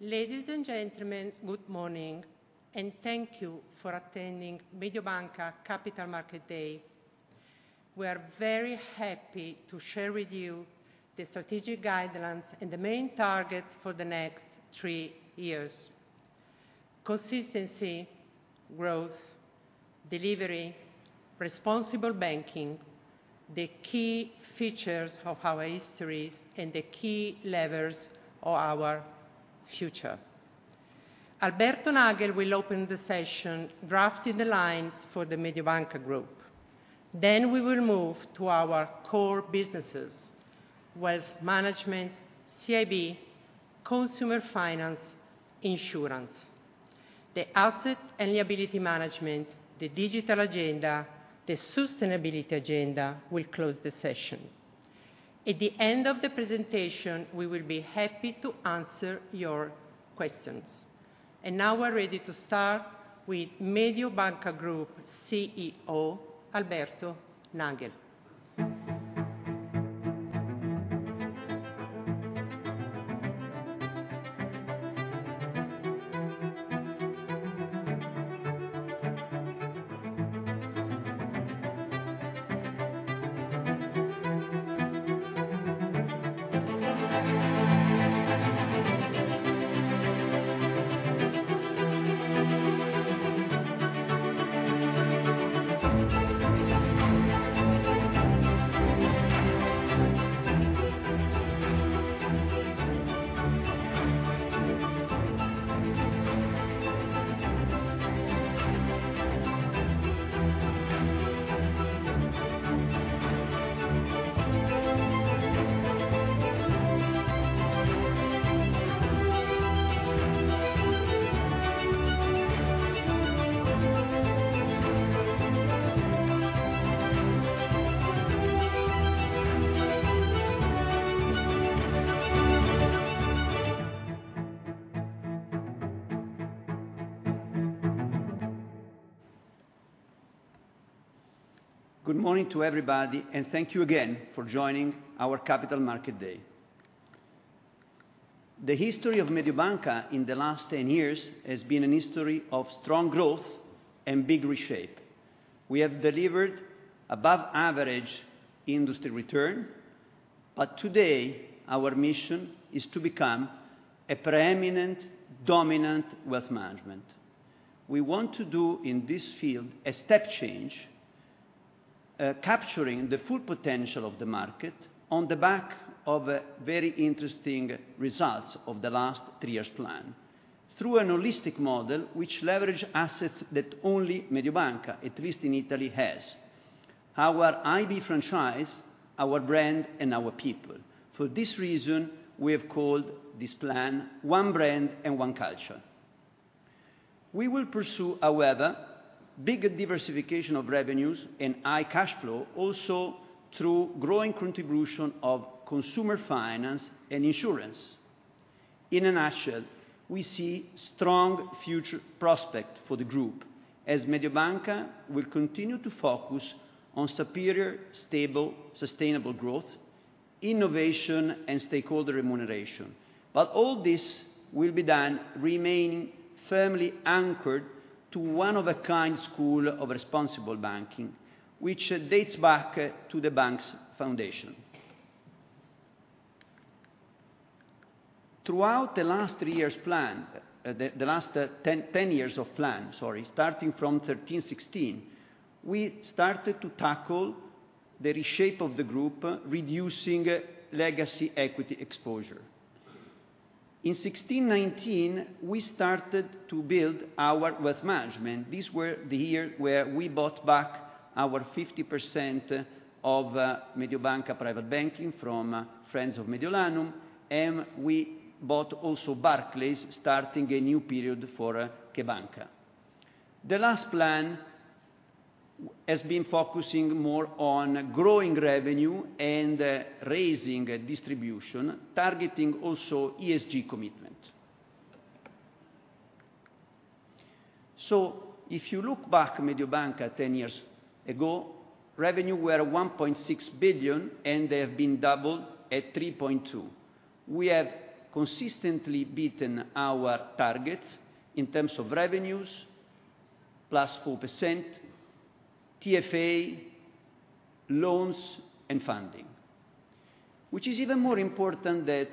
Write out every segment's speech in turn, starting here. Ladies and gentlemen, good morning. Thank you for attending Mediobanca Capital Market Day. We are very happy to share with you the strategic guidelines and the main targets for the next three years. Consistency, growth, delivery, responsible banking, the key features of our history and the key levers of our future. Alberto Nagel will open the session, drafting the lines for the Mediobanca Group. We will move to our core businesses: Wealth Management, CIB, Consumer Finance, insurance. The asset and liability management, the digital agenda, the sustainability agenda will close the session. At the end of the presentation, we will be happy to answer your questions. Now we're ready to start with Mediobanca Group CEO, Alberto Nagel. Good morning to everybody, thank you again for joining our Capital Market Day. The history of Mediobanca in the last 10 years has been a history of strong growth and big reshape. We have delivered above average industry return, today our mission is to become a preeminent, dominant Wealth Management. We want to do in this field a step change, capturing the full potential of the market on the back of very interesting results of the last three years plan, through a holistic model which leverage assets that only Mediobanca, at least in Italy, has. Our IB franchise, our brand and our people. For this reason, we have called this plan ONE BRAND – ONE CULTURE. We will pursue, however, bigger diversification of revenues and high cash flow also through growing contribution of consumer finance and insurance. In a nutshell, we see strong future prospect for the group as Mediobanca will continue to focus on superior, stable, sustainable growth, innovation and stakeholder remuneration. All this will be done remaining firmly anchored to one of a kind school of responsible banking, which dates back to the bank's foundation. Throughout the last three years plan, the last 10 years of plan, sorry, starting from 2013, 2016, we started to tackle the reshape of the group, reducing legacy equity exposure. In 2016, 2019, we started to build our Wealth Management. These were the year when we bought back our 50% of Mediobanca Private Banking from friends of Mediolanum, and we bought also Barclays, starting a new period for CheBanca!. The last plan has been focusing more on growing revenue and raising distribution, targeting also ESG commitment. If you look back Mediobanca 10 years ago, revenue were 1.6 billion, and they have been doubled at 3.2 billion. We have consistently beaten our targets in terms of revenues, +4%, TFA, loans and funding. Which is even more important that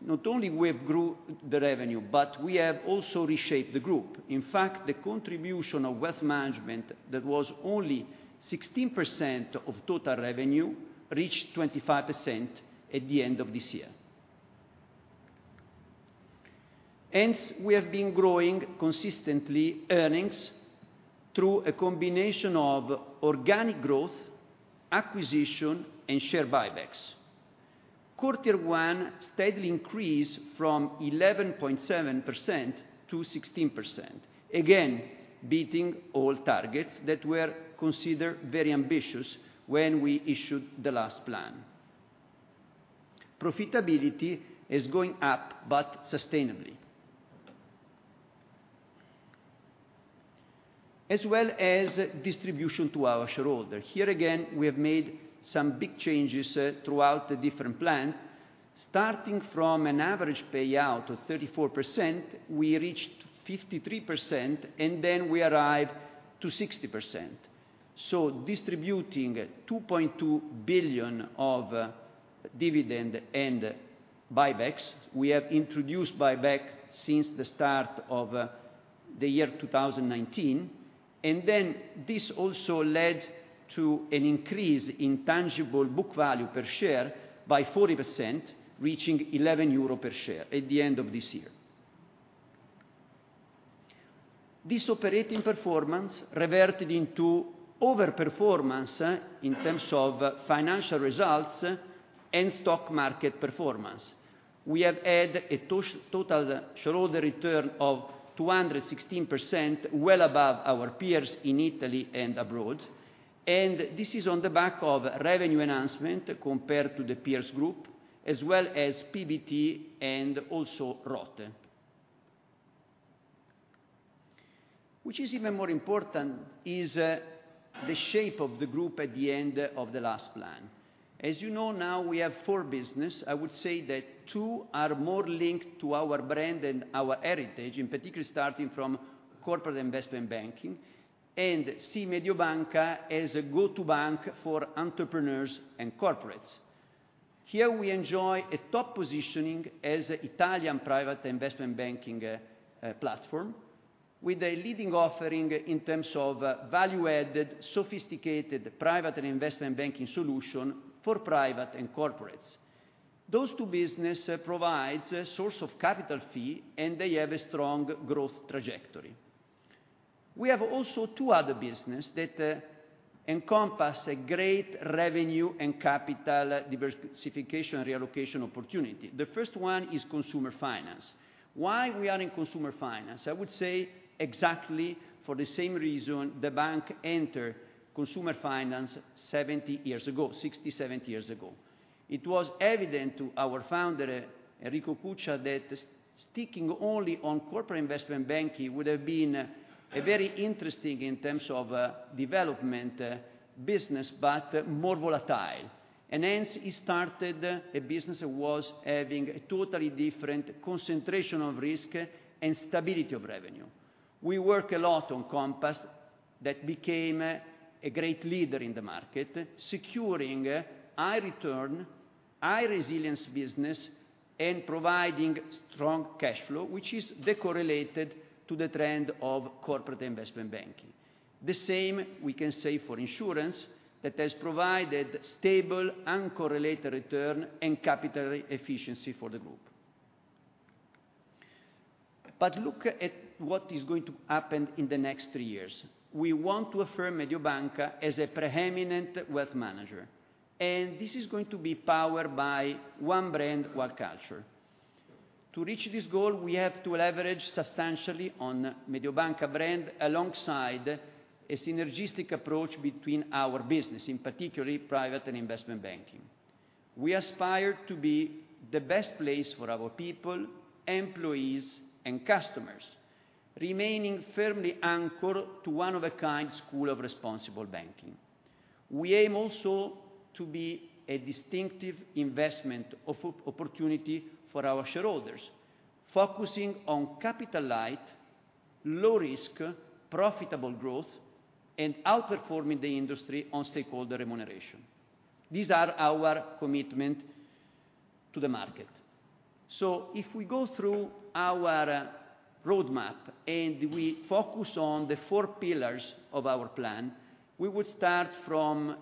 not only we've grew the revenue, but we have also reshaped the group. In fact, the contribution of Wealth Management that was only 16% of total revenue, reached 25% at the end of this year. Hence, we have been growing consistently earnings through a combination of organic growth, acquisition and share buybacks. Core Tier 1 steadily increased from 11.7% to 16%, again, beating all targets that were considered very ambitious when we issued the last plan. Profitability is going up, but sustainably. As well as distribution to our shareholder. Here again, we have made some big changes throughout the different plan. Starting from an average payout of 34%, we reached 53%, we arrived to 60%. Distributing 2.2 billion of dividend and buybacks, we have introduced buyback since the start of the year 2019. This also led to an increase in tangible book value per share by 40%, reaching 11 euro per share at the end of this year. This operating performance reverted into over-performance in terms of financial results and stock market performance. We have had a total shareholder return of 216%, well above our peers in Italy and abroad, and this is on the back of revenue enhancement compared to the peers group as well as PBT and also ROT. Which is even more important is the shape of the group at the end of the last plan. As you know, now we have four business. I would say that two are more linked to our brand and our heritage, in particular, starting from Corporate & Investment Banking and see Mediobanca as a go-to bank for entrepreneurs and corporates. Here we enjoy a top positioning as Italian private Investment Banking platform with a leading offering in terms of value added, sophisticated private and Investment Banking solution for private and corporates. Those two business provides a source of capital fee, and they have a strong growth trajectory. We have also two other business that encompass a great revenue and capital diversification and reallocation opportunity. The first one is Consumer Finance. Why we are in Consumer Finance? I would say exactly for the same reason the bank entered Consumer Finance 70 years ago, 60, 70 years ago. It was evident to our founder, Enrico Cuccia, that sticking only on Corporate Investment Banking would have been very interesting in terms of development business, but more volatile. Hence he started a business that was having a totally different concentration of risk and stability of revenue. We work a lot on Compass that became a great leader in the market, securing high return, high resilience business and providing strong cash flow, which is de-correlated to the trend of Corporate Investment Banking. The same we can say for insurance that has provided stable uncorrelated return and capital efficiency for the Group. Look at what is going to happen in the next three years. We want to affirm Mediobanca as a preeminent Wealth Manager. This is going to be powered by ONE BRAND – ONE CULTURE. To reach this goal, we have to leverage substantially on Mediobanca brand alongside a synergistic approach between our business, in particularly private and investment banking. We aspire to be the best place for our people, employees and customers, remaining firmly anchored to one of a kind school of responsible banking. We aim also to be a distinctive investment opportunity for our shareholders, focusing on capital light, low risk, profitable growth and outperforming the industry on stakeholder remuneration. These are our commitment to the market. If we go through our roadmap and we focus on the four pillars of our plan, we would start from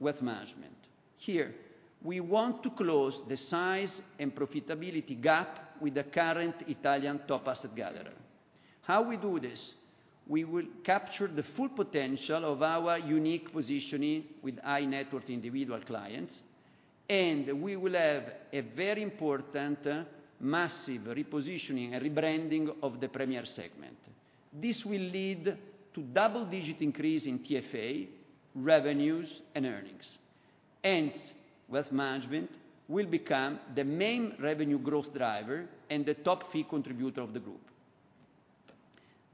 Wealth Management. Here, we want to close the size and profitability gap with the current Italian top asset gatherer. How we do this? We will capture the full potential of our unique positioning with high net worth individual clients, and we will have a very important massive repositioning and rebranding of the Premier segment. This will lead to double-digit increase in TFA, revenues and earnings. Wealth Management will become the main revenue growth driver and the top fee contributor of the group.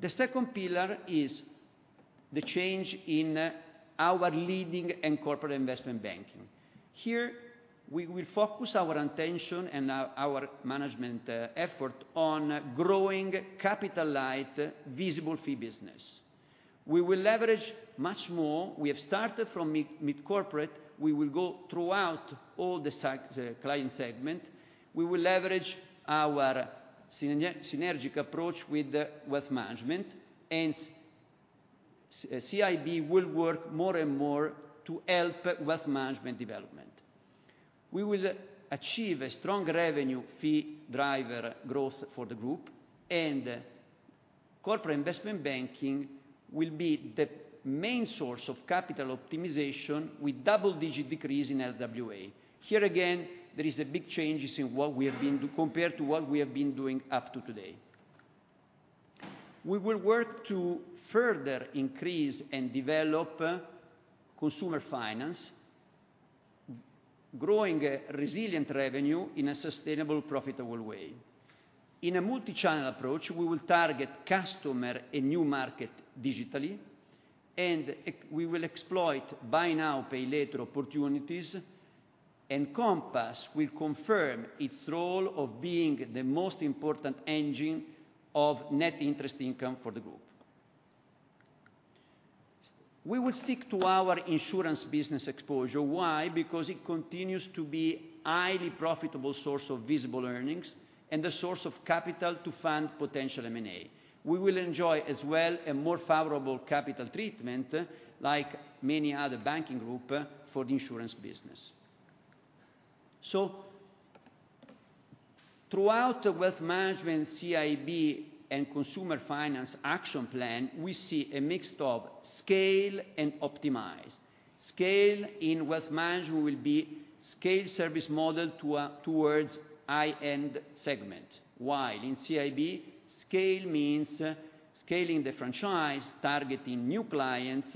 The second pillar is the change in our leading Corporate & Investment Banking. Here we will focus our attention and our management effort on growing capital light visible fee business. We will leverage much more. We have started from mid corporate. We will go throughout all the client segment. We will leverage our synergistic approach with Wealth Management, and CIB will work more and more to help Wealth Management development. We will achieve a strong revenue fee driver growth for the group. Corporate investment banking will be the main source of capital optimization with double-digit decrease in RWA. Here again, there is a big changes in what we have been compared to what we have been doing up to today. We will work to further increase and develop consumer finance. Growing a resilient revenue in a sustainable, profitable way. In a multi-channel approach, we will target customer in new market digitally. We will exploit Buy Now, Pay Later opportunities. Compass will confirm its role of being the most important engine of net interest income for the group. We will stick to our insurance business exposure. Why? Because it continues to be highly profitable source of visible earnings and a source of capital to fund potential M&A. We will enjoy as well a more favorable capital treatment, like many other banking group for the insurance business. Throughout the Wealth Management, CIB, and Consumer Finance action plan, we see a mix of scale and optimize. Scale in Wealth Management will be scale service model towards high-end segment, while in CIB, scale means scaling the franchise, targeting new clients,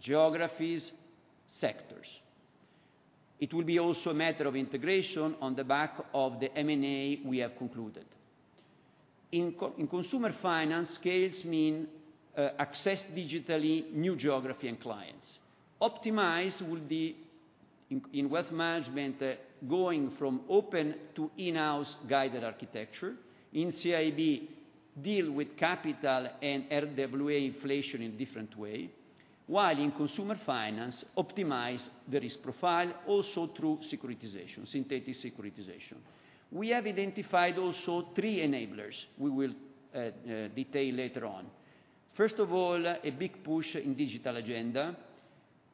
geographies, sectors. It will be also a matter of integration on the back of the M&A we have concluded. In Consumer Finance, scales mean access digitally new geography and clients. Optimize will be in Wealth Management going from open to in-house guided architecture. In CIB, deal with capital and RWA inflation in different way, while in Consumer Finance, optimize the risk profile also through securitization, synthetic securitization. We have identified also three enablers we will detail later on. First of all, a big push in digital agenda,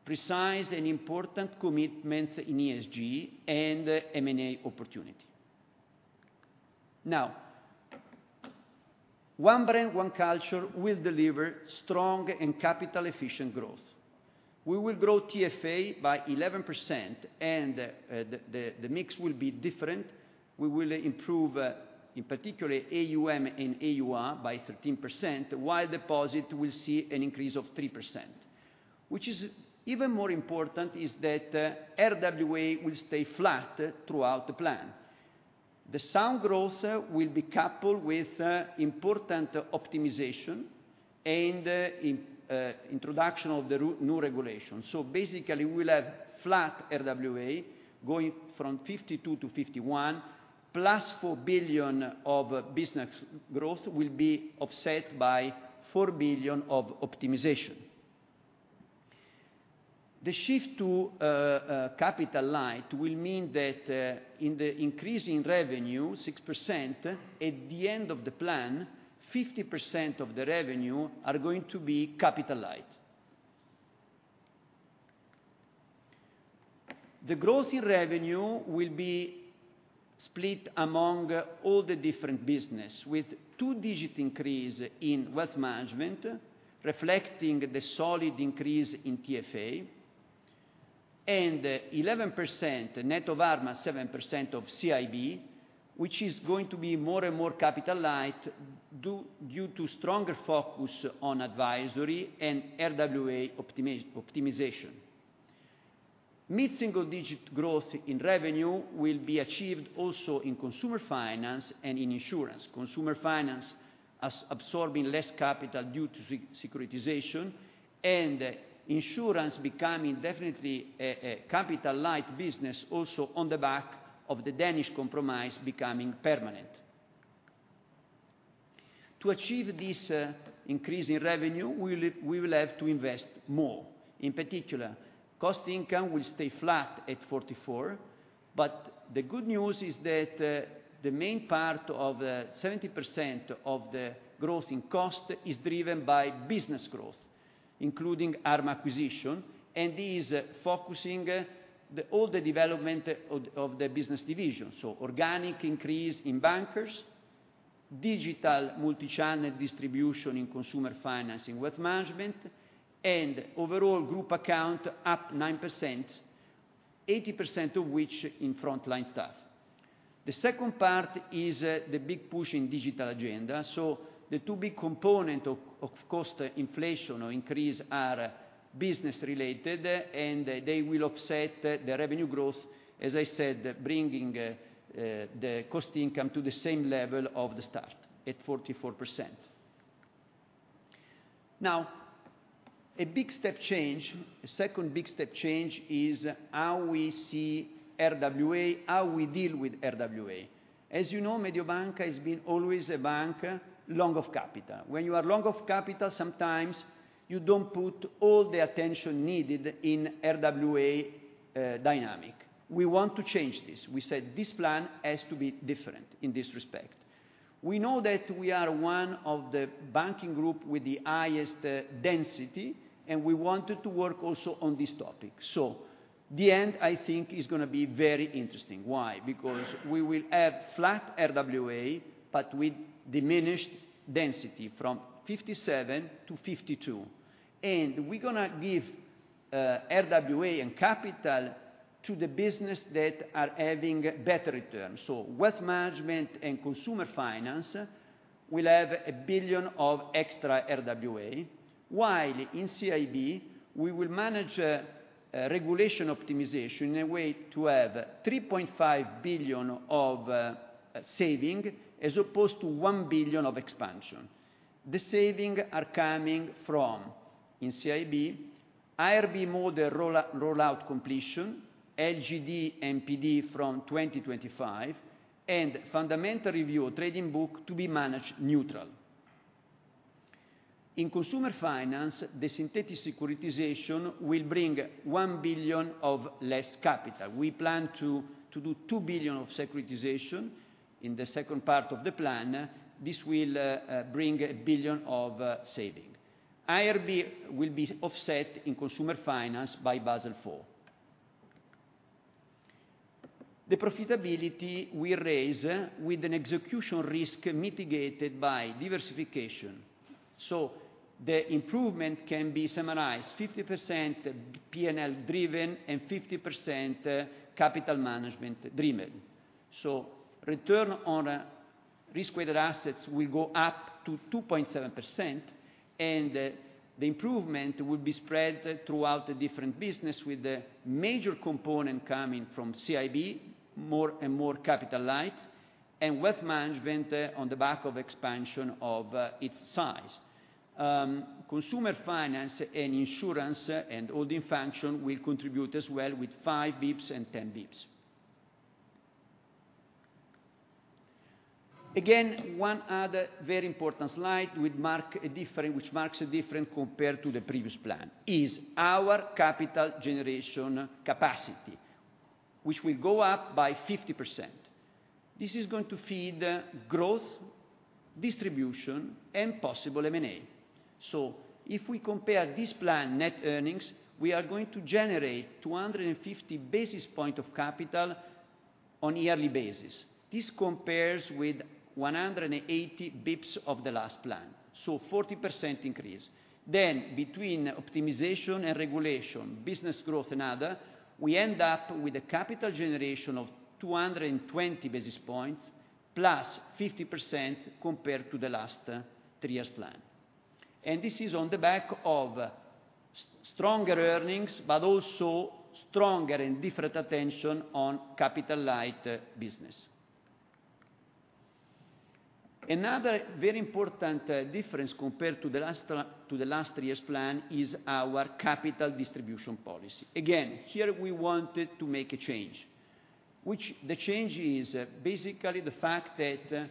precise and important commitments in ESG and M&A opportunity. ONE BRAND – ONE CULTURE will deliver strong and capital efficient growth. We will grow TFA by 11% and the mix will be different. We will improve in particular AUM and AUR by 13%, while deposit will see an increase of 3%. Which is even more important is that RWA will stay flat throughout the plan. The sound growth will be coupled with important optimization and introduction of the new regulation. Basically we'll have flat RWA going from 52 to 51, +4 billion of business growth will be offset by 4 billion of optimization. The shift to capital light will mean that in the increase in revenue, 6%, at the end of the plan, 50% of the revenue are going to be capital light. The growth in revenue will be split among all the different businesses, with two-digit increase in Wealth Management, reflecting the solid increase in TFA, and 11% net of Arma's 7% of CIB, which is going to be more and more capital light due to stronger focus on advisory and RWA optimization. Mid-single-digit growth in revenue will be achieved also in Consumer Finance and in insurance. Consumer Finance as absorbing less capital due to securitization, and insurance becoming definitely a capital light business also on the back of the Danish Compromise becoming permanent. To achieve this increase in revenue, we will have to invest more. In particular, cost income will stay flat at 44, the good news is that the main part of 70% of the growth in cost is driven by business growth, including Arma acquisition, and this focusing the all the development of the business division. Organic increase in bankers, digital multi-channel distribution in consumer financing Wealth Management, and overall group account up 9%, 80% of which in frontline staff. The second part is the big push in digital agenda, the two big component of cost inflation or increase are business related, and they will offset the revenue growth, as I said, bringing the cost income to the same level of the start at 44%. A big step change, a second big step change is how we see RWA, how we deal with RWA. As you know, Mediobanca has been always a bank long of capital. When you are long of capital, sometimes you don't put all the attention needed in RWA dynamic. We want to change this. We said this plan has to be different in this respect. We know that we are one of the banking group with the highest density. We wanted to work also on this topic. The end I think is gonna be very interesting. Why? We will have flat RWA, with diminished density from 57 to 52. We're gonna give RWA and capital to the business that are having better returns. Wealth Management and Consumer Finance We'll have 1 billion of extra RWA, while in CIB, we will manage regulation optimization in a way to have 3.5 billion of saving as opposed to 1 billion of expansion. The savings are coming from, in CIB, IRB model rollout completion, LGD and PD from 2025, and fundamental review of trading book to be managed neutral. In Consumer Finance, the synthetic securitization will bring 1 billion of less capital. We plan to do 2 billion of securitization in the second part of the plan. This will bring 1 billion of savings. IRB will be offset in Consumer Finance by Basel IV. The profitability we raise with an execution risk mitigated by diversification. The improvement can be summarized 50% P&L driven and 50% capital management driven. Return on Risk-Weighted Assets will go up to 2.7%, and the improvement will be spread throughout the different business with the major component coming from CIB, more and more capital light, and Wealth Management on the back of expansion of its size. Consumer Finance and insurance and holding function will contribute as well with 5 basis points and 10 basis points. One other very important slide which marks a different compared to the previous plan is our capital generation capacity, which will go up by 50%. If we compare this plan net earnings, we are going to generate 250 basis points of capital on a yearly basis. This compares with 180 basis points of the last plan, so 40% increase. Between optimization and regulation, business growth and other, we end up with a capital generation of 220 basis points +50% compared to the last three years plan. This is on the back of stronger earnings, but also stronger and different attention on capital light business. Another very important difference compared to the last to the last three years plan is our capital distribution policy. Again, here we wanted to make a change, which the change is basically the fact that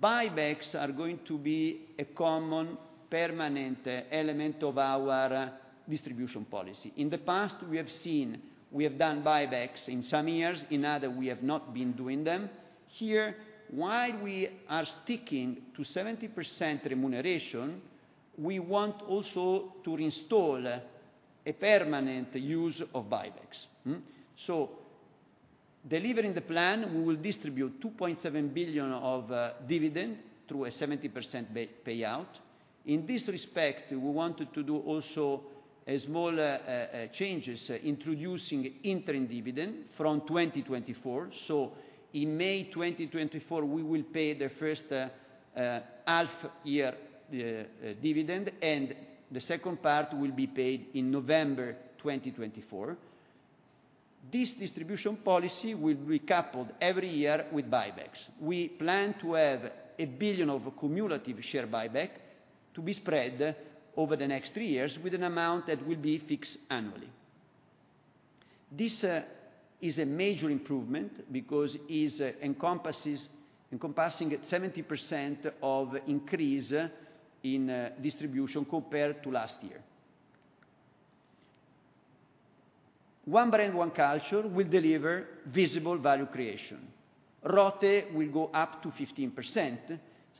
buybacks are going to be a common permanent element of our distribution policy. In the past, we have seen, we have done buybacks in some years. In other, we have not been doing them. Here, while we are sticking to 70% remuneration, we want also to install a permanent use of buybacks. Delivering the plan, we will distribute 2.7 billion of dividend through a 70% payout. In this respect, we wanted to do also a small changes introducing interim dividend from 2024. In May 2024, we will pay the first half year dividend, and the second part will be paid in November 2024. This distribution policy will be coupled every year with buybacks. We plan to have 1 billion of cumulative share buyback to be spread over the next three years with an amount that will be fixed annually. This is a major improvement because it encompassing 70% of increase in distribution compared to last year. ONE BRAND – ONE CULTURE will deliver visible value creation. ROTE will go up to 15%.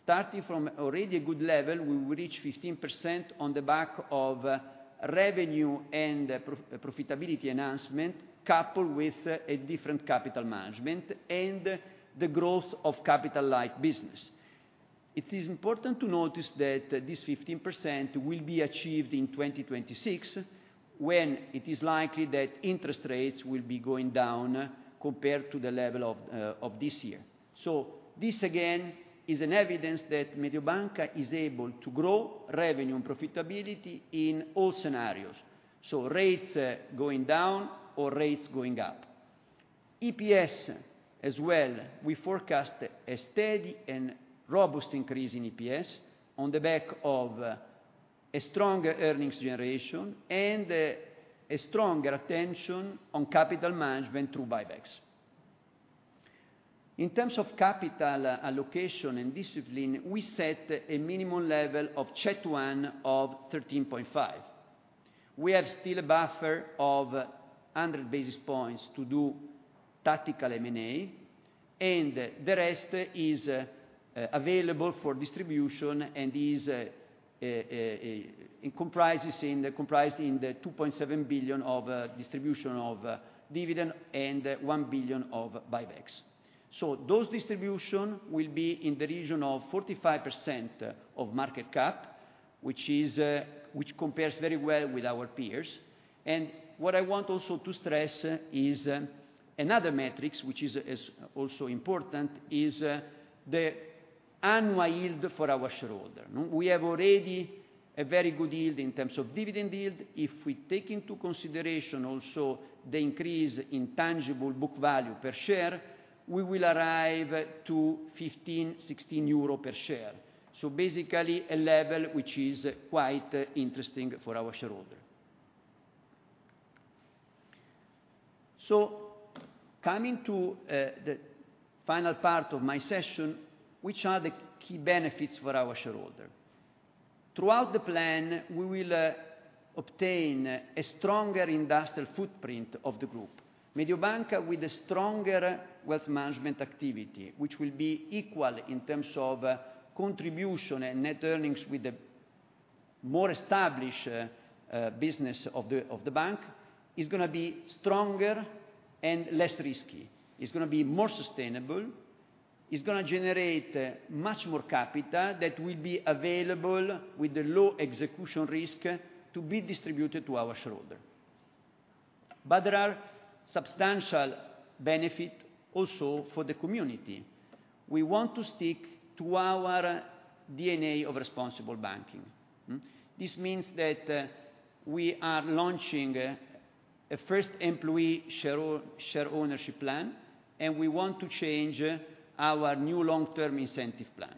Starting from already a good level, we will reach 15% on the back of revenue and profitability enhancement, coupled with a different capital management and the growth of capital light business. It is important to notice that this 15% will be achieved in 2026, when it is likely that interest rates will be going down compared to the level of this year. This again is an evidence that Mediobanca is able to grow revenue and profitability in all scenarios, so rates going down or rates going up. EPS as well, we forecast a steady and robust increase in EPS on the back of a stronger earnings generation and a stronger attention on capital management through buybacks. In terms of capital allocation and discipline, we set a minimum level of CET1 of 13.5. We have still a buffer of 100 basis points to do tactical M&A. The rest is available for distribution and is comprised in the 2.7 billion of distribution of dividend and 1 billion of buybacks. Those distribution will be in the region of 45% of market cap, which compares very well with our peers. What I want also to stress is another metrics which is also important, is the annual yield for our shareholder, no? We have already a very good yield in terms of dividend yield. If we take into consideration also the increase in tangible book value per share, we will arrive to 15-16 euro per share. Basically a level which is quite interesting for our shareholder. coming to the final part of my session, which are the key benefits for our shareholder. Throughout the plan, we will obtain a stronger industrial footprint of the group. Mediobanca with a stronger Wealth Management activity, which will be equal in terms of contribution and net earnings with the more established business of the bank, is gonna be stronger and less risky. It's gonna be more sustainable. It's gonna generate much more capital that will be available with the low execution risk to be distributed to our shareholder. there are substantial benefit also for the community. We want to stick to our DNA of responsible banking. This means that we are launching a first employee share ownership plan, and we want to change our new long-term incentive plan.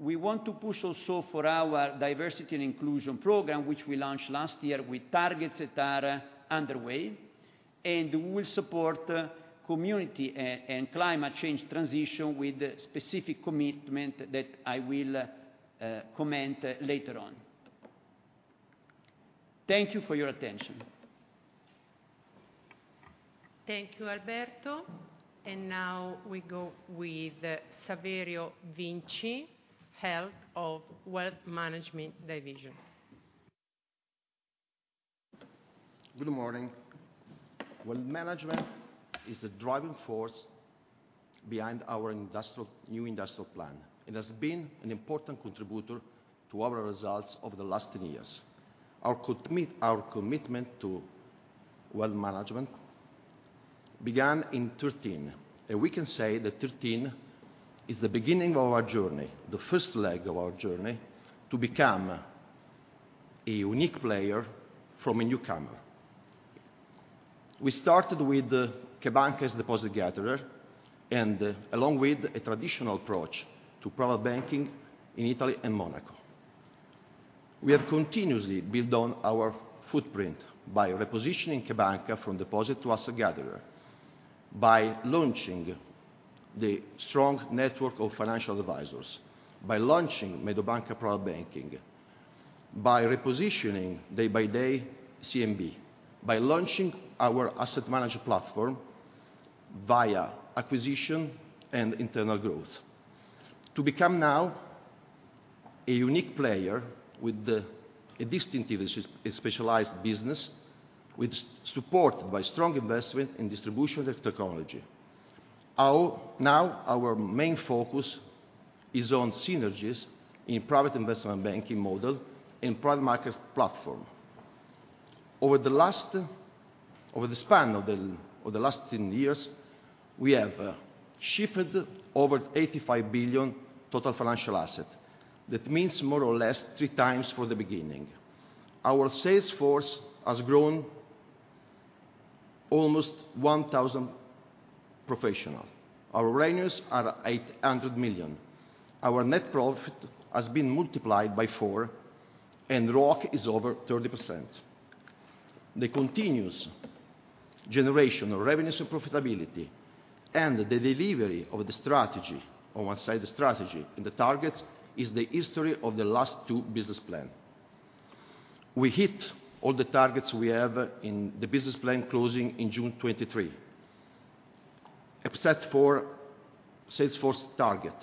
We want to push also for our diversity and inclusion program, which we launched last year with targets that are underway. We will support community and climate change transition with specific commitment that I will comment later on. Thank you for your attention. Thank you, Alberto. Now we go with Saverio Vinci, Head of Wealth Management Division. Good morning. Wealth management is the driving force behind our new industrial plan. It has been an important contributor to our results over the last 10 years. Our commitment to wealth management began in 2013. We can say that 2013 is the beginning of our journey, the first leg of our journey to become a unique player from a newcomer. We started with CheBanca!'s deposit gatherer, and along with a traditional approach to private banking in Italy and Monaco. We have continuously built on our footprint by repositioning CheBanca! from deposit to asset gatherer, by launching the strong network of financial advisors, by launching Mediobanca Private Banking, by repositioning day by day CMB, by launching our asset management platform via acquisition and internal growth. To become now a unique player with a distinctive and specialized business, which supported by strong investment in distribution and technology. Now our main focus is on synergies in private investment banking model and private market platform. Over the span of the last 10 years, we have shifted over 85 billion total financial asset. That means more or less 3x from the beginning. Our sales force has grown almost 1,000 professional. Our revenues are 800 million. Our net profit has been multiplied by four, and ROIC is over 30%. The continuous generation of revenues and profitability and the delivery of the strategy, on one side the strategy and the target, is the history of the last two business plan. We hit all the targets we have in the business plan closing in June 2023. Except for sales force target,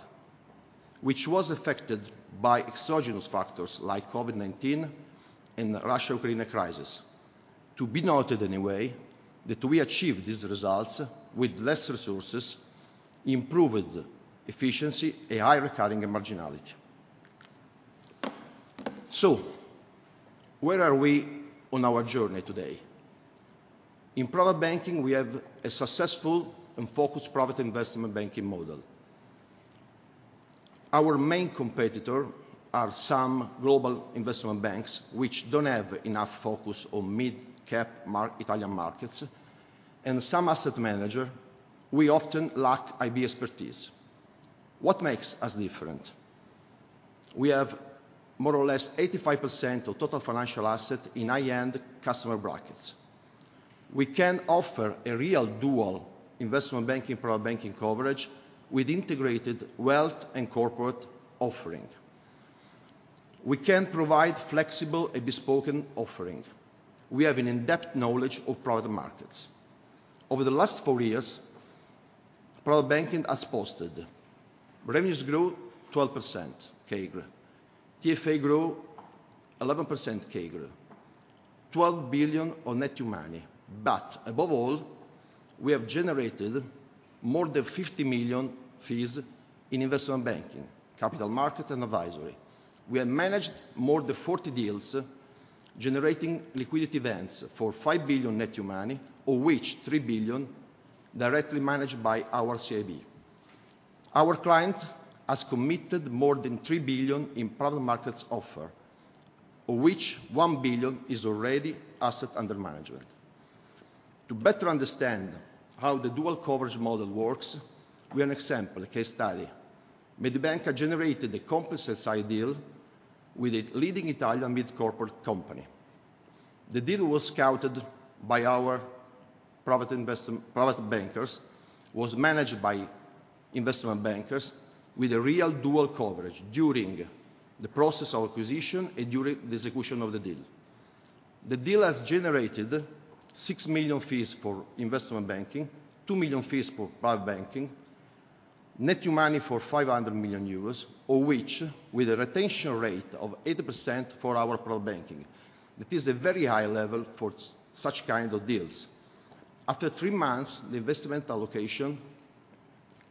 which was affected by exogenous factors like COVID-19 and Russia-Ukraine crisis. To be noted, anyway, that we achieved these results with less resources, improved efficiency, and high recurring and marginality. Where are we on our journey today? In private banking, we have a successful and focused private investment banking model. Our main competitor are some global investment banks which don't have enough focus on mid-cap Italian markets, and some asset manager we often lack IB expertise. What makes us different? We have more or less 85% of total financial asset in high-end customer brackets. We can offer a real dual investment banking, private banking coverage with integrated Wealth Management and corporate offering. We can provide flexible and bespoke offering. We have an in-depth knowledge of private markets. Over the last four years, private banking has posted revenues grew 12%, CAGR. TFA grew 11% CAGR. 12 billion of net new money. Above all, we have generated more than 50 million fees in investment banking, capital market and advisory. We have managed more than 40 deals, generating liquidity events for 5 billion net new money, of which 3 billion directly managed by our CIB. Our client has committed more than 3 billion in private markets offer, of which 1 billion is already asset under management. To better understand how the dual coverage model works, we have an example, a case study. Mediobanca generated a complex SI deal with a leading Italian mid-corporate company. The deal was scouted by our private bankers, was managed by investment bankers with a real dual coverage during the process of acquisition and during the execution of the deal. The deal has generated 6 million fees for investment banking, 2 million fees for Private Banking, net new money for 500 million euros, of which with a retention rate of 80% for our Private Banking. That is a very high level for such kind of deals. After three-month, the investment allocation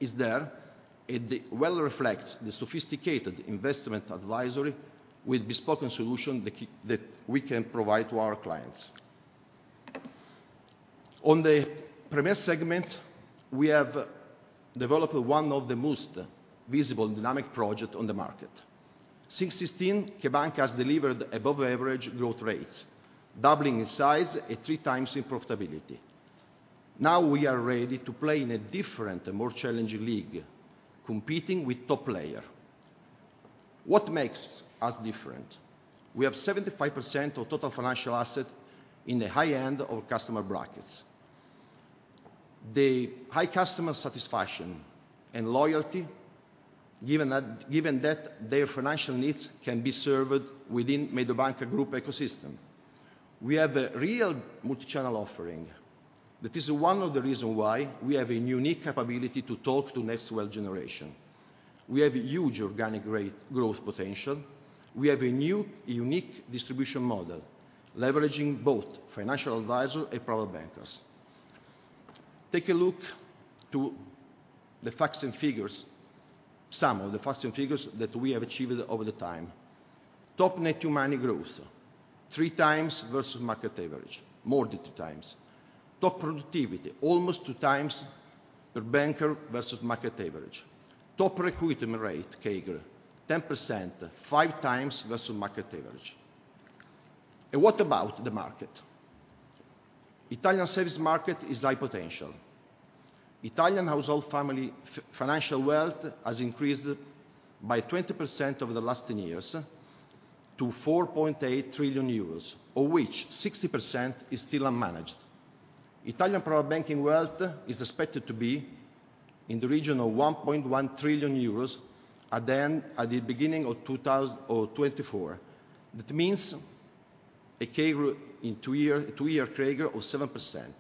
is there, and it well reflects the sophisticated investment advisory with bespoke solution that we can provide to our clients. On the premise segment, we have developed one of the most visible dynamic project on the market. Since 2016, CheBanca! has delivered above average growth rates, doubling in size and 3x in profitability. We are ready to play in a different and more challenging league, competing with top player. What makes us different? We have 75% of total financial asset in the high end of customer brackets. The high customer satisfaction and loyalty, given that their financial needs can be served within Mediobanca Group ecosystem. We have a real multi-channel offering. That is one of the reason why we have a unique capability to talk to next wealth generation. We have huge organic growth potential. We have a new unique distribution model, leveraging both financial advisor and private bankers. Take a look to the facts and figures, some of the facts and figures that we have achieved over the time. Top net new money growth, 3x versus market average, more than 3x. Top productivity, almost 2x per banker versus market average. Top recruitment rate CAGR, 10%, 5x versus market average. What about the market? Italian savings market is high potential. Italian household family financial wealth has increased by 20% over the last 10 years to 4.8 trillion euros, of which 60% is still unmanaged. Italian private banking wealth is expected to be in the region of 1.1 trillion euros at the beginning of 2024. That means a two-year CAGR of 7%.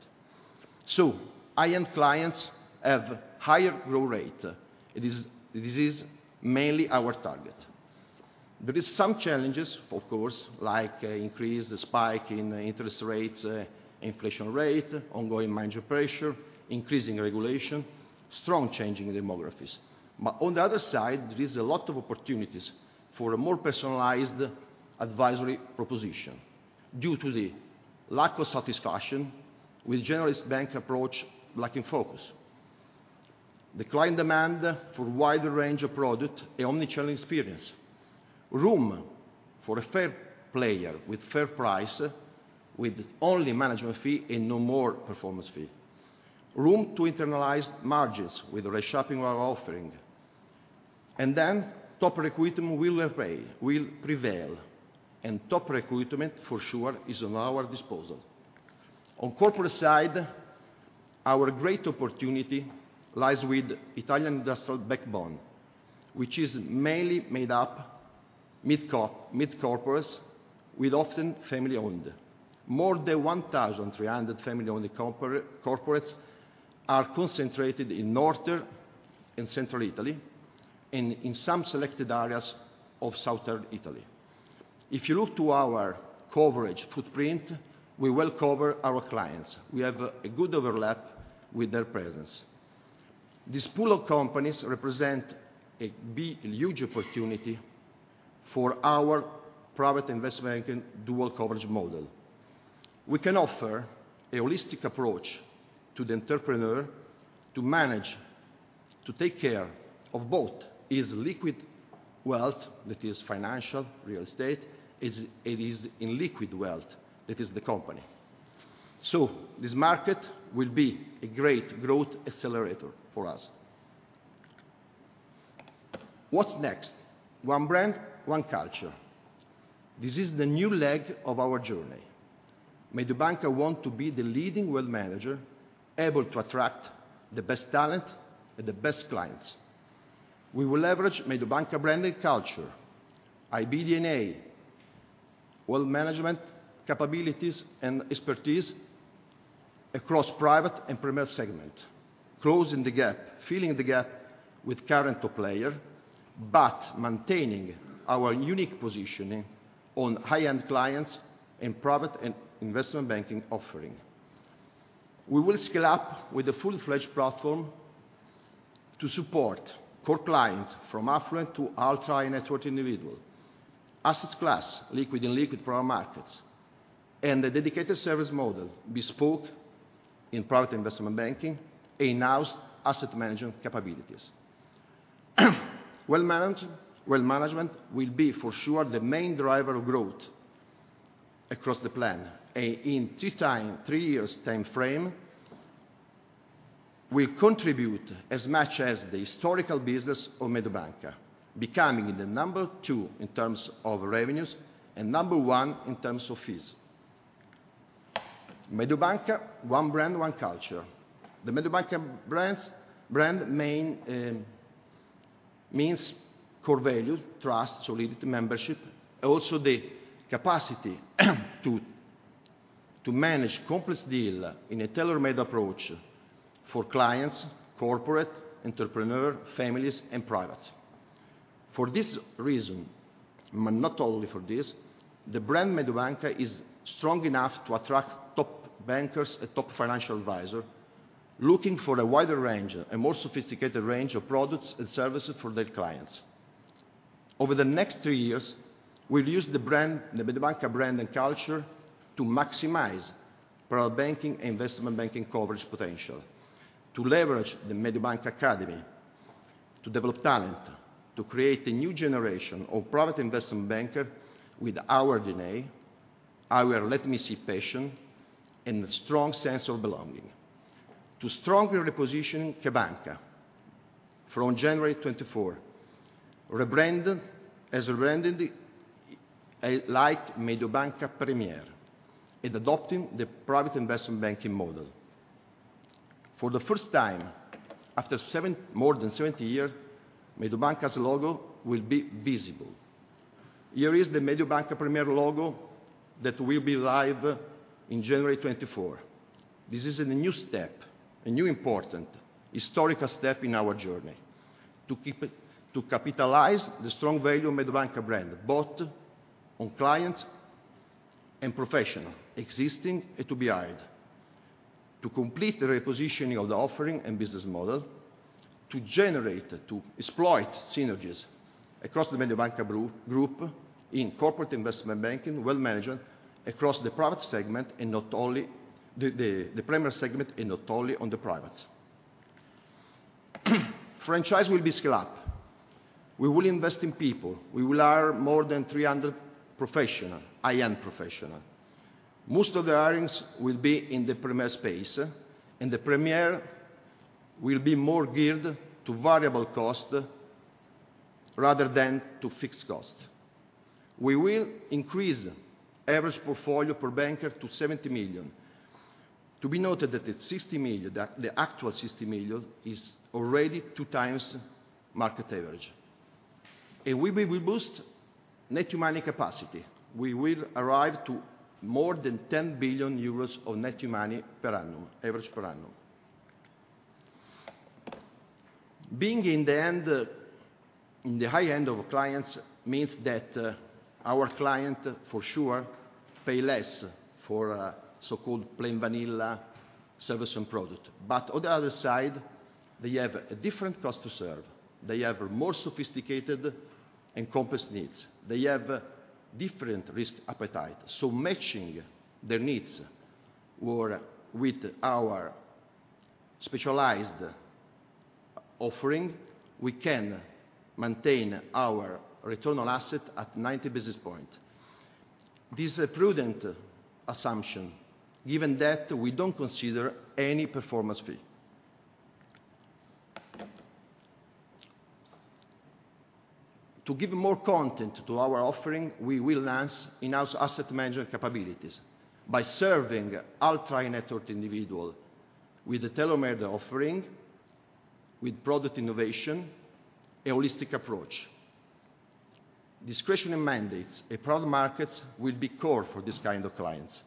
High-end clients have higher growth rate. This is mainly our target. There is some challenges, of course, like increase, spike in interest rates, inflation rate, ongoing margin pressure, increasing regulation, strong changing in demographics. On the other side, there is a lot of opportunities for a more personalized advisory proposition due to the lack of satisfaction with generalist bank approach lacking focus. The client demand for wider range of product, a omnichannel experience, room for a fair player with fair price, with only management fee and no more performance fee, room to internalize margins with reshaping our offering. Top recruitment will prevail, and top recruitment for sure is on our disposal. On corporate side, our great opportunity lies with Italian industrial backbone, which is mainly made up mid-corporate, with often family owned. More than 1,300 family owned corporates are concentrated in Northern and Central Italy, and in some selected areas of Southern Italy. If you look to our coverage footprint, we well cover our clients. We have a good overlap with their presence. This pool of companies represent a big, huge opportunity for our private investment banking dual coverage model. We can offer a holistic approach to the entrepreneur to manage, to take care of both his liquid wealth, that is financial real estate, his, and his illiquid wealth, that is the company. This market will be a great growth accelerator for us. What's next? ONE BRAND – ONE CULTURE. This is the new leg of our journey. Mediobanca want to be the leading wealth manager, able to attract the best talent and the best clients. We will leverage Mediobanca brand and culture, IB DNA, wealth management capabilities and expertise. Across private and Premier segment, closing the gap, filling the gap with current top player, but maintaining our unique positioning on high-end clients in private and investment banking offering. We will scale up with a full-fledged platform to support core clients from affluent to ultra-high-net-worth individual. Asset class, liquid and liquid private markets, and a dedicated service model bespoke in private investment banking, enhanced asset management capabilities. Wealth management will be for sure the main driver of growth across the plan. In three years timeframe, will contribute as much as the historical business of Mediobanca, becoming the number 2 in terms of revenues and number 1 in terms of fees. ONE BRAND – ONE CULTURE. The Mediobanca brand main means core value, trust, solidity, membership, also the capacity to manage complex deal in a tailor-made approach for clients, corporate, entrepreneur, families and private. For this reason, but not only for this, the brand Mediobanca is strong enough to attract top bankers and top financial advisor, looking for a wider range, a more sophisticated range of products and services for their clients. Over the next three years, we'll use the brand, the Mediobanca brand and culture to maximize private banking, investment banking coverage potential. To leverage the Mediobanca Academy, to develop talent, to create a new generation of private investment banker with our DNA, our let-me-see passion, and a strong sense of belonging. To strongly reposition CheBanca!, from January 2024, rebrand it like Mediobanca Premier and adopting the private investment banking model. For the first time, after more than 70 years, Mediobanca's logo will be visible. Here is the Mediobanca Premier logo that will be live in January 2024. This is a new step, a new important historical step in our journey to capitalize the strong value of Mediobanca brand, both on clients and professional, existing and to be hired. To complete the repositioning of the offering and business model, to generate, to exploit synergies across the Mediobanca Group in Corporate & Investment Banking, Wealth Management, across the Private segment, and not only the Premier segment and not only on the private. Franchise will be scale up. We will invest in people. We will hire more than 300 professional, high-end professional. Most of the hirings will be in the Premier space, and the Premier will be more geared to variable cost rather than to fixed cost. We will increase average portfolio per banker to 70 million. To be noted that the 60 million, the actual 60 million is already 2x market average. We will boost net new money capacity. We will arrive to more than 10 billion euros of net new money per annum, average per annum. Being in the end, in the high end of clients means that, our client for sure pay less for, so-called plain vanilla service and product. On the other side, they have a different cost to serve. They have more sophisticated and complex needs. They have different risk appetite. Matching their needs or with our specialized offering, we can maintain our return on asset at 90 basis points. This a prudent assumption given that we don't consider any performance fee. To give more content to our offering, we will enhance in-house asset management capabilities by serving ultra-high-net-worth individual with a tailor-made offering, with product innovation, a holistic approach. Discretionary mandates and private markets will be core for this kind of clients.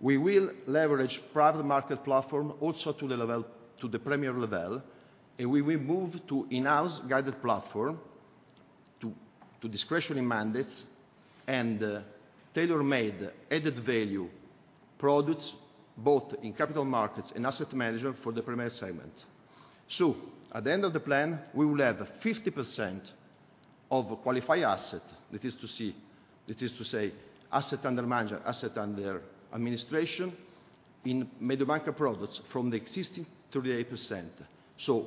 We will leverage private market platform also to the premier level. We will move to in-house guided platform to discretionary mandates and tailor-made added value products, both in capital markets and asset management for the premier segment. At the end of the plan, we will have 50% of qualified asset, that is to say, asset under manager, asset under administration, in Mediobanca products from the existing 38%.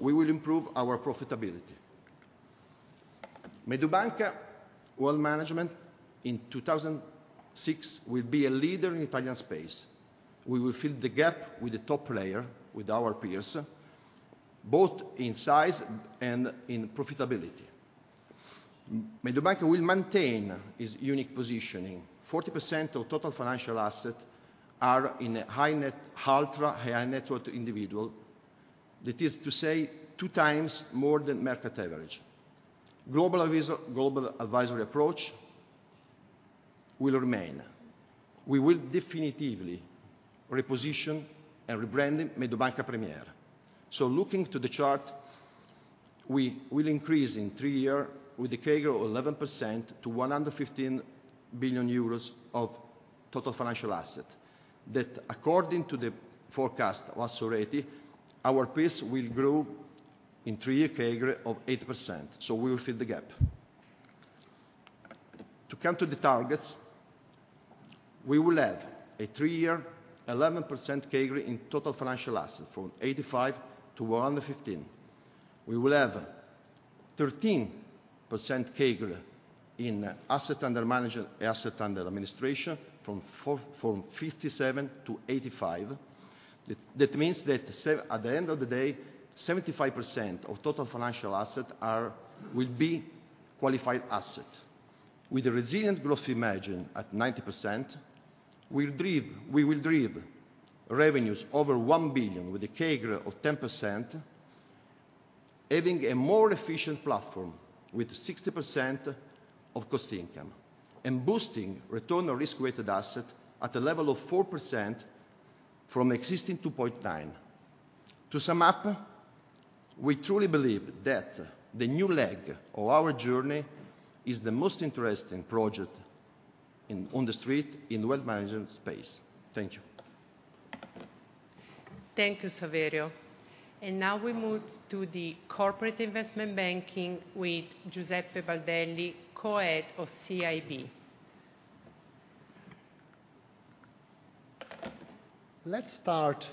We will improve our profitability. Mediobanca Wealth Management in 2006 will be a leader in Italian space. We will fill the gap with the top player, with our peers, both in size and in profitability. Mediobanca will maintain its unique positioning. 40% of total financial assets are in a ultra-high-net-worth individual. That is to say, 2x more than market average. Global advisory approach will remain. We will definitively reposition and rebrand Mediobanca Premier. Looking to the chart, we will increase in three year with a CAGR of 11% to 115 billion euros of total financial asset. That according to the forecast last already, our pace will grow in three-year CAGR of 8%. We will fill the gap. To come to the targets, we will have a three-year 11% CAGR in total financial assets from 85 to 115. We will have 13% CAGR in Asset Under Management, Asset Under Administration from 57 to 85. That means at the end of the day, 75% of total financial asset will be qualified asset. With a resilient growth margin at 90%, we will drive revenues over 1 billion with a CAGR of 10%, having a more efficient platform with 60% of cost income, and boosting return on Risk-Weighted Asset at a level of 4% from existing 2.9%. To sum up, we truly believe that the new leg of our journey is the most interesting project in on the street in Wealth Management space. Thank you. Thank you, Saverio. Now we move to the Corporate & Investment Banking with Giuseppe Baldelli, Co-Head of CIB. Let's start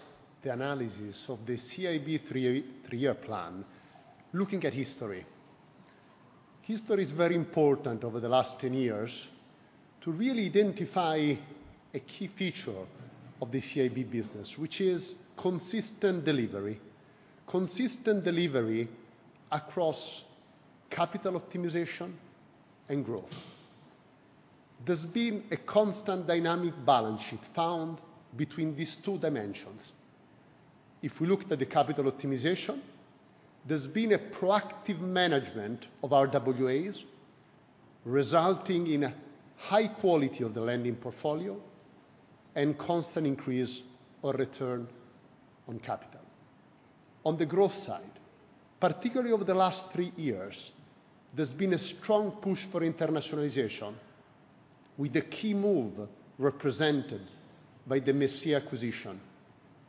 the analysis of the CIB three-year plan looking at history. History is very important over the last 10 years to really identify a key feature of the CIB business, which is consistent delivery. Consistent delivery across capital optimization and growth. There's been a constant dynamic balance sheet found between these two dimensions. If we looked at the capital optimization, there's been a proactive management of our RWAs, resulting in a high quality of the lending portfolio and constant increase or return on capital. On the growth side, particularly over the last three years, there's been a strong push for internationalization with the key move represented by the Messier acquisition,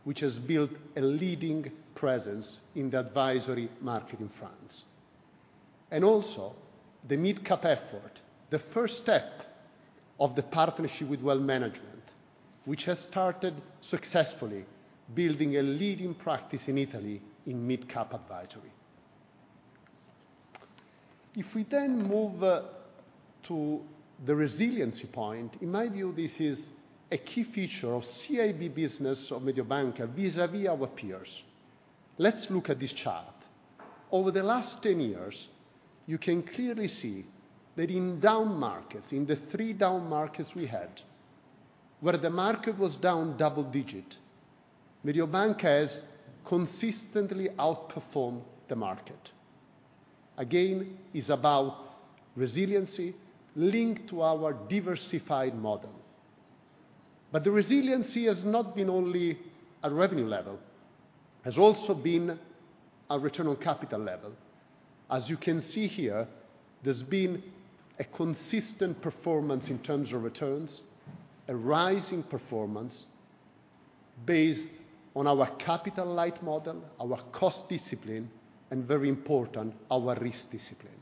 which has built a leading presence in the advisory market in France. Also the midcap effort, the first step of the partnership with Wealth Management, which has started successfully building a leading practice in Italy in midcap advisory. If we then move to the resiliency point, in my view, this is a key feature of CIB business of Mediobanca vis-à-vis our peers. Let's look at this chart. Over the last 10 years, you can clearly see that in down markets, in the three down markets we had, where the market was down double-digit, Mediobanca has consistently outperformed the market. Again, it's about resiliency linked to our diversified model. The resiliency has not been only at revenue level, has also been at return on capital level. As you can see here, there's been a consistent performance in terms of returns, a rising performance based on our capital light model, our cost discipline, and very important, our risk discipline.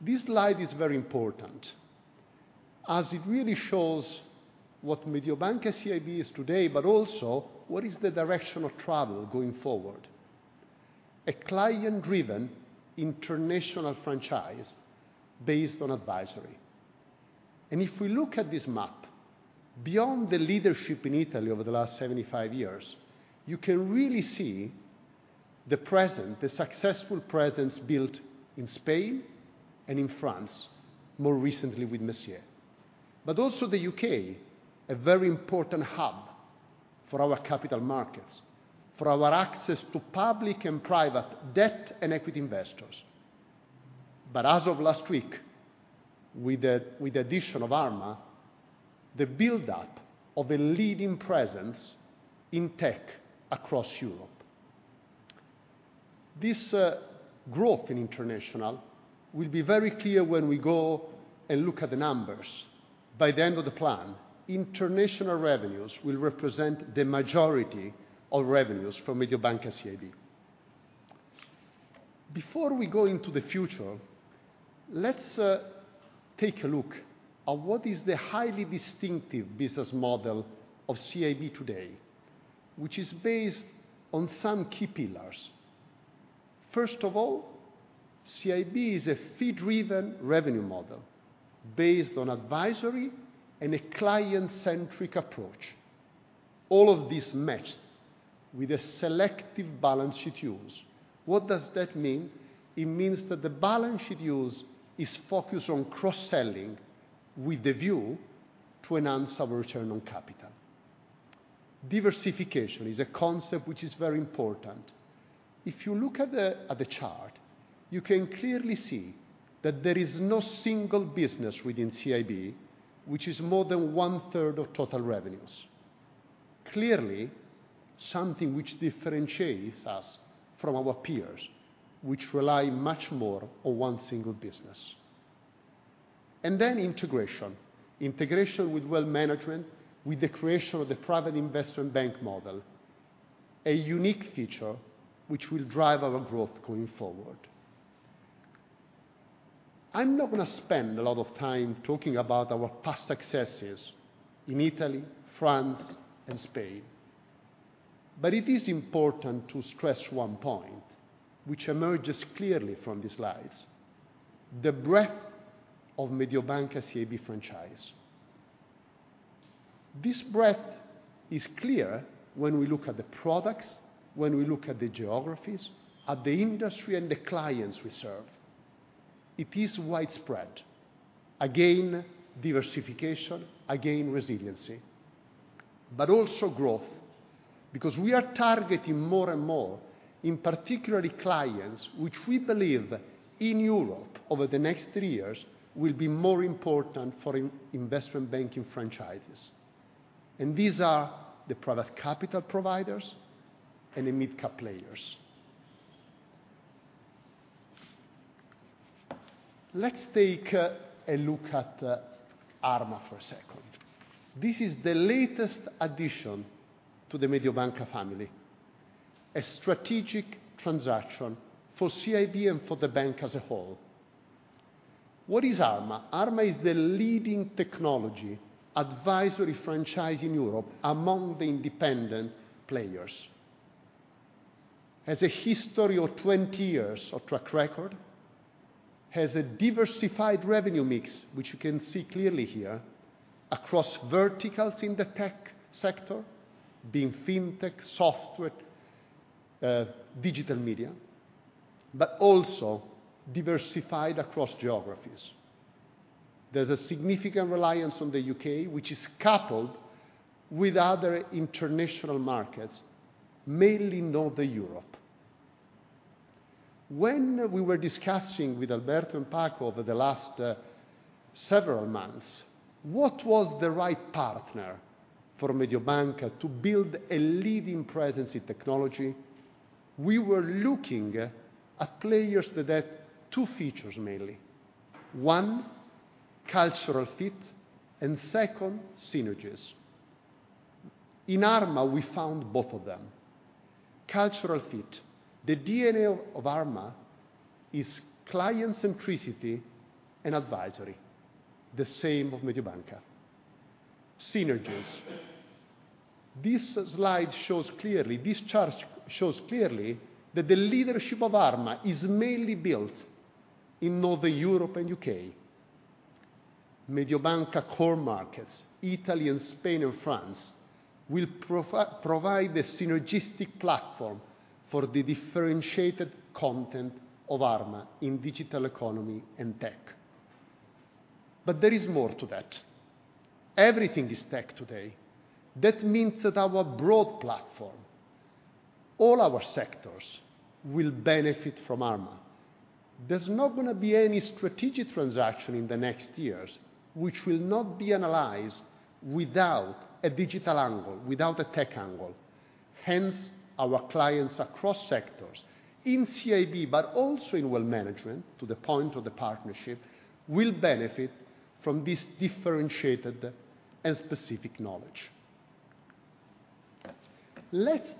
This slide is very important, as it really shows what Mediobanca CIB is today, but also what is the direction of travel going forward. A client-driven international franchise based on advisory. If we look at this map, beyond the leadership in Italy over the last 75 years, you can really see the presence, the successful presence built in Spain and in France, more recently with Messier. Also the U.K., a very important hub for our capital markets, for our access to public and private debt and equity investors. As of last week, with the, with the addition of Arma, the build-up of a leading presence in tech across Europe. This growth in international will be very clear when we go and look at the numbers. By the end of the plan, international revenues will represent the majority of revenues from Mediobanca CIB. Before we go into the future, let's take a look at what is the highly distinctive business model of CIB today, which is based on some key pillars. First of all, CIB is a fee-driven revenue model based on advisory and a client-centric approach. All of this matched with a selective balance sheet use. What does that mean? It means that the balance sheet use is focused on cross-selling with the view to enhance our return on capital. Diversification is a concept which is very important. If you look at the chart, you can clearly see that there is no single business within CIB which is more than one-third of total revenues. Clearly, something which differentiates us from our peers, which rely much more on one single business. Integration. Integration with Wealth Management, with the creation of the private investment bank model, a unique feature which will drive our growth going forward. I'm not gonna spend a lot of time talking about our past successes in Italy, France, and Spain, but it is important to stress one point which emerges clearly from the slides, the breadth of Mediobanca CIB franchise. This breadth is clear when we look at the products, when we look at the geographies, at the industry and the clients we serve. It is widespread. Again, diversification, again, resiliency, but also growth, because we are targeting more and more, in particularly clients which we believe in Europe over the next three years will be more important for investment banking franchises, and these are the private capital providers and the midcap players. Let's take a look at Arma for a second. This is the latest addition to the Mediobanca family, a strategic transaction for CIB and for the bank as a whole. What is Arma? Arma is the leading technology advisory franchise in Europe among the independent players. Has a history of 20 years of track record, has a diversified revenue mix, which you can see clearly here, across verticals in the tech sector, being fintech, software, digital media, but also diversified across geographies. There's a significant reliance on the U.K., which is coupled with other international markets, mainly Northern Europe. When we were discussing with Alberto and Paco over the last several months, what was the right partner for Mediobanca to build a leading presence in technology, we were looking at players that had two features mainly. One, cultural fit, and second, synergies. In Arma, we found both of them. Cultural fit. The DNA of Arma is client centricity and advisory, the same of Mediobanca. Synergies. This slide shows clearly, this chart shows clearly that the leadership of Arma is mainly built in Northern Europe and U.K. Mediobanca core markets, Italy and Spain and France, will provide a synergistic platform for the differentiated content of Arma in digital economy and tech. There is more to that. Everything is tech today. That means that our broad platform, all our sectors, will benefit from Arma. There's not gonna be any strategic transaction in the next years which will not be analyzed without a digital angle, without a tech angle. Our clients across sectors, in CIB, but also in Wealth Management, to the point of the partnership, will benefit from this differentiated and specific knowledge. Let's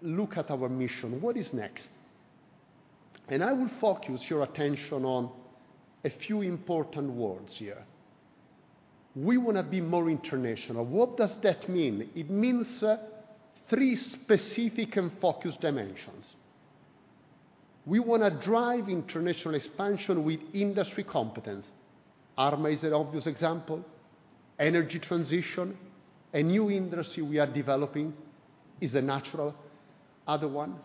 look at our mission. What is next? I will focus your attention on a few important words here. We want to be more international. What does that mean? It means 3 specific and focused dimensions. We want to drive international expansion with industry competence. Arma is an obvious example. Energy transition, a new industry we are developing, is a natural other one.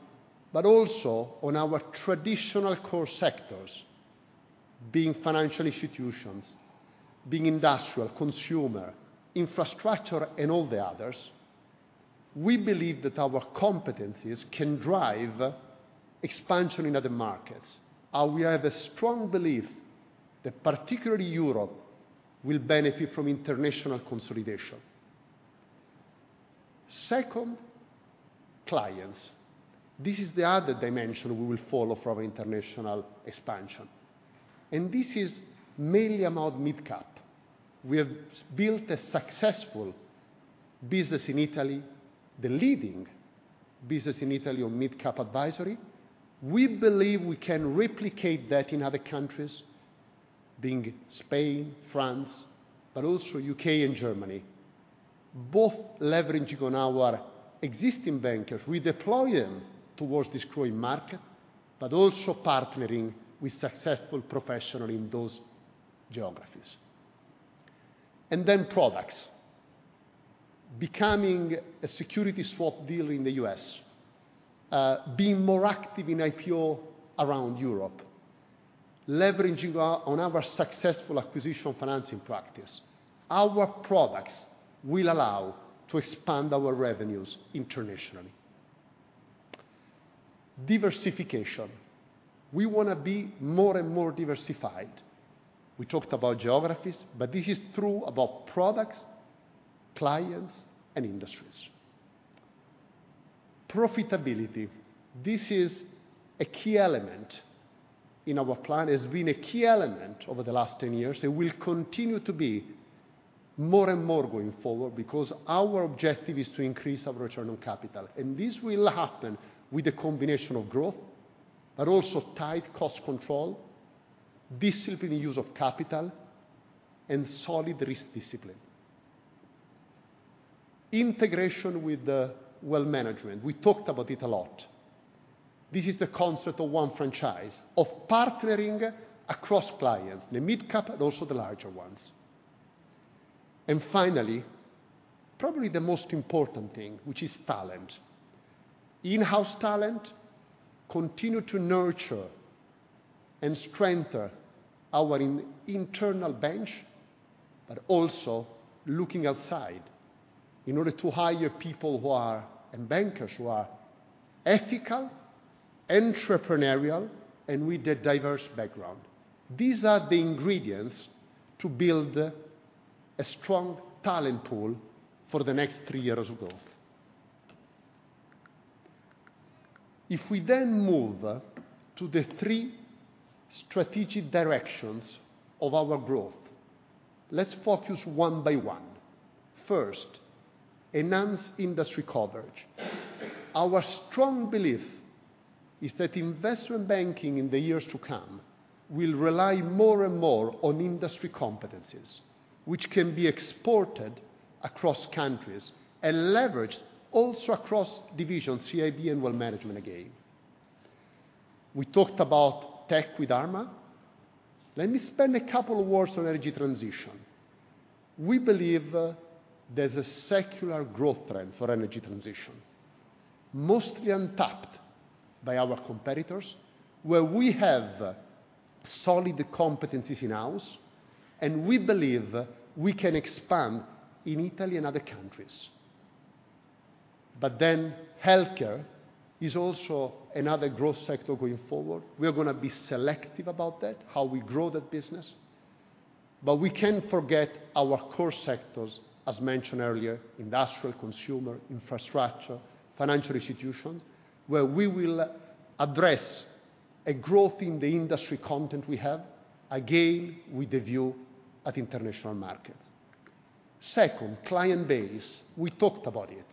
Also on our traditional core sectors, being financial institutions, being industrial, consumer, infrastructure, and all the others, we believe that our competencies can drive expansion in other markets, and we have a strong belief that particularly Europe will benefit from international consolidation. Second, clients. This is the other dimension we will follow for our international expansion, and this is mainly about midcap. We have built a successful business in Italy, the leading business in Italy on midcap advisory. We believe we can replicate that in other countries, being Spain, France, but also U.K. and Germany, both leveraging on our existing bankers. We deploy them towards this growing market, but also partnering with successful professional in those geographies. Products. Becoming a security-based swap dealer in the U.S., being more active in IPO around Europe. Leveraging on our successful acquisition financing practice, our products will allow to expand our revenues internationally. Diversification. We wanna be more and more diversified. We talked about geographies, but this is true about products, clients, and industries. Profitability, this is a key element in our plan, it's been a key element over the last 10 years. It will continue to be more and more going forward because our objective is to increase our return on capital, and this will happen with a combination of growth, but also tight cost control, disciplined use of capital, and solid risk discipline. Integration with the Wealth Management, we talked about it a lot. This is the concept of one franchise, of partnering across clients, the midcap and also the larger ones. Finally, probably the most important thing, which is talent. In-house talent continue to nurture and strengthen our internal bench, but also looking outside in order to hire people who are, and bankers who are ethical, entrepreneurial, and with a diverse background. These are the ingredients to build a strong talent pool for the next three years of growth. We then move to the 3 strategic directions of our growth, let's focus one by one. First, enhance industry coverage. Our strong belief is that investment banking in the years to come will rely more and more on industry competencies, which can be exported across countries and leveraged also across divisions, CIB and Wealth Management again. We talked about tech with Arma. Let me spend a couple of words on energy transition. We believe there's a secular growth trend for energy transition, mostly untapped by our competitors, where we have solid competencies in-house, and we believe we can expand in Italy and other countries. Healthcare is also another growth sector going forward. We are gonna be selective about that, how we grow that business. We can't forget our core sectors, as mentioned earlier, industrial, consumer, infrastructure, financial institutions, where we will address a growth in the industry content we have, again, with a view at international markets. Second, client base, we talked about it.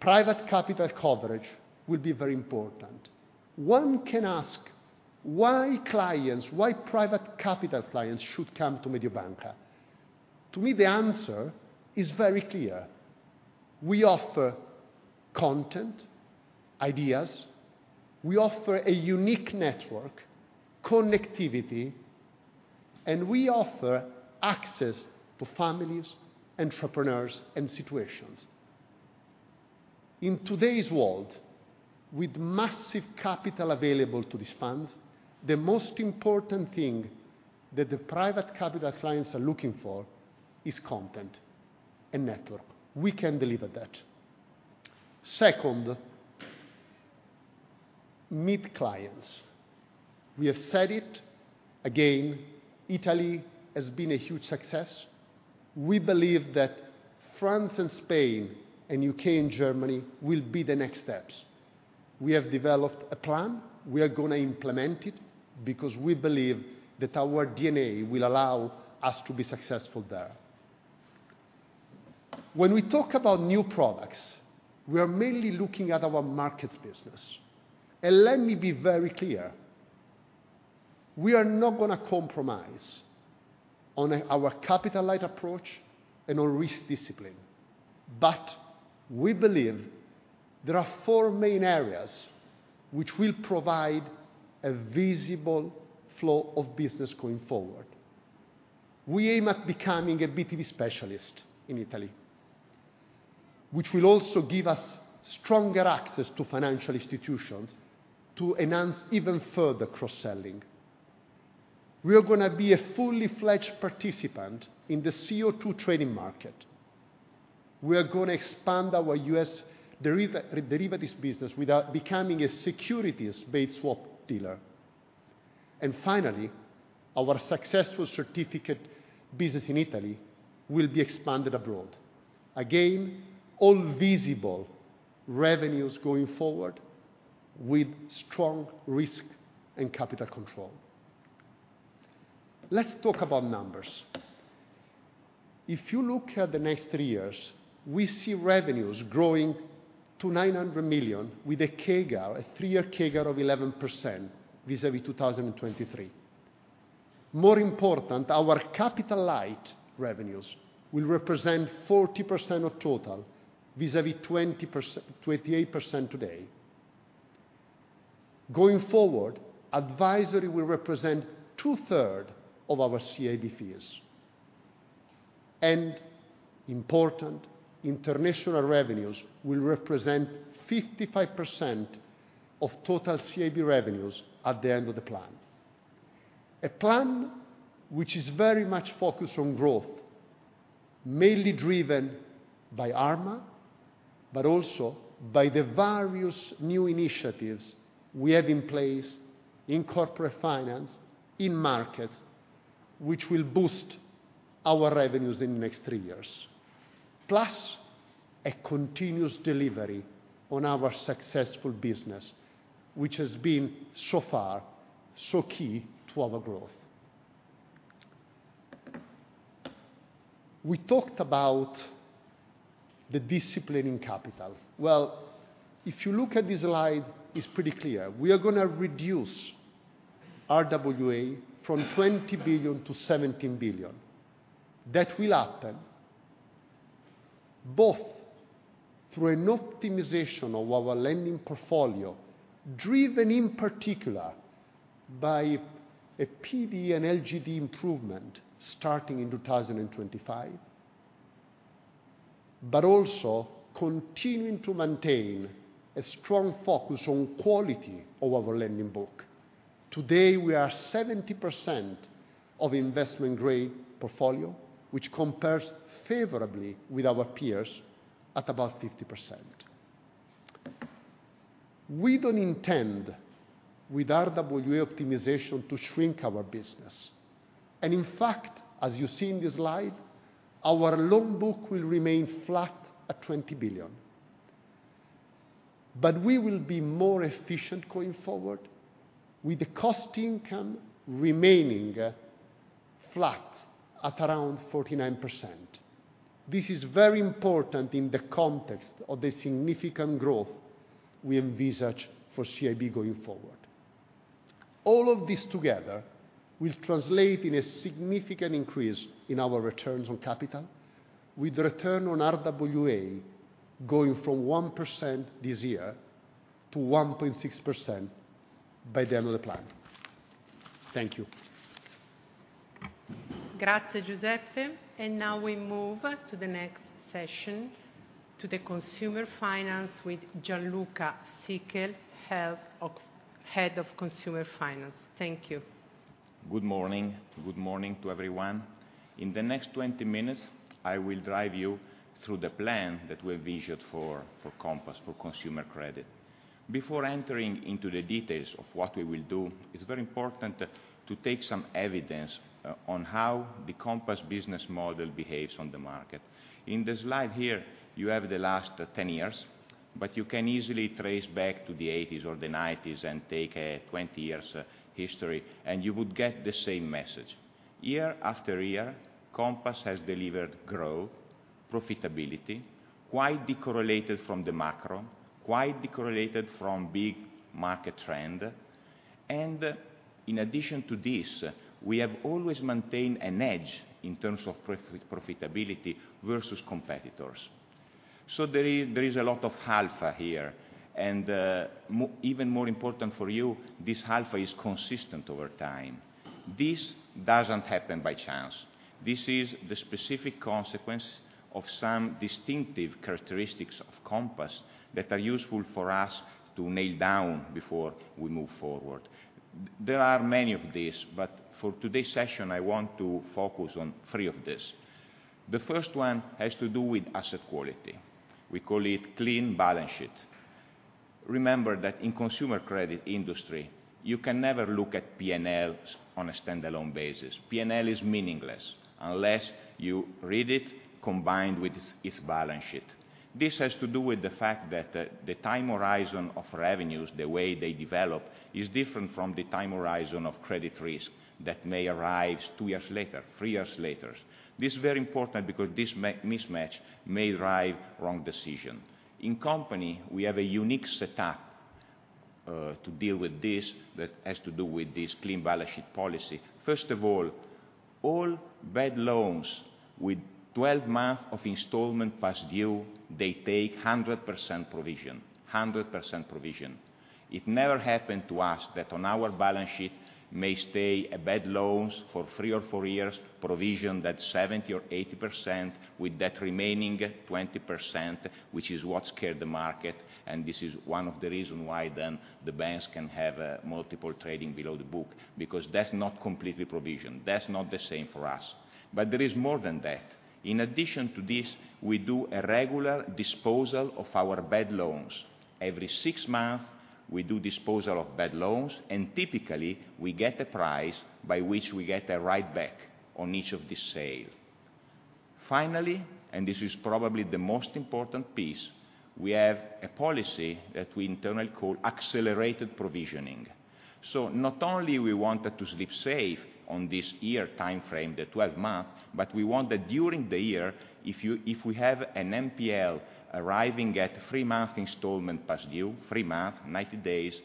Private capital coverage will be very important. One can ask, why clients, why private capital clients should come to Mediobanca? To me, the answer is very clear. We offer content, ideas, we offer a unique network, connectivity, and we offer access to families, entrepreneurs, and situations. In today's world, with massive capital available to these funds, the most important thing that the private capital clients are looking for is content and network. We can deliver that. Second, mid clients. We have said it again, Italy has been a huge success. We believe that France and Spain and U.K. and Germany will be the next steps. We have developed a plan. We are going to implement it because we believe that our DNA will allow us to be successful there. When we talk about new products, we are mainly looking at our markets business. Let me be very clear, we are not going to compromise on our capital light approach and on risk discipline. We believe there are four main areas which will provide a visible flow of business going forward. We aim at becoming a B2B specialist in Italy, which will also give us stronger access to financial institutions to enhance even further cross-selling. We are going to be a fully fledged participant in the CO2 trading market. We are going to expand our U.S. derivatives business without becoming a securities-based swap dealer. Finally, our successful certificate business in Italy will be expanded abroad. Again, all visible revenues going forward with strong risk and capital control. Let's talk about numbers. If you look at the next three years, we see revenues growing to 900 million with a CAGR, a three-year CAGR of 11% vis-à-vis 2023. More important, our capital light revenues will represent 40% of total vis-à-vis 28% today. Going forward, advisory will represent 2/3 of our CIB fees. Important international revenues will represent 55% of total CIB revenues at the end of the plan. A plan which is very much focused on growth, mainly driven by Arma, but also by the various new initiatives we have in place in corporate finance, in markets, which will boost our revenues in the next three years. Plus a continuous delivery on our successful business, which has been so far so key to our growth. We talked about the discipline in capital. Well, if you look at this slide, it's pretty clear. We are gonna reduce RWA from 20 billion to 17 billion. That will happen both through an optimization of our lending portfolio, driven in particular by a PD and LGD improvement starting in 2025, also continuing to maintain a strong focus on quality of our lending book. Today we are 70% of investment grade portfolio, which compares favorably with our peers at about 50%. We don't intend with RWA optimization to shrink our business, in fact, as you see in this slide, our loan book will remain flat at 20 billion. We will be more efficient going forward with the cost income remaining flat at around 49%. This is very important in the context of the significant growth we envisage for CIB going forward. All of this together will translate in a significant increase in our returns on capital, with return on RWA going from 1% this year to 1.6% by the end of the plan. Thank you. Grazie, Giuseppe. Now we move to the next session, to the Consumer Finance with Gian Luca Sichel, head of Consumer Finance. Thank you. Good morning. Good morning to everyone. In the next 20 minutes, I will drive you through the plan that we envisioned for Compass, for Consumer Credit. Before entering into the details of what we will do, it's very important to take some evidence on how the Compass business model behaves on the market. In the slide here, you have the last 10 years, but you can easily trace back to the eighties or the nineties and take a 20 years history, you would get the same message. Year-after-year, Compass has delivered growth, profitability, quite decorrelated from the macro, quite decorrelated from big market trend. In addition to this, we have always maintained an edge in terms of profitability versus competitors. There is a lot of alpha here, and even more important for you, this alpha is consistent over time. This doesn't happen by chance. This is the specific consequence of some distinctive characteristics of Compass that are useful for us to nail down before we move forward. There are many of these, but for today's session, I want to focus on 3 of these. The first one has to do with asset quality. We call it clean balance sheet. Remember that in consumer credit industry, you can never look at P&Ls on a standalone basis. P&L is meaningless unless you read it combined with its balance sheet. This has to do with the fact that the time horizon of revenues, the way they develop, is different from the time horizon of credit risk that may arise two years later, three years later. This is very important because this mismatch may drive wrong decision. In company, we have a unique setup to deal with this that has to do with this clean balance sheet policy. First of all bad loans with 12-month of installment past due, they take 100% provision. 100% provision. It never happened to us that on our balance sheet may stay a bad loans for three or four years, provision that 70% or 80% with that remaining 20%, which is what scared the market, this is one of the reason why then the banks can have a multiple trading below the book, because that's not completely provisioned. That's not the same for us. There is more than that. In addition to this, we do a regular disposal of our bad loans. Every six-month, we do disposal of bad loans, and typically, we get a price by which we get a writeback on each of the sale. Finally, and this is probably the most important piece, we have a policy that we internally call accelerated provisioning. Not only we want to sleep safe on this year timeframe, the 12-month, but we want that during the year, if we have an NPL arriving at three-month installment past due, three-month, 90 days,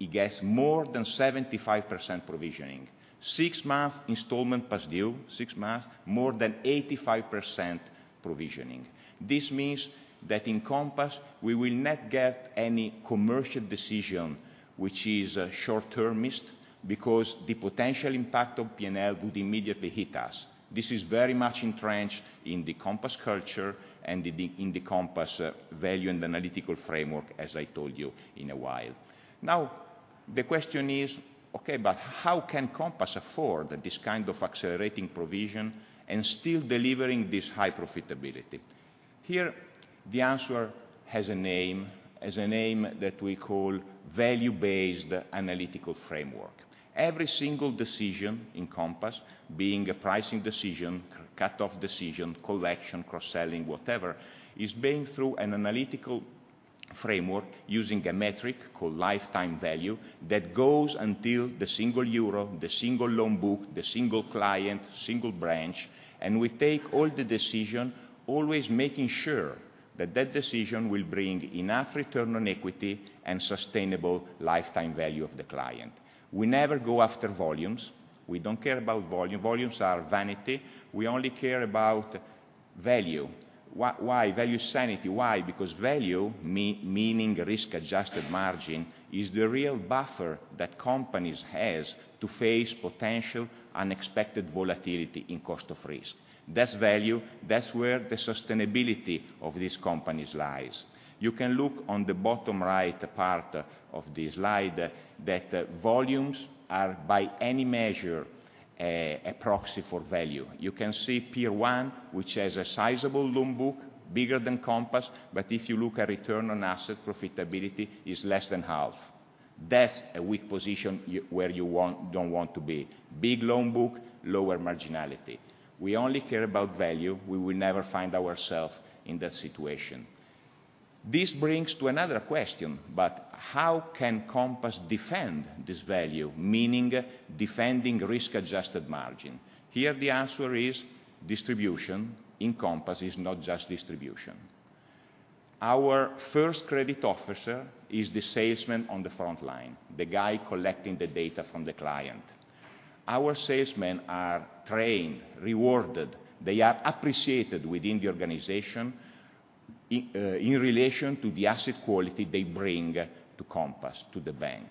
it gets more than 75% provisioning. six-month installment past due, six-month, more than 85% provisioning. This means that in Compass, we will not get any commercial decision which is short-termist because the potential impact of P&L would immediately hit us. This is very much entrenched in the Compass culture and in the Compass value and analytical framework, as I told you in a while. Now, the question is, okay, but how can Compass afford this kind of accelerating provision and still delivering this high profitability? Here, the answer has a name, has a name that we call value-based analytical framework. Every single decision in Compass, being a pricing decision, cut-off decision, collection, cross-selling, whatever, is being through an analytical framework using a metric called lifetime value that goes until the single euro, the single loan book, the single client, single branch, and we take all the decision, always making sure that that decision will bring enough return on equity and sustainable lifetime value of the client. We never go after volumes. We don't care about volume. Volumes are vanity. We only care about value. Why, why value sanity? Why? Because value, meaning risk-adjusted margin, is the real buffer that companies has to face potential unexpected volatility in cost of risk. That's value. That's where the sustainability of these companies lies. You can look on the bottom right part of the slide that volumes are by any measure a proxy for value. You can see Peer 1, which has a sizable loan book, bigger than Compass, if you look at return on asset profitability, it's less than half. That's a weak position where you don't want to be. Big loan book, lower marginality. We only care about value. We will never find ourself in that situation. This brings to another question, how can Compass defend this value, meaning defending risk-adjusted margin? Here, the answer is distribution in Compass is not just distribution. Our first credit officer is the salesman on the front line, the guy collecting the data from the client. Our salesmen are trained, rewarded, they are appreciated within the organization in relation to the asset quality they bring to Compass, to the bank.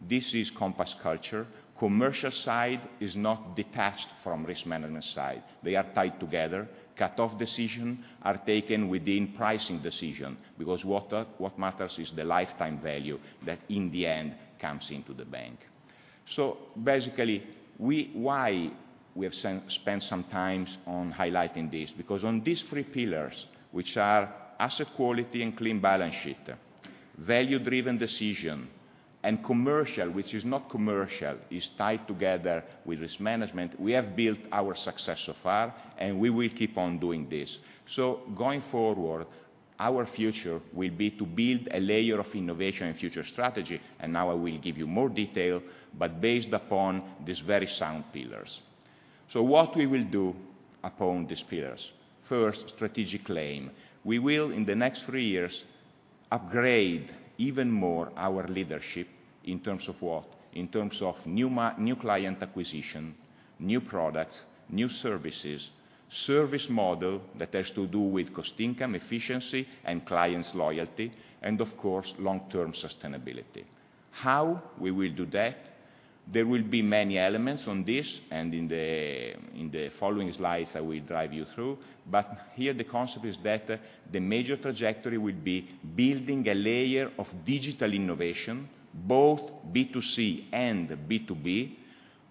This is Compass culture. Commercial side is not detached from risk management side. They are tied together. Cut-off decision are taken within pricing decision because what matters is the lifetime value that in the end comes into the bank. Basically, why we have spent some times on highlighting this? On these three pillars, which are asset quality and clean balance sheet, value-driven decision, and commercial, which is not commercial, is tied together with risk management, we have built our success so far, and we will keep on doing this. Going forward, our future will be to build a layer of innovation and future strategy, and now I will give you more detail, but based upon these very sound pillars. What we will do upon these pillars? First, strategic claim. We will, in the next three years, upgrade even more our leadership in terms of what? In terms of new client acquisition, new products, new services, service model that has to do with cost income efficiency and clients loyalty, and of course, long-term sustainability. How we will do that? There will be many elements on this, and in the following slides, I will drive you through. Here the concept is that the major trajectory will be building a layer of digital innovation, both B2C and B2B,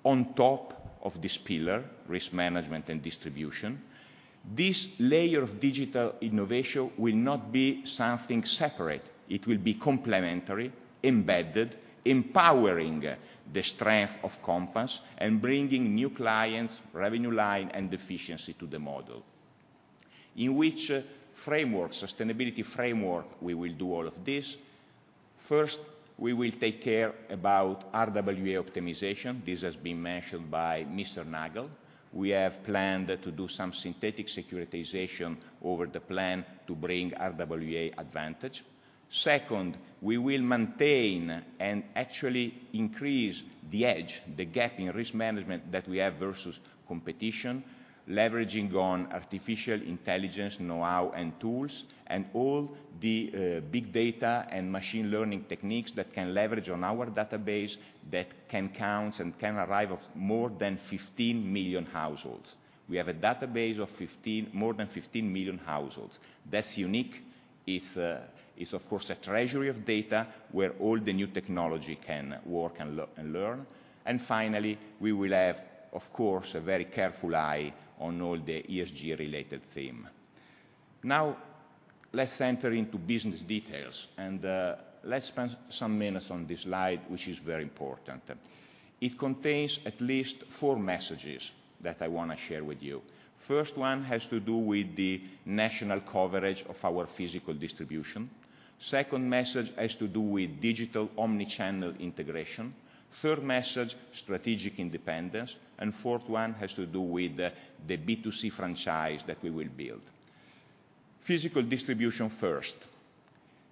on top of this pillar, risk management and distribution. This layer of digital innovation will not be something separate. It will be complementary, embedded, empowering the strength of Compass and bringing new clients, revenue line, and efficiency to the model. In which framework, sustainability framework, we will do all of this? First, we will take care about RWA optimization. This has been mentioned by Mr. Nagel. We have planned to do some synthetic securitization over the plan to bring RWA advantage. Second, we will maintain and actually increase the edge, the gap in risk management that we have versus competition, leveraging on artificial intelligence, know-how, and tools, and all the big data and machine learning techniques that can leverage on our database that can count and can arrive of more than 15 million households. We have a database of more than 15 million households. That's unique. It's, of course a treasury of data where all the new technology can work and learn. Finally, we will have, of course, a very careful eye on all the ESG-related theme. Let's enter into business details, let's spend some minutes on this slide, which is very important. It contains at least four messages that I wanna share with you. First one has to do with the national coverage of our physical distribution. Second message has to do with digital omni-channel integration. Third message, strategic independence. Fourth one has to do with the B2C franchise that we will build. Physical distribution first.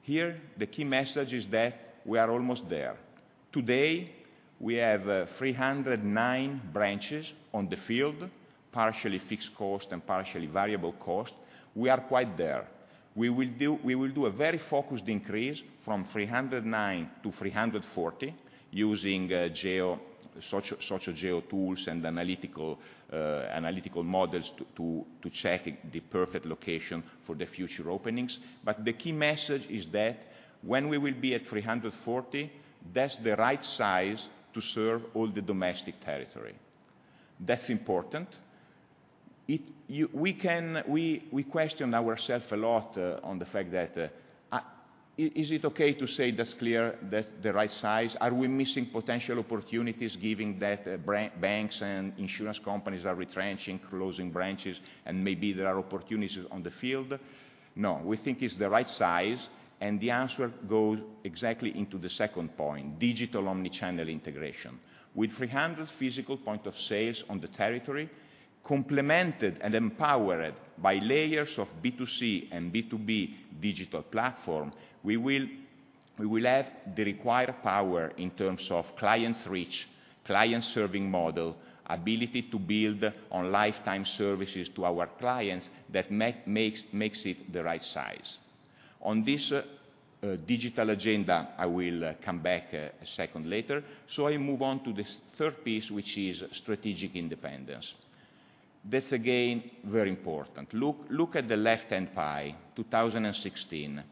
Here, the key message is that we are almost there. Today, we have 309 branches on the field, partially fixed cost and partially variable cost. We are quite there. We will do a very focused increase from 309 to 340 using geo-social geo tools and analytical models to check the perfect location for the future openings. The key message is that when we will be at 340, that's the right size to serve all the domestic territory. That's important. We question ourself a lot on the fact that is it okay to say that's clear, that's the right size? Are we missing potential opportunities giving that banks and insurance companies are retrenching, closing branches, and maybe there are opportunities on the field? We think it's the right size, the answer goes exactly into the second point, digital omni-channel integration. With 300 physical point of sales on the territory, complemented and empowered by layers of B2C and B2B digital platform, we will have the required power in terms of client reach, client serving model, ability to build on lifetime services to our clients that makes it the right size. On this digital agenda, I will come back a second later. I move on to this third piece, which is strategic independence. That's again, very important. Look at the left-hand pie, 2016.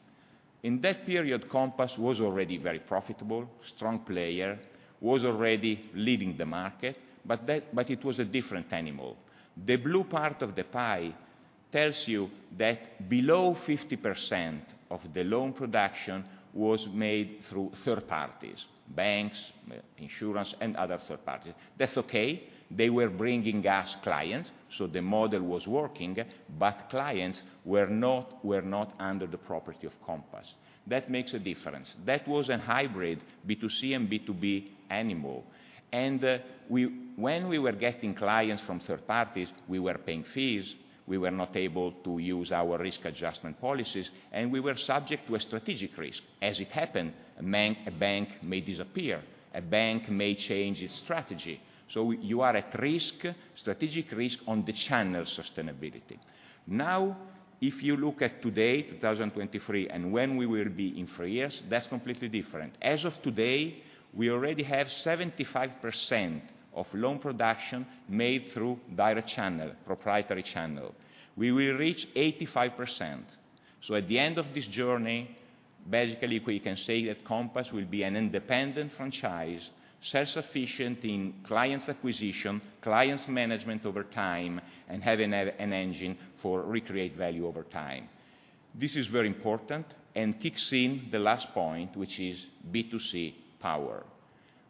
In that period, Compass was already very profitable, strong player, was already leading the market, but it was a different animal. The blue part of the pie tells you that below 50% of the loan production was made through third parties, banks, insurance, and other third parties. That's okay. They were bringing us clients, so the model was working, but clients were not under the property of Compass. That makes a difference. That was a hybrid B2C and B2B animal. When we were getting clients from third parties, we were paying fees, we were not able to use our risk adjustment policies, and we were subject to a strategic risk. As it happened, a bank may disappear, a bank may change its strategy. You are at risk, strategic risk on the channel sustainability. If you look at today, 2023, and when we will be in three years, that's completely different. As of today, we already have 75% of loan production made through direct channel, proprietary channel. We will reach 85%. At the end of this journey, basically, we can say that Compass will be an independent franchise, self-sufficient in clients acquisition and clients management over time, and have an engine to recreate value over time. This is very important and kicks in the last point, which is B2C power.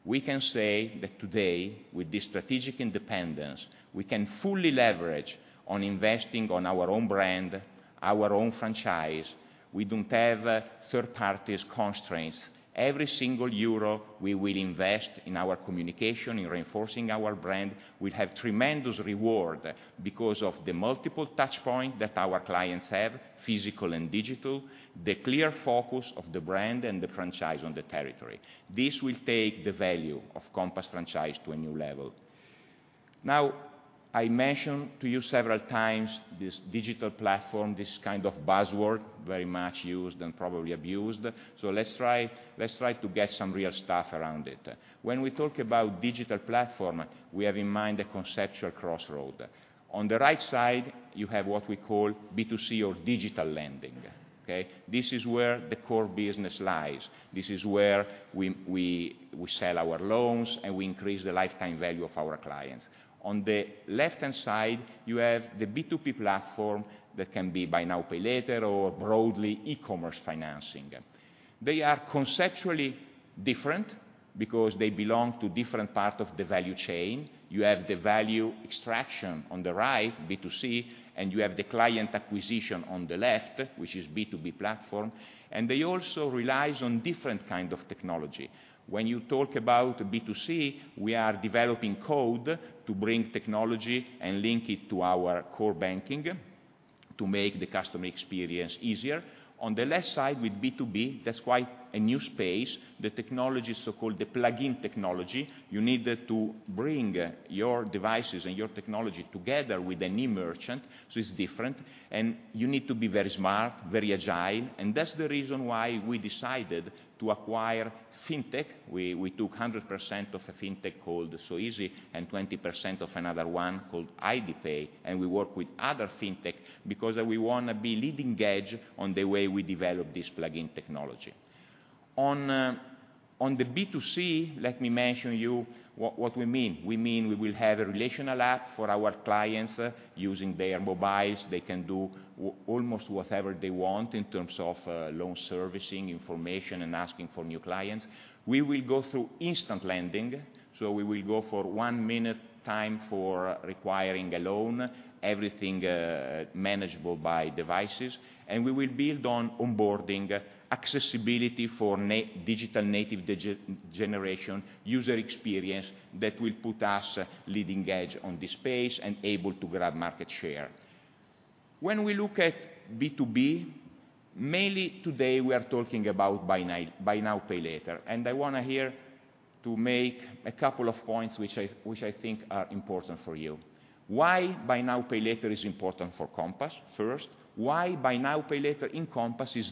We can say that today, with this strategic independence, we can fully leverage on investing on our own brand, our own franchise. We don't have third parties constraints. Every single EUR we will invest in our communication, in reinforcing our brand, will have tremendous reward because of the multiple touch point that our clients have, physical and digital, the clear focus of the brand and the franchise on the territory. This will take the value of the Compass franchise to a new level. I mentioned to you several times this digital platform, this kind of buzzword, very much used and probably abused. Let's try to get some real stuff around it. When we talk about digital platform, we have in mind a conceptual crossroad. On the right side, you have what we call B2C or digital lending, okay? This is where the core business lies. This is where we sell our loans, and we increase the lifetime value of our clients. On the left-hand side, you have the B2B platform that can be Buy Now, Pay Later, or broadly, e-commerce financing. They are conceptually different because they belong to different part of the value chain. You have the value extraction on the right, B2C, and you have the client acquisition on the left, which is B2B platform. They also rely on different kind of technology. When you talk about B2C, we are developing code to bring technology and link it to our core banking to make the customer experience easier. On the left side with B2B, that's quite a new space. The technology is so-called plug-in technology. You need to bring your devices and your technology together with an e-merchant, so it's different, and you need to be very smart, very agile. That's the reason why we decided to acquire fintech. We took 100% of a fintech called Soisy and 20% of another one called HeidiPay, and we work with other fintech because we wanna be leading edge on the way we develop this plug-in technology. On the B2C, let me mention you what we mean. We mean we will have a relational app for our clients using their mobiles. They can do almost whatever they want in terms of loan servicing, information, and asking for new clients. We will go through instant lending, so we will go for one minute time for requiring a loan, everything manageable by devices. We will build on onboarding, accessibility for digital native generation, user experience that will put us leading edge on this space and able to grab market share. When we look at B2B, mainly today we are talking about Buy Now, Pay Later. I want to here to make a couple of points which I think are important for you. Why Buy Now, Pay Later is important for Compass, first. Why Buy Now, Pay Later in Compass is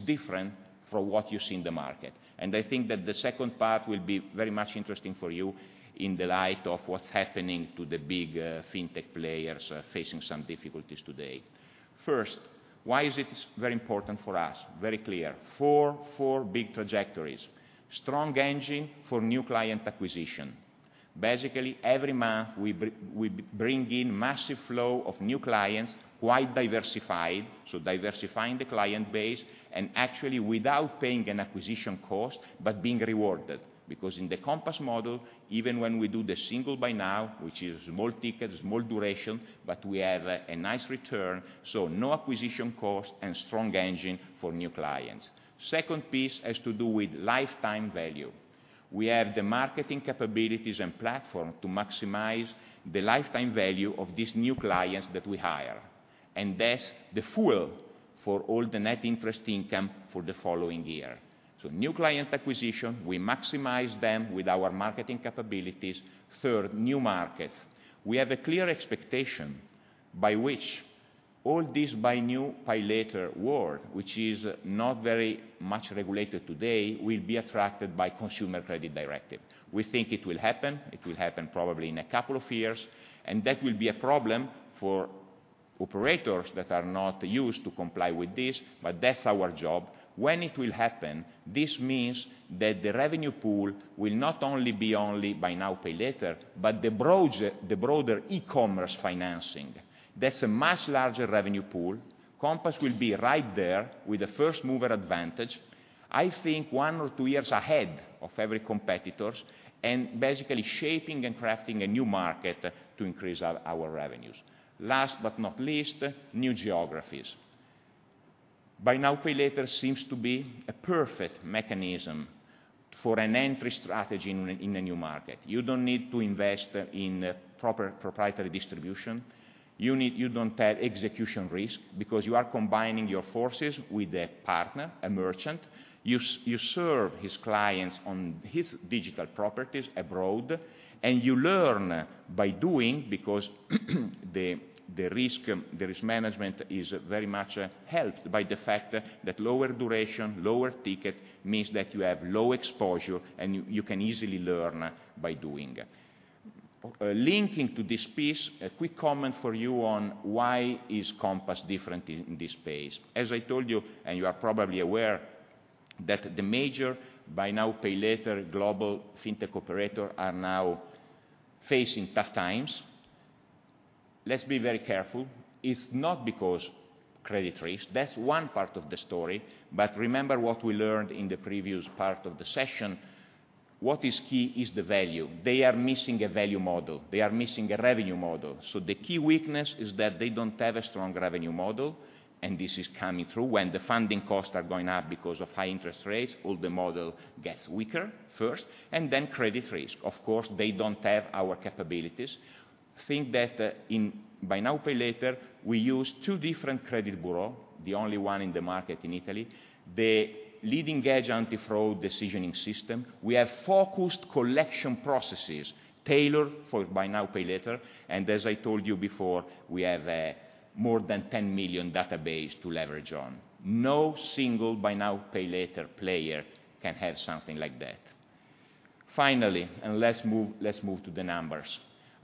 different from what you see in the market. I think that the second part will be very much interesting for you in the light of what's happening to the big fintech players facing some difficulties today. First, why is it very important for us? Very clear. 4 big trajectories. Strong engine for new client acquisition. Basically, every month we bring in massive flow of new clients, quite diversified, so diversifying the client base, and actually without paying an acquisition cost, but being rewarded. Because in the Compass model, even when we do the single buy now, which is small ticket, small duration, but we have a nice return, so no acquisition cost and strong engine for new clients. Second piece has to do with lifetime value. We have the marketing capabilities and platform to maximize the lifetime value of these new clients that we hire, and that's the fuel for all the net interest income for the following year. New client acquisition, we maximize them with our marketing capabilities. Third, new markets. We have a clear expectation by which all this Buy Now, Pay Later world, which is not very much regulated today, will be attracted by Consumer Credit Directive. We think it will happen. It will happen probably in a couple of years, and that will be a problem for operators that are not used to comply with this, but that's our job. When it will happen, this means that the revenue pool will not only be only Buy Now, Pay Later, but the broader e-commerce financing. That's a much larger revenue pool. Compass will be right there with the first mover advantage, I think one or two years ahead of every competitors. Basically shaping and crafting a new market to increase our revenues. Last but not least, new geographies. Buy Now, Pay Later seems to be a perfect mechanism for an entry strategy in a new market. You don't need to invest in proper proprietary distribution. You don't have execution risk because you are combining your forces with a partner, a merchant. You serve his clients on his digital properties abroad. You learn by doing because the risk management is very much helped by the fact that lower duration, lower ticket means that you have low exposure, and you can easily learn by doing. Linking to this piece, a quick comment for you on why is Compass different in this space. I told you, and you are probably aware, that the major buy now, pay later global fintech operator are now facing tough times. Let's be very careful. It's not because credit risk. That's one part of the story, remember what we learned in the previous part of the session. What is key is the value. They are missing a value model. They are missing a revenue model. The key weakness is that they don't have a strong revenue model, and this is coming through. When the funding costs are going up because of high interest rates, all the model gets weaker first and then credit risk. Of course, they don't have our capabilities. Think that in Buy Now, Pay Later, we use two different credit bureau, the only one in the market in Italy. The leading-edge anti-fraud decisioning system. We have focused collection processes tailored for Buy Now, Pay Later. As I told you before, we have a more than 10 million database to leverage on. No single Buy Now, Pay Later player can have something like that. Finally, let's move to the numbers.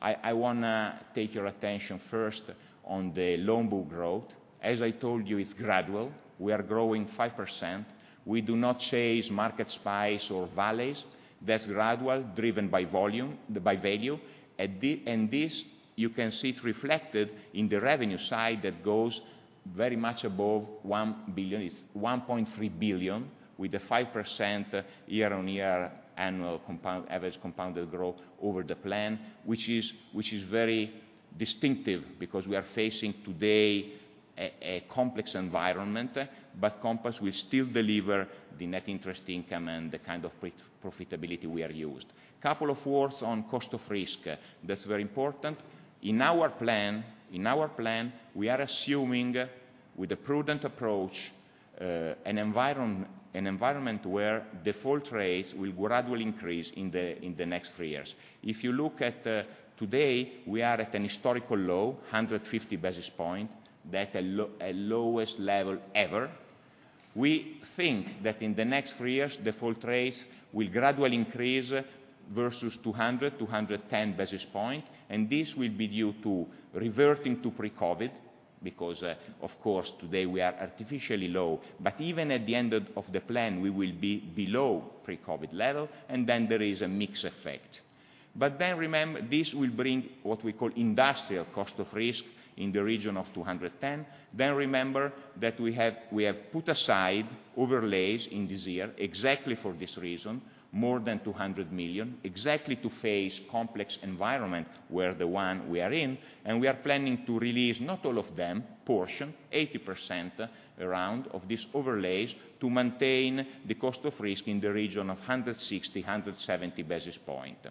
I wanna take your attention first on the loan book growth. As I told you, it's gradual. We are growing 5%. We do not chase market spikes or valleys. That's gradual, driven by volume, by value. This, you can see it reflected in the revenue side that goes very much above 1 billion. It's 1.3 billion with a 5% year-on-year annual compound, average compounded growth over the plan, which is very distinctive because we are facing today a complex environment. Compass will still deliver the net interest income and the kind of profitability we are used. Couple of words on cost of risk. That's very important. In our plan, we are assuming, with a prudent approach, an environment where default rates will gradually increase in the next three years. If you look at today, we are at a historical low, 150 basis point. That a lowest level ever. We think that in the next three years, default rates will gradually increase versus 200-210 basis points, and this will be due to reverting to pre-COVID because, of course today we are artificially low. Even at the end of the plan, we will be below pre-COVID level, and then there is a mix effect. This will bring what we call industrial cost of risk in the region of 210. Remember that we have put aside overlays in this year exactly for this reason, more than 200 million, exactly to face complex environment where the one we are in, and we are planning to release, not all of them, portion, 80% around of these overlays to maintain the cost of risk in the region of 160, 170 basis points.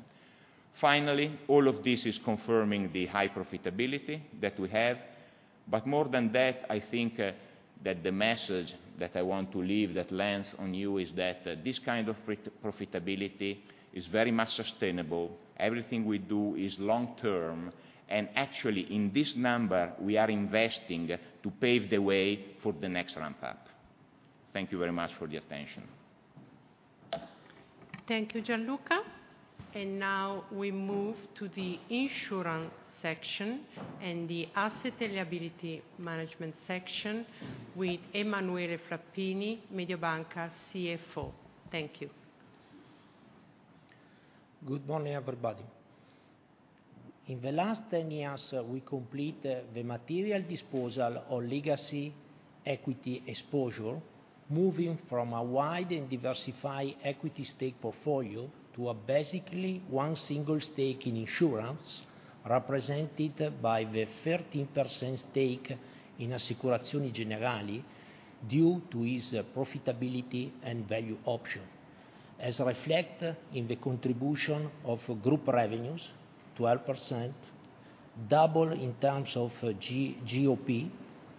All of this is confirming the high profitability that we have. More than that, I think that the message that I want to leave that lands on you is that this kind of profitability is very much sustainable. Everything we do is long-term, actually, in this number, we are investing to pave the way for the next ramp-up. Thank you very much for the attention. Thank you, Gian Luca. Now we move to the insurance section and the asset and liability management section with Emanuele Flappini, Mediobanca CFO. Thank you. Good morning, everybody. In the last 10 years, we complete the material disposal of legacy equity exposure, moving from a wide and diversified equity stake portfolio to a basically one single stake in insurance, represented by the 13% stake in Assicurazioni Generali due to its profitability and value option, as reflect in the contribution of group revenues, 12%, double in terms of G-GOP,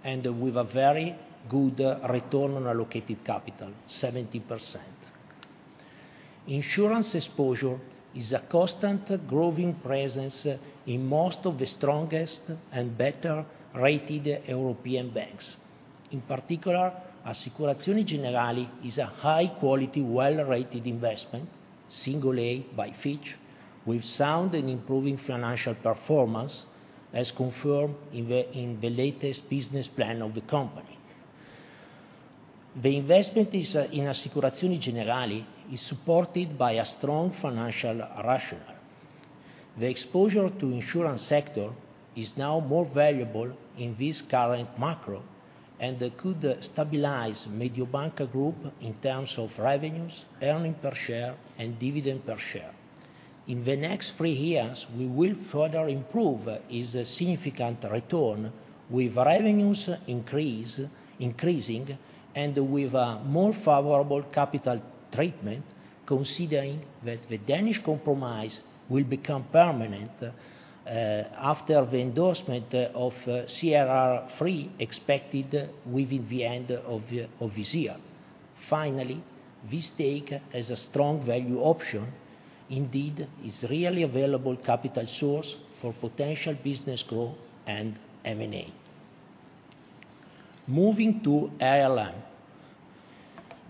and with a very good return on allocated capital, 17%. Insurance exposure is a constant growing presence in most of the strongest and better rated European banks. In particular, Assicurazioni Generali is a high quality, well rated investment, single A by Fitch, with sound and improving financial performance, as confirmed in the latest business plan of the company. The investment in Assicurazioni Generali is supported by a strong financial rationale. The exposure to insurance sector is now more valuable in this current macro and could stabilize Mediobanca Group in terms of revenues, earning per share, and dividend per share. In the next three years, we will further improve its significant return with revenues increasing and with a more favorable capital treatment, considering that the Danish Compromise will become permanent after the endorsement of CRR III expected within the end of this year. This stake has a strong value option. It's readily available capital source for potential business growth and M&A. Moving to ALM.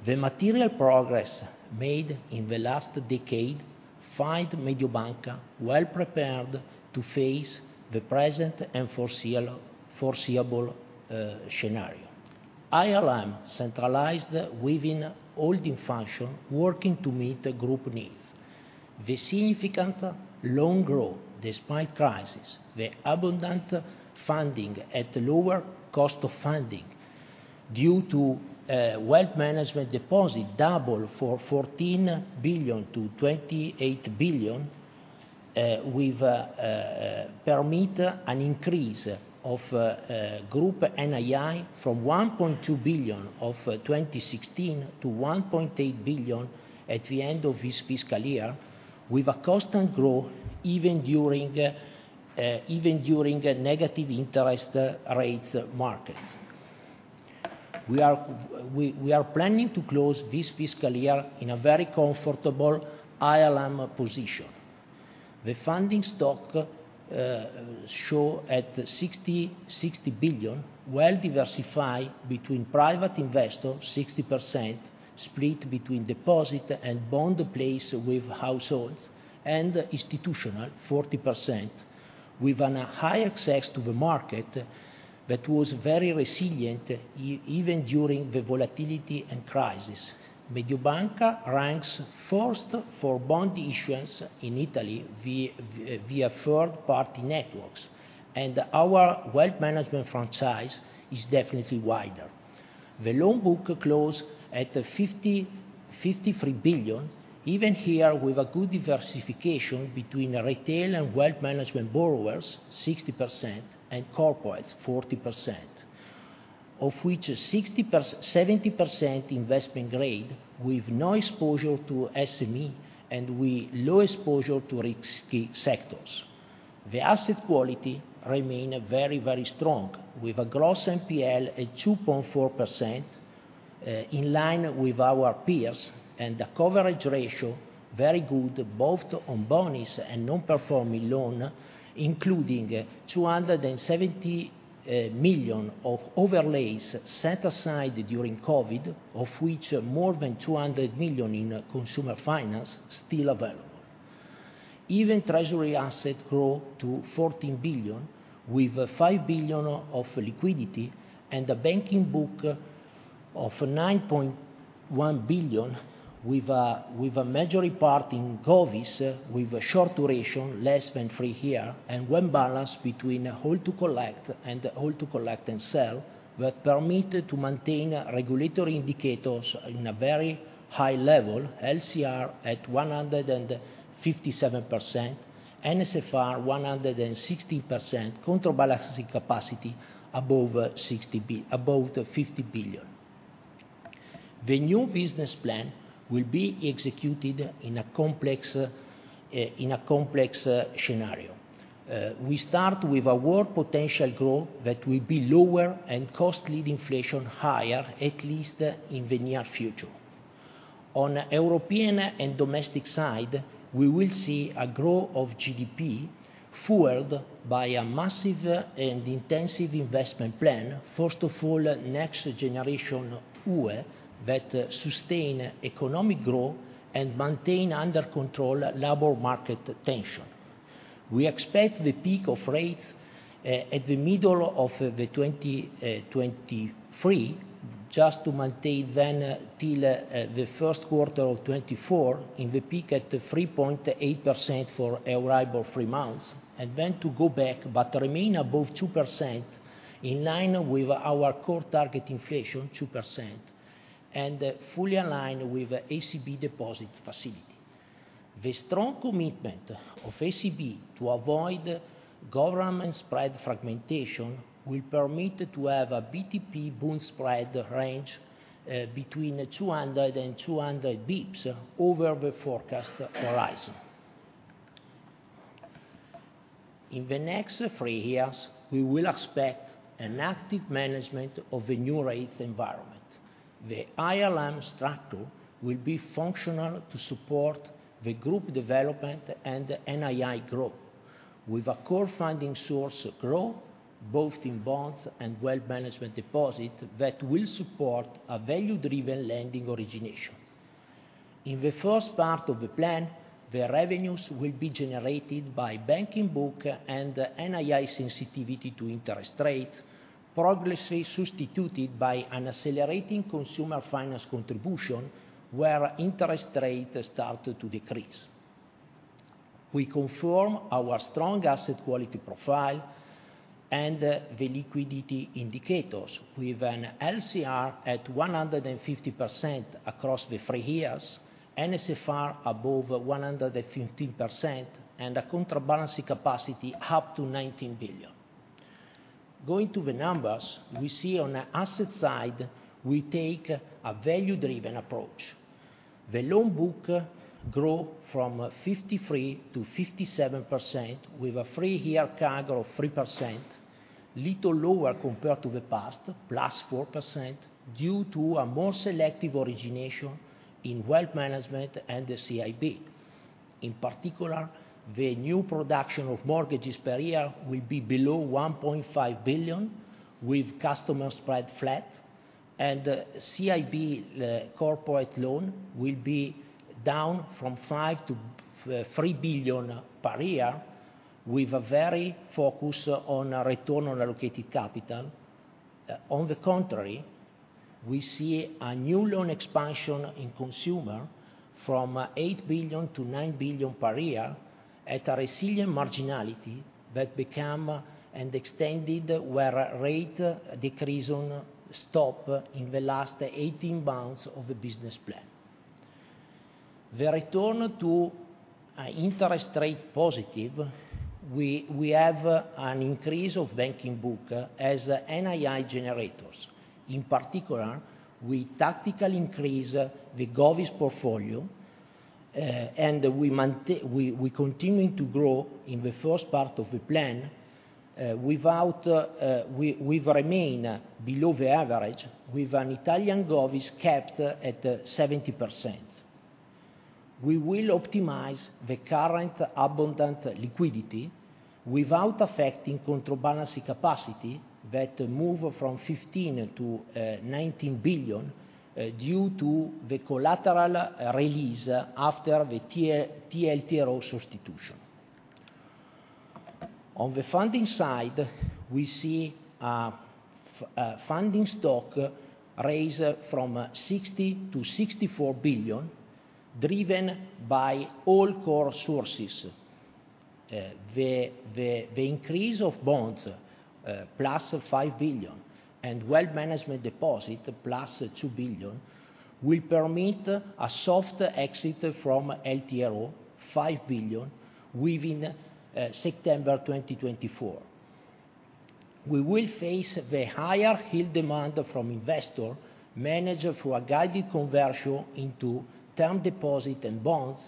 The material progress made in the last decade find Mediobanca well prepared to face the present and foreseeable scenario. ALM centralized within holding function, working to meet the group needs. The significant loan growth despite crisis, the abundant funding at lower cost of funding due to Wealth Management deposit double for 14 billion to 28 billion, with permit an increase of group NII from 1.2 billion of 2016 to 1.8 billion at the end of this fiscal year, with a constant growth even during negative interest rates markets. We are planning to close this fiscal year in a very comfortable ALM position. The funding stock show at 60 billion, well diversified between private investors, 60%, split between deposit and bond placed with households, and institutional, 40%, with a high access to the market that was very resilient even during the volatility and crisis. Mediobanca ranks first for bond issuance in Italy via third party networks, and our Wealth Management franchise is definitely wider. The loan book close at 53 billion, even here with a good diversification between retail and Wealth Management borrowers, 60%, and corporates, 40%, of which 70% investment grade with no exposure to SME and with low exposure to risky sectors. The asset quality remain very, very strong, with a gross NPL at 2.4%, in line with our peers, and the coverage ratio very good, both on bonis and non-performing loan, including 270 million of overlays set aside during COVID-19, of which more than 200 million in Consumer Finance still available. Even treasury asset grow to 14 billion, with 5 billion of liquidity and a banking book of 9.1 billion, with a major part in Govies, with a short duration, less than three years, and well balanced between hold to collect and hold to collect and sell, that permit to maintain regulatory indicators in a very high level, LCR at 157%, NSFR 160%, counterbalancing capacity above 50 billion. The new business plan will be executed in a complex, in a complex scenario. We start with a world potential growth that will be lower and cost lead inflation higher, at least in the near future. On European and domestic side, we will see a growth of GDP fueled by a massive and intensive investment plan, first of all, Next Generation EU that sustain economic growth and maintain under control labor market tension. We expect the peak of rates at the middle of 2023 just to maintain then till the Q1 of 2024 in the peak at 3.8% for Euribor three-month and then to go back but remain above 2% in line with our core target inflation, 2%, and fully aligned with ECB deposit facility. The strong commitment of ECB to avoid government spread fragmentation will permit to have a BTP-Bund spread range between 200 and 200 basis points over the forecast horizon. In the next three years, we will expect an active management of the new rates environment. The ILM structure will be functional to support the group development and NII growth with a core funding source growth both in bonds and Wealth Management deposit that will support a value-driven lending origination. In the first part of the plan, the revenues will be generated by banking book and NII sensitivity to interest rates, progressively substituted by an accelerating Consumer Finance contribution where interest rates start to decrease. We confirm our strong asset quality profile and the liquidity indicators with an LCR at 150% across the three years, NSFR above 115%, and a counterbalancing capacity up to 19 billion. Going to the numbers, we see on the asset side, we take a value-driven approach. The loan book grow from 53% to 57% with a three-year CAGR of 3%, little lower compared to the past, +4%, due to a more selective origination in Wealth Management and the CIB. In particular, the new production of mortgages per year will be below 1.5 billion with customer spread flat and CIB, corporate loan will be down from 5 billion-3 billion per year with a very focus on a return on allocated capital. On the contrary, we see a new loan expansion in consumer from 8 billion-9 billion per year at a resilient marginality that become extended where rates decrease on stop in the last 18-month of the business plan. The return to interest rate positive, we have an increase of banking book as NII generators. In particular, we tactically increase the Govvies portfolio, and we continue to grow in the first part of the plan, without we remain below the average with an Italian Govvies kept at 70%. We will optimize the current abundant liquidity without affecting counterbalancing capacity that move from 15 billion-19 billion due to the collateral release after the TLTRO substitution. On the funding side, we see a funding stock raise from 60 billion to 64 billion driven by all core sources. The increase of bonds, +5 billion and Wealth Management deposit +2 billion will permit a soft exit from LTRO, 5 billion, within September 2024. We will face the higher yield demand from investors managed through a guided conversion into term deposit and bonds,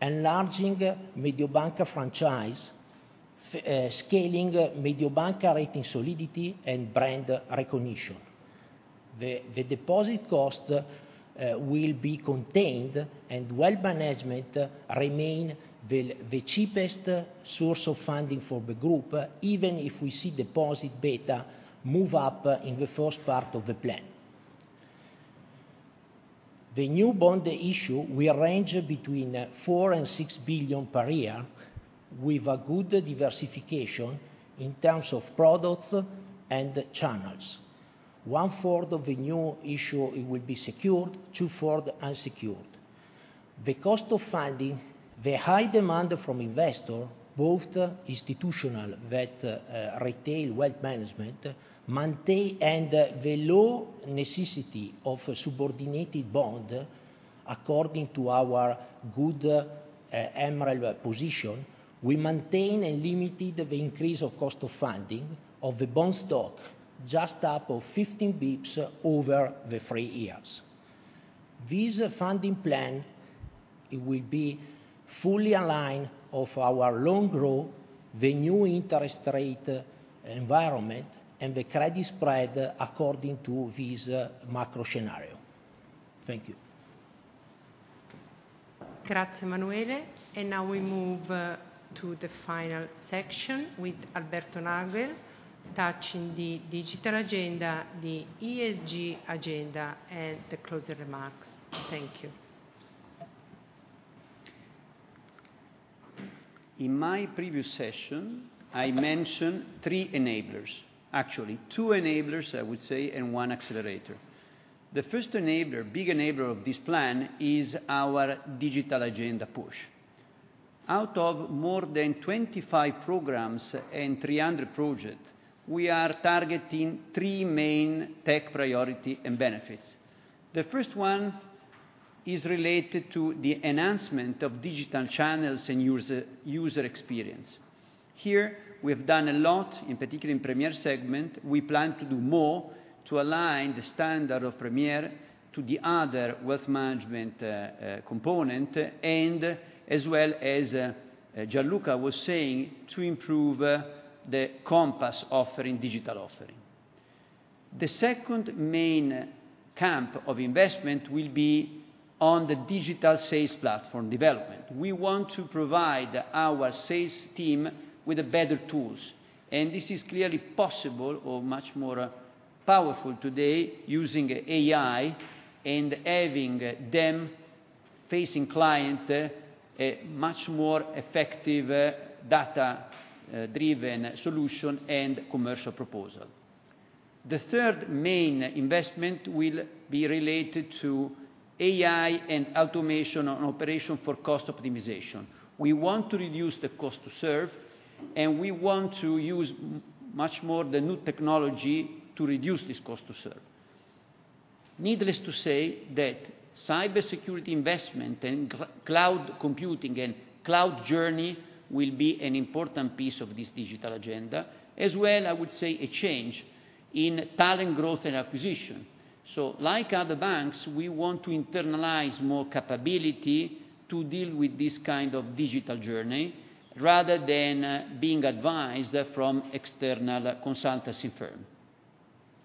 enlarging Mediobanca franchise, scaling Mediobanca rating solidity and brand recognition. The deposit cost will be contained and Wealth Management remain the cheapest source of funding for the group, even if we see deposit beta move up in the first part of the plan. The new bond issue will range between 4 billion and 6 billion per year with a good diversification in terms of products and channels. 1/4 of the new issue it will be secured, 2/4 unsecured. The cost of funding, the high demand from investors, both institutional that retail Wealth Management and the low necessity of subordinated bond According to our good, MREL position, we maintain and limited the increase of cost of funding of the bond stock just up of 15 basis points over the three years. This funding plan, it will be fully aligned with our loan growth, the new interest rate environment, and the credit spread according to this macro scenario. Thank you. Grazie, Emanuele. Now we move to the final section with Alberto Nagel, touching the digital agenda, the ESG agenda, and the closing remarks. Thank you. In my previous session, I mentioned three enablers, actually two enablers, I would say, and one accelerator. The first enabler, big enabler of this plan is our digital agenda push. Out of more than 25 programs and 300 projects, we are targeting three main tech priority and benefits. The first one is related to the enhancement of digital channels and user experience. Here we have done a lot, in particular in Premier segment. We plan to do more to align the standard of Premier to the other wealth management component and as well as Gian Luca was saying, to improve the Compass offering, digital offering. The second main camp of investment will be on the digital sales platform development. We want to provide our sales team with better tools. This is clearly possible or much more powerful today using AI and having them facing client a much more effective data-driven solution and commercial proposal. The third main investment will be related to AI and automation on operation for cost optimization. We want to reduce the cost to serve. We want to use much more the new technology to reduce this cost to serve. Needless to say that cybersecurity investment and cloud computing and cloud journey will be an important piece of this digital agenda. As well, I would say a change in talent growth and acquisition. Like other banks, we want to internalize more capabilities to deal with this kind of digital journey rather than being advised from external consultancy firm.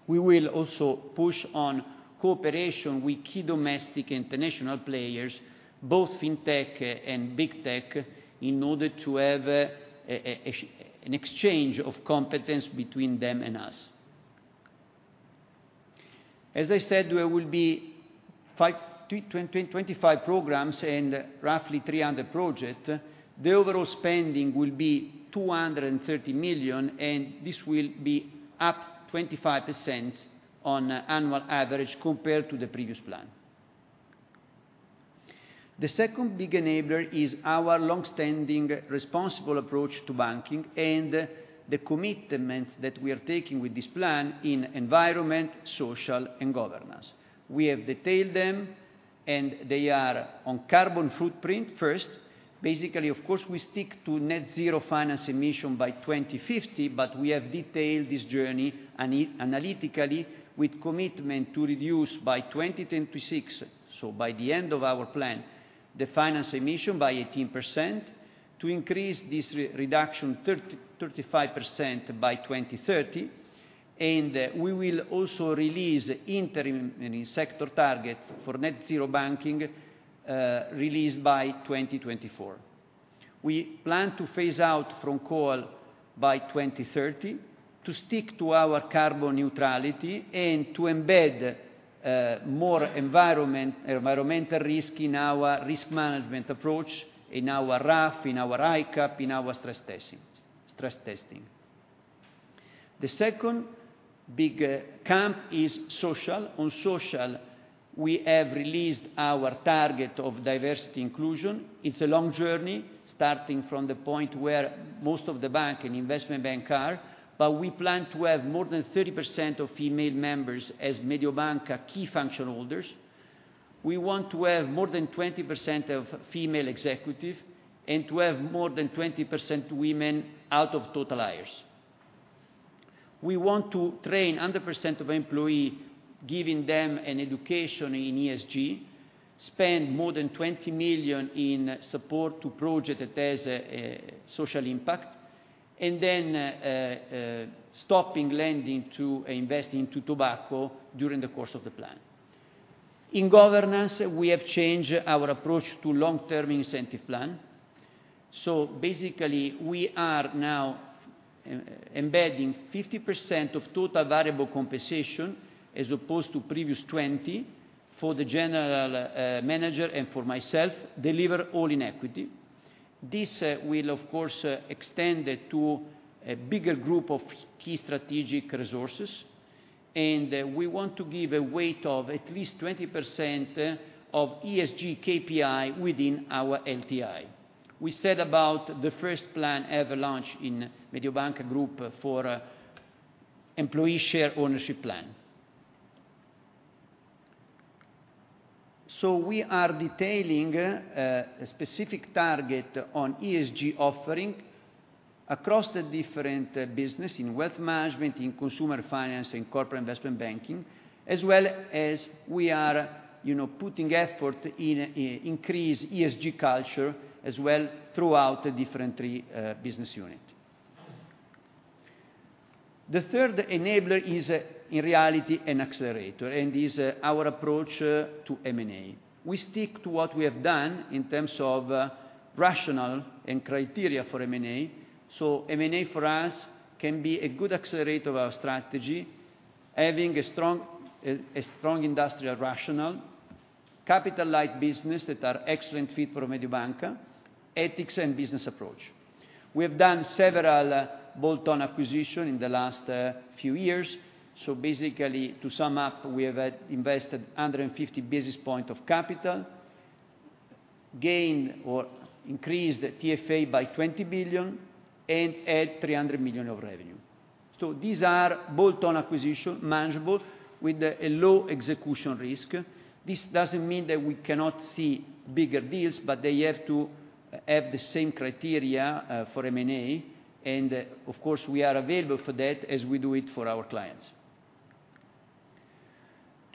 We will also push on cooperation with key domestic international players, both fintech and big tech, in order to have an exchange of competence between them and us. As I said, there will be 25 programs and roughly 300 project. The overall spending will be 230 million, and this will be up 25% on annual average compared to the previous plan. The second big enabler is our long-standing responsible approach to banking and the commitments that we are taking with this plan in environment, social, and governance. We have detailed them, and they are on carbon footprint first. Of course, we stick to net zero finance emission by 2050. We have detailed this journey analytically with commitment to reduce by 2026, so by the end of our plan, the finance emission by 18%, to increase this reduction 30%-35% by 2030. We will also release interim and sector target for net zero banking, released by 2024. We plan to phase out from coal by 2030 to stick to our carbon neutrality and to embed more environmental risk in our risk management approach, in our RAF, in our ICAAP, in our stress testing. The second big camp is social. On social, we have released our target of diversity inclusion. It's a long journey, starting from the point where most of the bank and investment bank are. We plan to have more than 30% of female members as Mediobanca key function holders. We want to have more than 20% of female executive and to have more than 20% women out of total hires. We want to train 100% of employee, giving them an education in ESG, spend more than 20 million in support to project that have a social impact, and then stopping lending to investing to tobacco during the course of the plan. In governance, we have changed our approach to long-term incentive plan. Basically, we are now embedding 50% of total variable compensation, as opposed to previous 20, for the general manager and for myself, deliver all in equity. This will of course extend to a bigger group of key strategic resources, and we want to give a weight of at least 20% of ESG KPI within our LTI. We said about the first plan ever launched in Mediobanca Group for employee share ownership plan. We are detailing a specific target on ESG offering across the different business in Wealth Management, in Consumer Finance, in Corporate & Investment Banking, as well as we are, you know, putting effort in increase ESG culture as well throughout the different three business unit. The third enabler is, in reality, an accelerator, and is our approach to M&A. We stick to what we have done in terms of rational and criteria for M&A. M&A for us can be a good accelerator of our strategy, having a strong industrial rationale, capital-light business that are excellent fit for Mediobanca, ethics and business approach. We have done several bolt-on acquisitions in the last few years, so basically to sum up, we have invested 150 basis points of capital, gained or increased TFA by 20 billion, and add 300 million of revenue. These are bolt-on acquisitions, manageable with a low execution risk. This doesn't mean that we cannot see bigger deals, but they have to have the same criteria for M&A, and of course, we are available for that as we do it for our clients.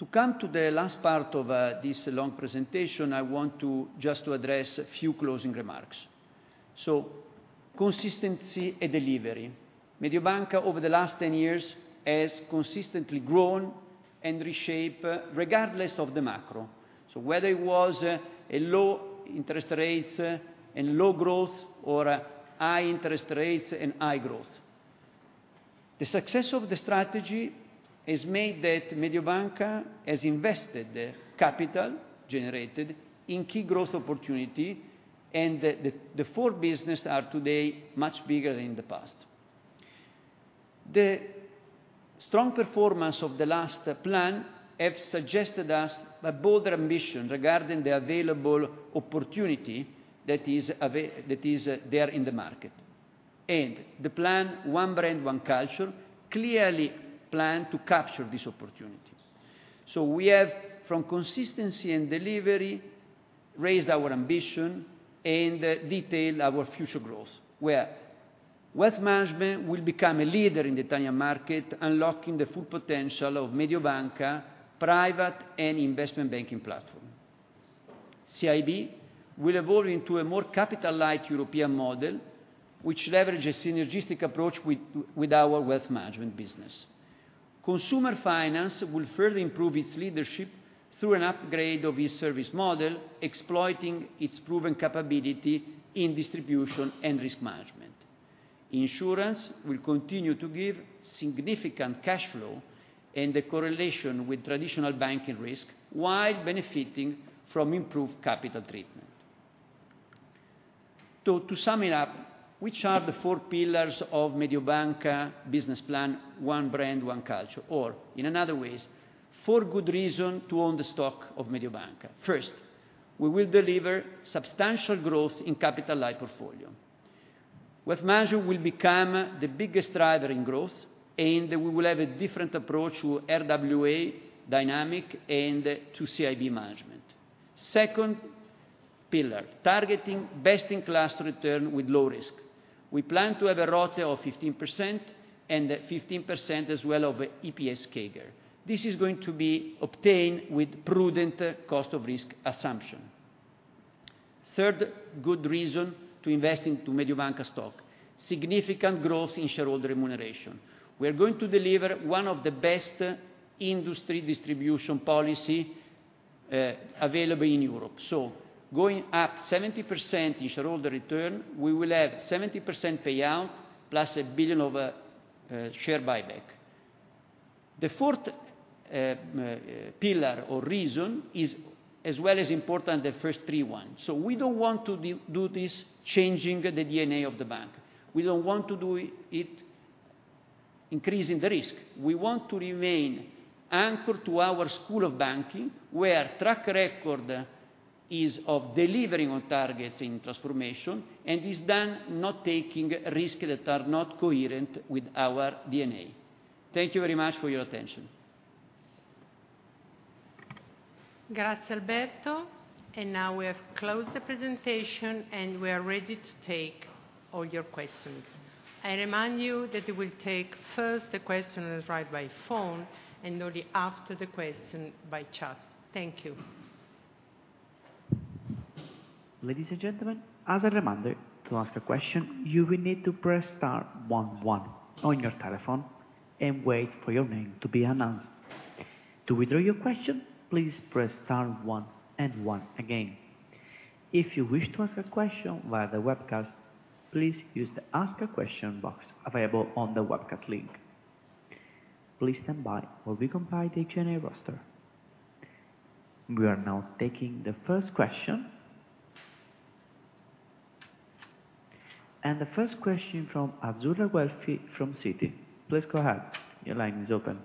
To come to the last part of this long presentation, I want to just to address a few closing remarks. Consistency and delivery. Mediobanca over the last 10 years has consistently grown and reshape regardless of the macro. Whether it was a low interest rates and low growth or high interest rates and high growth. The success of the strategy has made that Mediobanca has invested the capital generated in key growth opportunity, and the four business are today much bigger than in the past. The strong performance of the last plan have suggested us a bolder ambition regarding the available opportunity that is there in the market. The plan, ONE BRAND – ONE CULTURE, clearly plan to capture this opportunity. We have, from consistency and delivery, raised our ambition and detailed our future growth, where Wealth Management will become a leader in the Italian market, unlocking the full potential of Mediobanca Private and Investment Banking platform. CIB will evolve into a more capital-light European model, which leverages synergistic approach with our Wealth Management business. Consumer Finance will further improve its leadership through an upgrade of its service model, exploiting its proven capability in distribution and risk management. Insurance will continue to give significant cash flow and the correlation with traditional banking risk, while benefiting from improved capital treatment. To sum it up, which are the four pillars of Mediobanca business plan, ONE BRAND – ONE CULTURE, or in another ways, four good reason to own the stock of Mediobanca. First, we will deliver substantial growth in capital-light portfolio. Wealth Management will become the biggest driver in growth, and we will have a different approach to RWA dynamic and to CIB management. Second pillar, targeting best-in-class return with low risk. We plan to have a RoTE of 15% and 15% as well of EPS CAGR. This is going to be obtained with prudent cost of risk assumption. Third good reason to invest into Mediobanca stock, significant growth in shareholder remuneration. We are going to deliver one of the best industry distribution policy available in Europe. Going up 70% in shareholder return, we will have 70% payout +1 billion of share buyback. The fourth pillar or reason is as well as important the first three ones. We don't want to do this changing the DNA of the bank. We don't want to do it increasing the risk. We want to remain anchored to our school of banking, where track record is of delivering on targets in transformation and is done not taking risks that are not coherent with our DNA. Thank you very much for your attention. Grazie, Alberto. Now we have closed the presentation, and we are ready to take all your questions. I remind you that we will take first the question asked by phone and only after the question by chat. Thank you. Ladies and gentlemen, as a reminder, to ask a question, you will need to press star one one on your telephone and wait for your name to be announced. To withdraw your question, please press star one and one again. If you wish to ask a question via the webcast, please use the Ask a Question box available on the webcast link. Please stand by while we compile the Q&A roster. We are now taking the first question. The first question from Azzurra Guelfi from Citi. Please go ahead. Your line is open.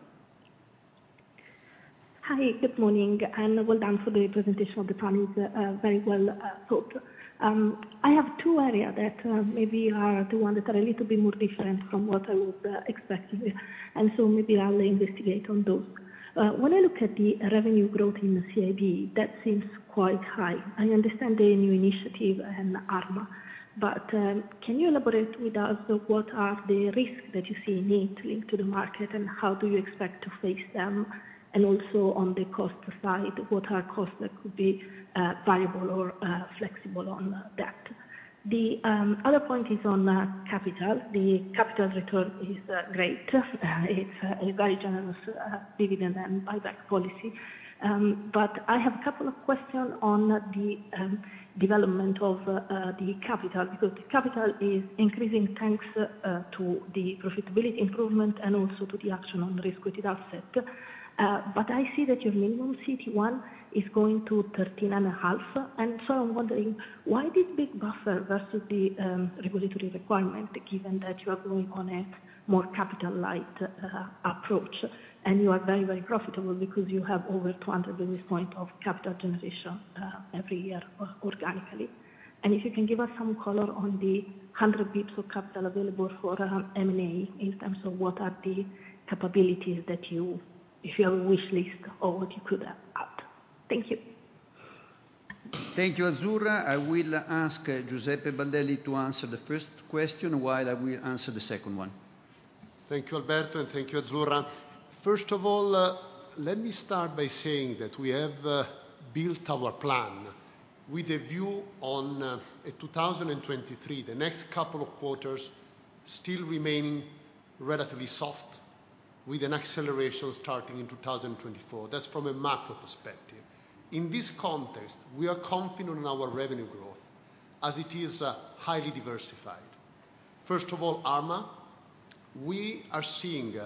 Hi, good morning, and well done for the presentation of the plans. very well put. I have two area that maybe are the one that are a little bit more different from what I was expecting, and so maybe I'll investigate on those. When I look at the revenue growth in the CIB, that seems quite high. I understand the new initiative and ARMA, but can you elaborate with us what are the risks that you see linked to the market, and how do you expect to face them? Also on the cost side, what are costs that could be variable or flexible on that? The other point is on capital. The capital return is great. It's a very generous dividend and buyback policy. I have a couple of questions on the development of the capital, because capital is increasing thanks to the profitability improvement and also to the action on risk-weighted asset. I see that your minimum CET1 is going to 13.5, and so I'm wondering why this big buffer versus the regulatory requirement, given that you are going on a more capital light approach. You are very, very profitable because you have over 200 basis points of capital generation every year organically. If you can give us some color on the 100 basis points of capital available for M&A in terms of what are the capabilities that you, if you have a wish list or what you could add? Thank you. Thank you, Azzurra. I will ask Giuseppe Baldelli to answer the first question while I will answer the second one. Thank you, Alberto, and thank you, Azzurra. First of all, let me start by saying that we have built our plan with a view on 2023, the next couple of quarters still remaining relatively soft, with an acceleration starting in 2024. That's from a macro perspective. In this context, we are confident in our revenue growth as it is highly diversified. First of all, ARMA. We are seeing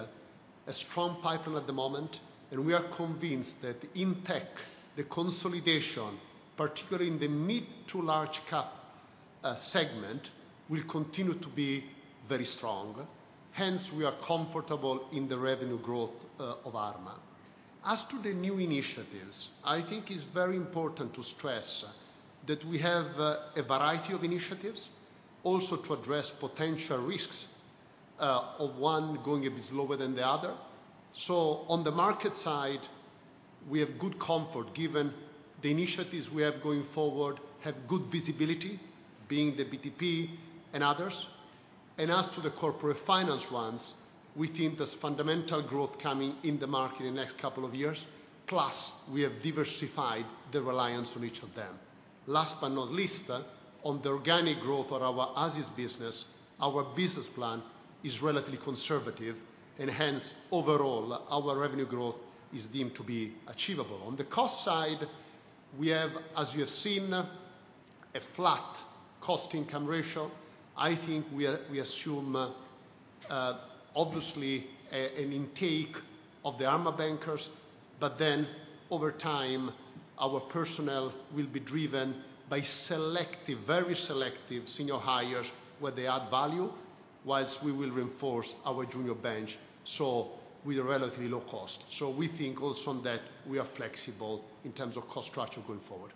a strong pipeline at the moment, and we are convinced that in tech, the consolidation, particularly in the mid to large cap segment, will continue to be very strong. We are comfortable in the revenue growth of ARMA. As to the new initiatives, I think it's very important to stress that we have a variety of initiatives also to address potential risks of one going a bit slower than the other. On the market side, we have good comfort given the initiatives we have going forward have good visibility, being the BTP and others. As to the corporate finance ones, we think there's fundamental growth coming in the market in the next couple of years, plus we have diversified the reliance on each of them. Last but not least, on the organic growth of our as is business, our business plan is relatively conservative and hence overall our revenue growth is deemed to be achievable. On the cost side, we have, as you have seen, a flat cost income ratio. I think we are, we assume, obviously a, an intake of the Arma bankers, over time our personnel will be driven by selective, very selective senior hires where they add value, whilst we will reinforce our junior bench, so with a relatively low cost. We think also on that we are flexible in terms of cost structure going forward.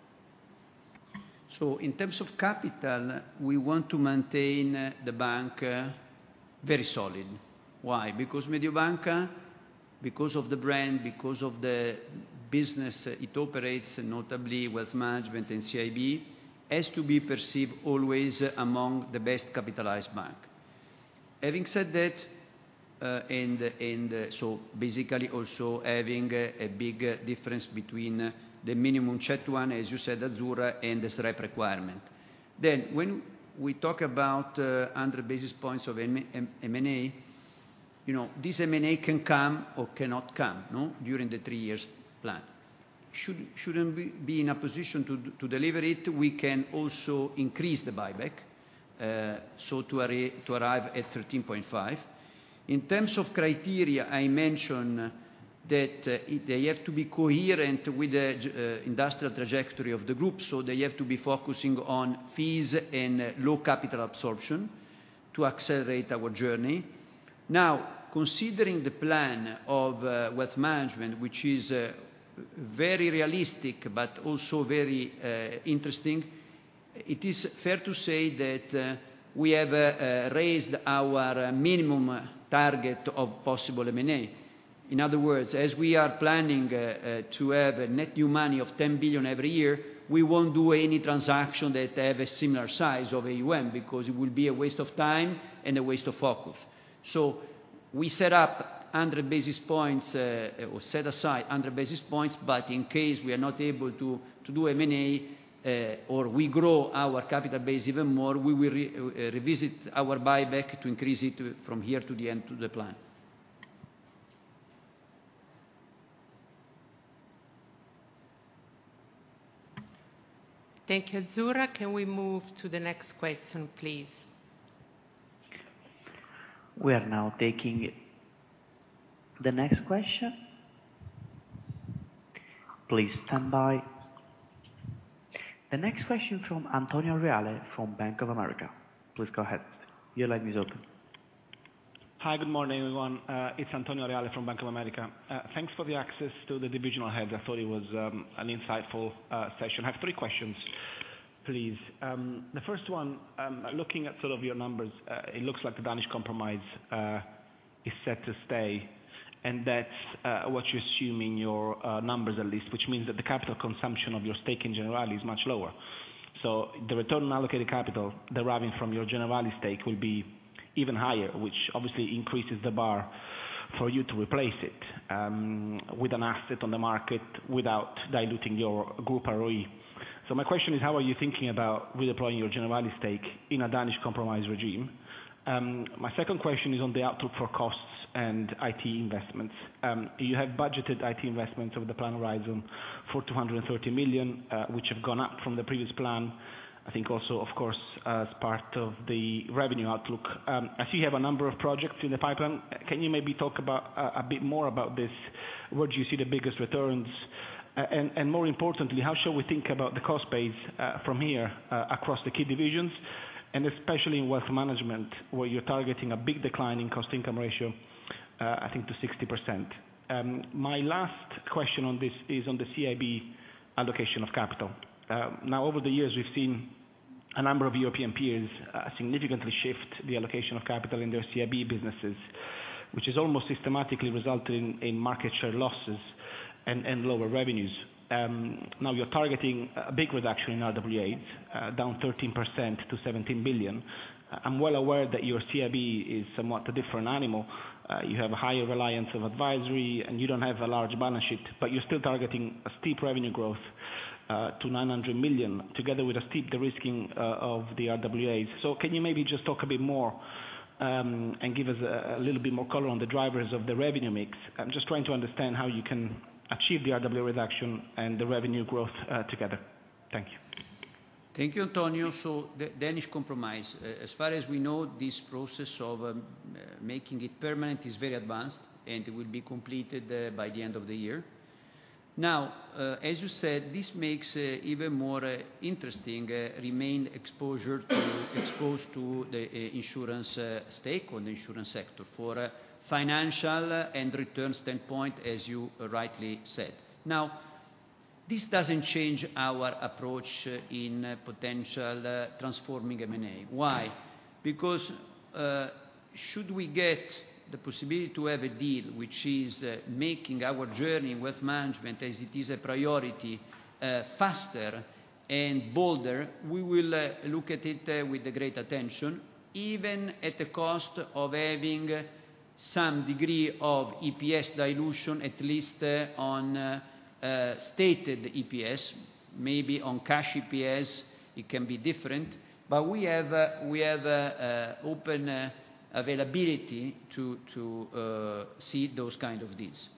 In terms of capital, we want to maintain the bank very solid. Why. Because Mediobanca, because of the brand, because of the business it operates, notably Wealth Management and CIB, has to be perceived always among the best capitalized bank. Having said that, and so basically also having a big difference between the minimum CET1, as you said, Azzurra, and the SREP requirement. When we talk about 100 basis points of M&A, you know, this M&A can come or cannot come, no, during the three years plan. Should we be in a position to deliver it, we can also increase the buyback so to arrive at 13.5%. In terms of criteria, I mentioned that they have to be coherent with the industrial trajectory of the group, so they have to be focusing on fees and low capital absorption to accelerate our journey. Considering the plan of wealth management, which is very realistic but also very interesting, it is fair to say that we have raised our minimum target of possible M&A. In other words, as we are planning to have a net new money of 10 billion every year, we won't do any transaction that have a similar size of AUM, because it will be a waste of time and a waste of focus. We set up 100 basis points, or set aside 100 basis points, but in case we are not able to do M&A, or we grow our capital base even more, we will revisit our buyback to increase it from here to the end to the plan. Thank you, Azzurra. Can we move to the next question, please? We are now taking the next question. Please stand by. The next question from Antonio Reale from Bank of America. Please go ahead. Your line is open. Hi, good morning, everyone. It's Antonio Reale from Bank of America. Thanks for the access to the divisional heads. I thought it was an insightful session. I have three questions, please. The first one, looking at some of your numbers, it looks like the Danish Compromise is set to stay, and that's what you assume in your numbers at least, which means that the capital consumption of your stake in Generali is much lower. The return on allocated capital deriving from your Generali stake will be even higher, which obviously increases the bar for you to replace it with an asset on the market without diluting your group ROE. My question is: How are you thinking about redeploying your Generali stake in a Danish Compromise regime? My second question is on the outlook for costs and IT investments. You have budgeted IT investments over the plan horizon for 230 million, which have gone up from the previous plan. I think also, of course, as part of the revenue outlook, I see you have a number of projects in the pipeline. Can you maybe talk about a bit more about this? Where do you see the biggest returns? And more importantly, how should we think about the cost base from here across the key divisions, and especially in Wealth Management, where you're targeting a big decline in cost-income ratio, I think to 60%? My last question on this is on the CIB allocation of capital. Now, over the years, we've seen a number of European peers significantly shift the allocation of capital in their CIB businesses, which has almost systematically resulted in market share losses and lower revenues. Now you're targeting a big reduction in RWAs down 13% to 17 billion. I'm well aware that your CIB is somewhat a different animal. You have a higher reliance of advisory, and you don't have a large balance sheet, but you're still targeting a steep revenue growth to 900 million together with a steep de-risking of the RWAs. Can you maybe just talk a bit more and give us a little bit more color on the drivers of the revenue mix? I'm just trying to understand how you can achieve the RWA reduction and the revenue growth together. Thank you. Thank you, Antonio. The Danish Compromise, as far as we know, this process of making it permanent is very advanced, and it will be completed by the end of the year. As you said, this makes even more interesting remain exposed to the insurance stake, on the insurance sector for a financial and return standpoint, as you rightly said. This doesn't change our approach in potential transforming M&A. Why? Should we get the possibility to have a deal which is making our journey in Wealth Management as it is a priority, faster and bolder, we will look at it with great attention, even at the cost of having some degree of EPS dilution, at least on stated EPS. Maybe on cash EPS, it can be different. We have open availability to see those kind of deals.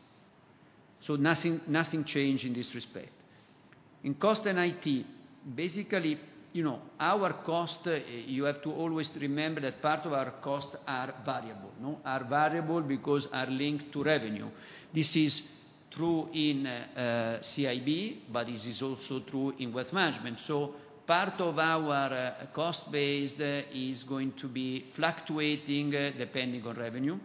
Nothing changes in this respect. In cost and IT, basically, you know, our cost, you have to always remember that part of our costs are variable, no? Are variable because are linked to revenue. This is true in CIB, but this is also true in wealth management. Part of our cost base is going to be fluctuating depending on revenue.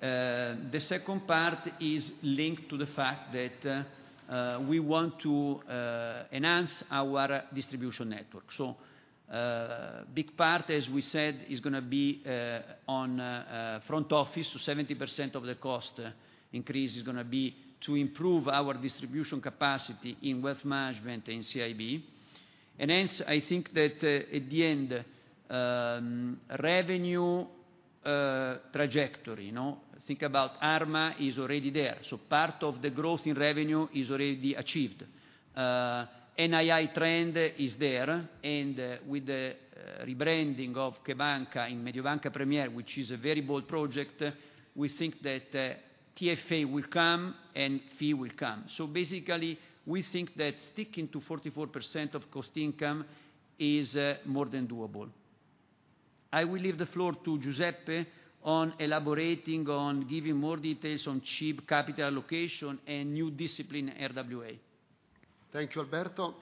The second part is linked to the fact that we want to enhance our distribution network. Big part, as we said, is gonna be on front office. 70% of the cost increase is gonna be to improve our distribution capacity in wealth management and CIB. Hence, I think that, at the end, revenue trajectory, you know, think about ARMA is already there. Part of the growth in revenue is already achieved. NII trend is there, and with the rebranding of CheBanca! in Mediobanca Premier, which is a very bold project, we think that TFA will come and fee will come. Basically, we think that sticking to 44% of cost income is more than doable. I will leave the floor to Giuseppe on elaborating, on giving more details on CIB capital allocation and new discipline RWA. Thank you, Alberto.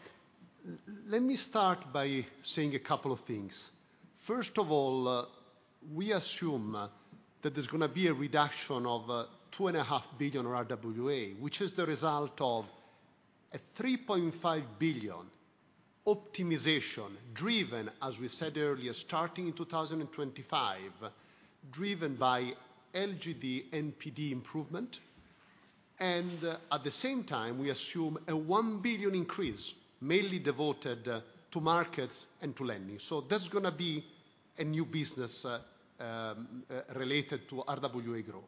Let me start by saying a couple of things. First of all, we assume that there's gonna be a reduction of 2.5 billion RWA, which is the result of a 3.5 billion optimization driven, as we said earlier, starting in 2025, driven by LGD NPD improvement. At the same time, we assume a 1 billion increase, mainly devoted to markets and to lending. That's gonna be a new business related to RWA growth.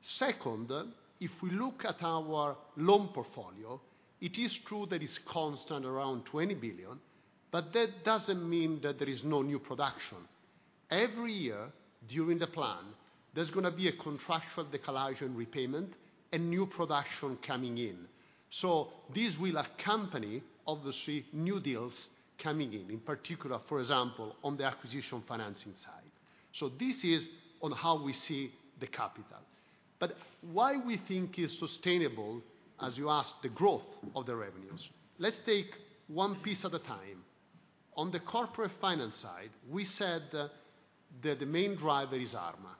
Second, if we look at our loan portfolio, it is true that it's constant around 20 billion, that doesn't mean that there is no new production. Every year during the plan, there's gonna be a contractual decollage and repayment and new production coming in. This will accompany, obviously, new deals coming in particular, for example, on the acquisition financing side. This is on how we see the capital. Why we think it's sustainable, as you asked, the growth of the revenues. Let's take one piece at a time. On the corporate finance side, we said that the main driver is Arma.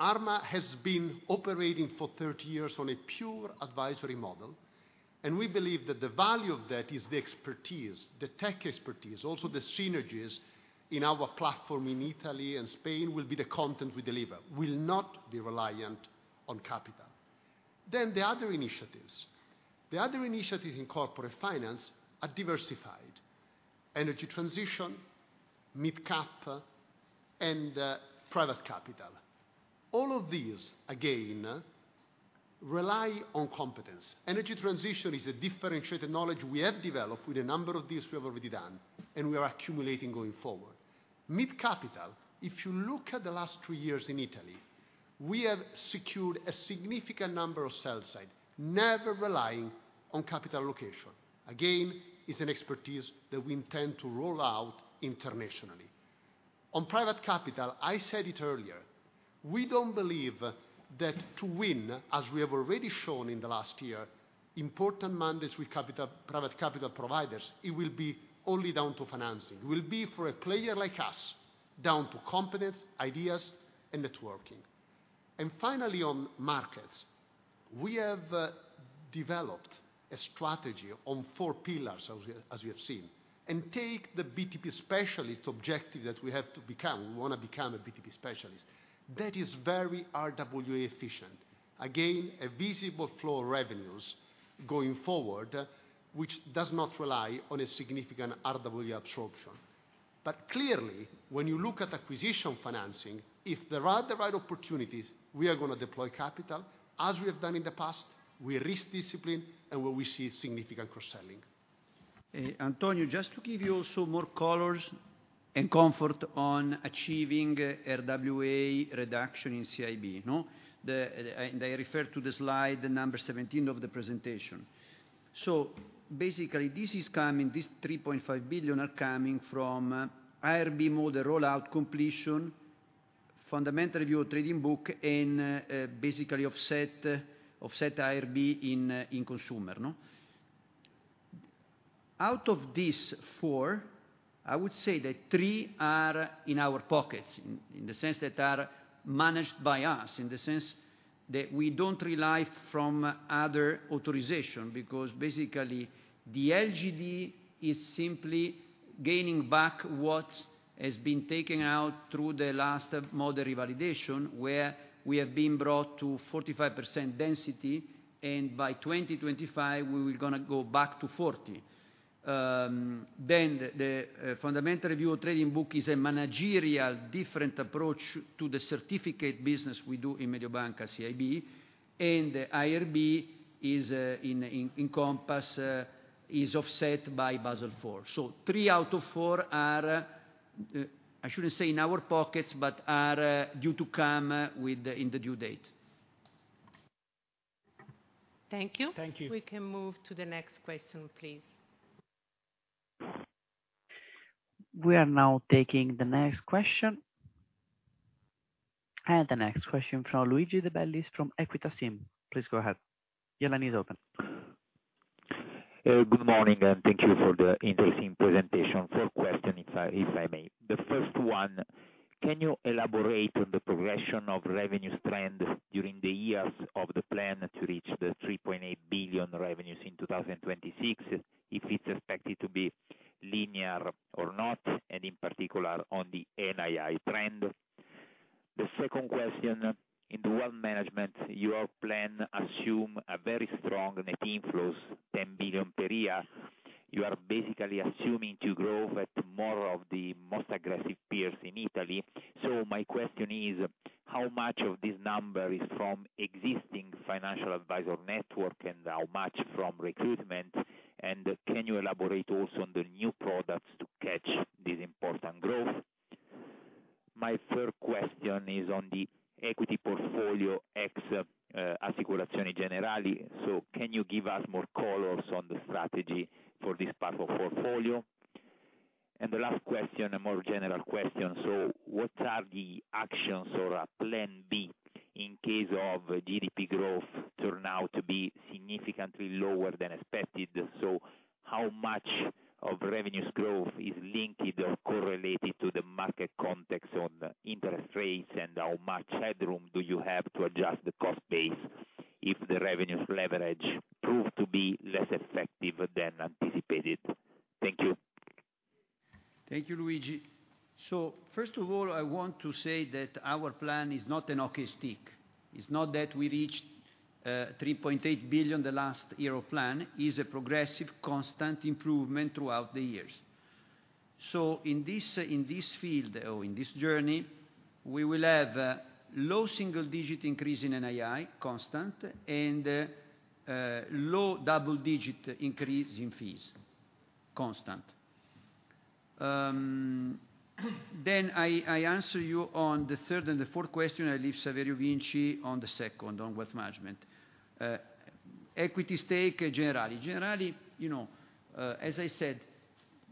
Arma has been operating for 30 years on a pure advisory model, and we believe that the value of that is the expertise, the tech expertise, also the synergies in our platform in Italy and Spain will be the content we deliver, will not be reliant on capital. The other initiatives. The other initiatives in corporate finance are diversified: energy transition, mid-cap, and private capital. All of these, again, rely on competence. Energy transition is a differentiated knowledge we have developed with a number of deals we have already done, and we are accumulating going forward. Mid-capital, if you look at the last two years in Italy, we have secured a significant number of sell side, never relying on capital allocation. It's an expertise that we intend to roll out internationally. On private capital, I said it earlier, we don't believe that to win, as we have already shown in the last year, important mandates with capital, private capital providers, it will be only down to financing. It will be for a player like us, down to competence, ideas, and networking. Finally, on markets, we have developed a strategy on four pillars as we have seen. Take the BTP specialist objective that we have to become. We wanna become a BTP specialist. That is very RWA efficient. Again, a visible flow of revenues going forward, which does not rely on a significant RWA absorption. Clearly, when you look at acquisition financing, if there are the right opportunities, we are gonna deploy capital. As we have done in the past, we are risk discipline and where we see significant cross-selling. Antonio, just to give you also more colors and comfort on achieving RWA reduction in CIB, no? I refer to the slide, number 17 of the presentation. Basically this is coming, this 3.5 billion are coming from IRB model rollout completion, fundamental review of trading book and basically offset IRB in consumer, no? Out of these four, I would say that three are in our pockets, in the sense that are managed by us, in the sense that we don't rely from other authorization. Basically the LGD is simply gaining back what has been taken out through the last model revalidation, where we have been brought to 45% density, and by 2025 we will gonna go back to 40. The fundamental review of trading book is a managerial different approach to the certificate business we do in Mediobanca CIB, and IRB is in Compass, is offset by Basel IV. Three out of four are, I shouldn't say in our pockets, but are, due to come with the, in the due date. Thank you. Thank you. We can move to the next question, please. We are now taking the next question. The next question from Luigi De Bellis from Equita SIM. Please go ahead. Your line is open. Good morning, thank you for the interesting presentation. Four question if I may. The first one, can you elaborate on the progression of revenues trend during the years of the plan to reach the 3.8 billion revenues in 2026, if it's expected to be linear or not, and in particular on the NII trend? The second question, in the Wealth Management, your plan assume a very strong net inflows, 10 billion per year. You are basically assuming to grow at more of the most aggressive peers in Italy. My question is, how much of this number is from existing financial advisor network, and how much from recruitment? Can you elaborate also on the new products to catch this important growth? My third question is on the equity portfolio ex Assicurazioni Generali. Can you give us more colors on the strategy for this part of portfolio? The last question, a more general question. What are the actions or a plan B in case of GDP growth turn out to be significantly lower than expected? How much of revenues growth is linked or correlated to the market context on interest rates, and how much headroom do you have to adjust the cost base if the revenues leverage prove to be less effective than anticipated? Thank you. Thank you, Luigi. First of all, I want to say that our plan is not a hockey stick. It's not that we reached 3.8 billion the last year of plan. It is a progressive, constant improvement throughout the years. In this, in this field or in this journey, we will have low single-digit increase in NII, constant, and low double-digit increase in fees, constant. I answer you on the third and the fourth question. I leave Francesco Saverio Vinci on the second, on Wealth Management. Equity stake Generali. Generali, you know, as I said,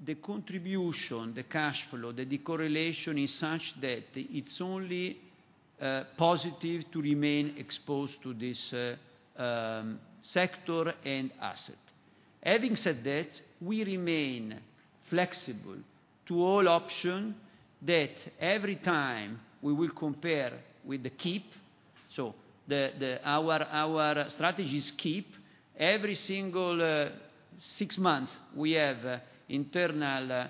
the contribution, the cash flow, the decorrelation is such that it's only positive to remain exposed to this sector and asset. Having said that, we remain flexible to all option that every time we will compare with the keep. Our strategy is keep. Every single six-month we have internal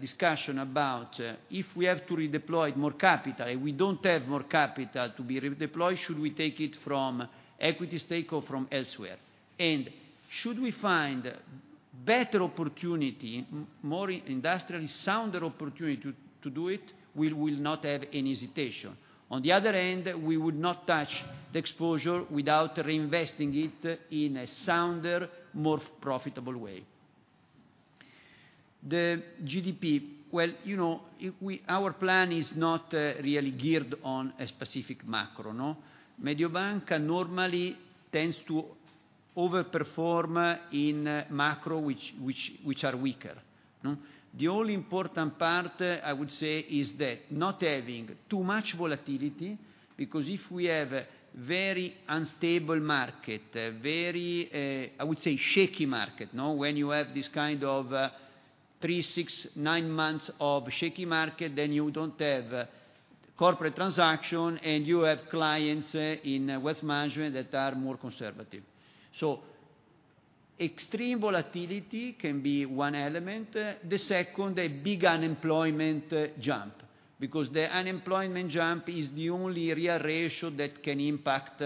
discussion about if we have to redeploy more capital, we don't have more capital to be redeployed, should we take it from equity stake or from elsewhere? Should we find better opportunity, more industrially sounder opportunity to do it, we will not have any hesitation. On the other end, we would not touch the exposure without reinvesting it in a sounder, more profitable way. The GDP, well, you know, our plan is not really geared on a specific macro, no. Mediobanca normally tends to over-perform in macro which are weaker. The only important part, I would say, is that not having too much volatility, because if we have very unstable market, very, I would say shaky market, no? You have this kind of three, three, nine months of shaky market, you don't have corporate transaction and you have clients in Wealth Management that are more conservative. Extreme volatility can be 1 element. The 2nd, a big unemployment jump, because the unemployment jump is the only real ratio that can impact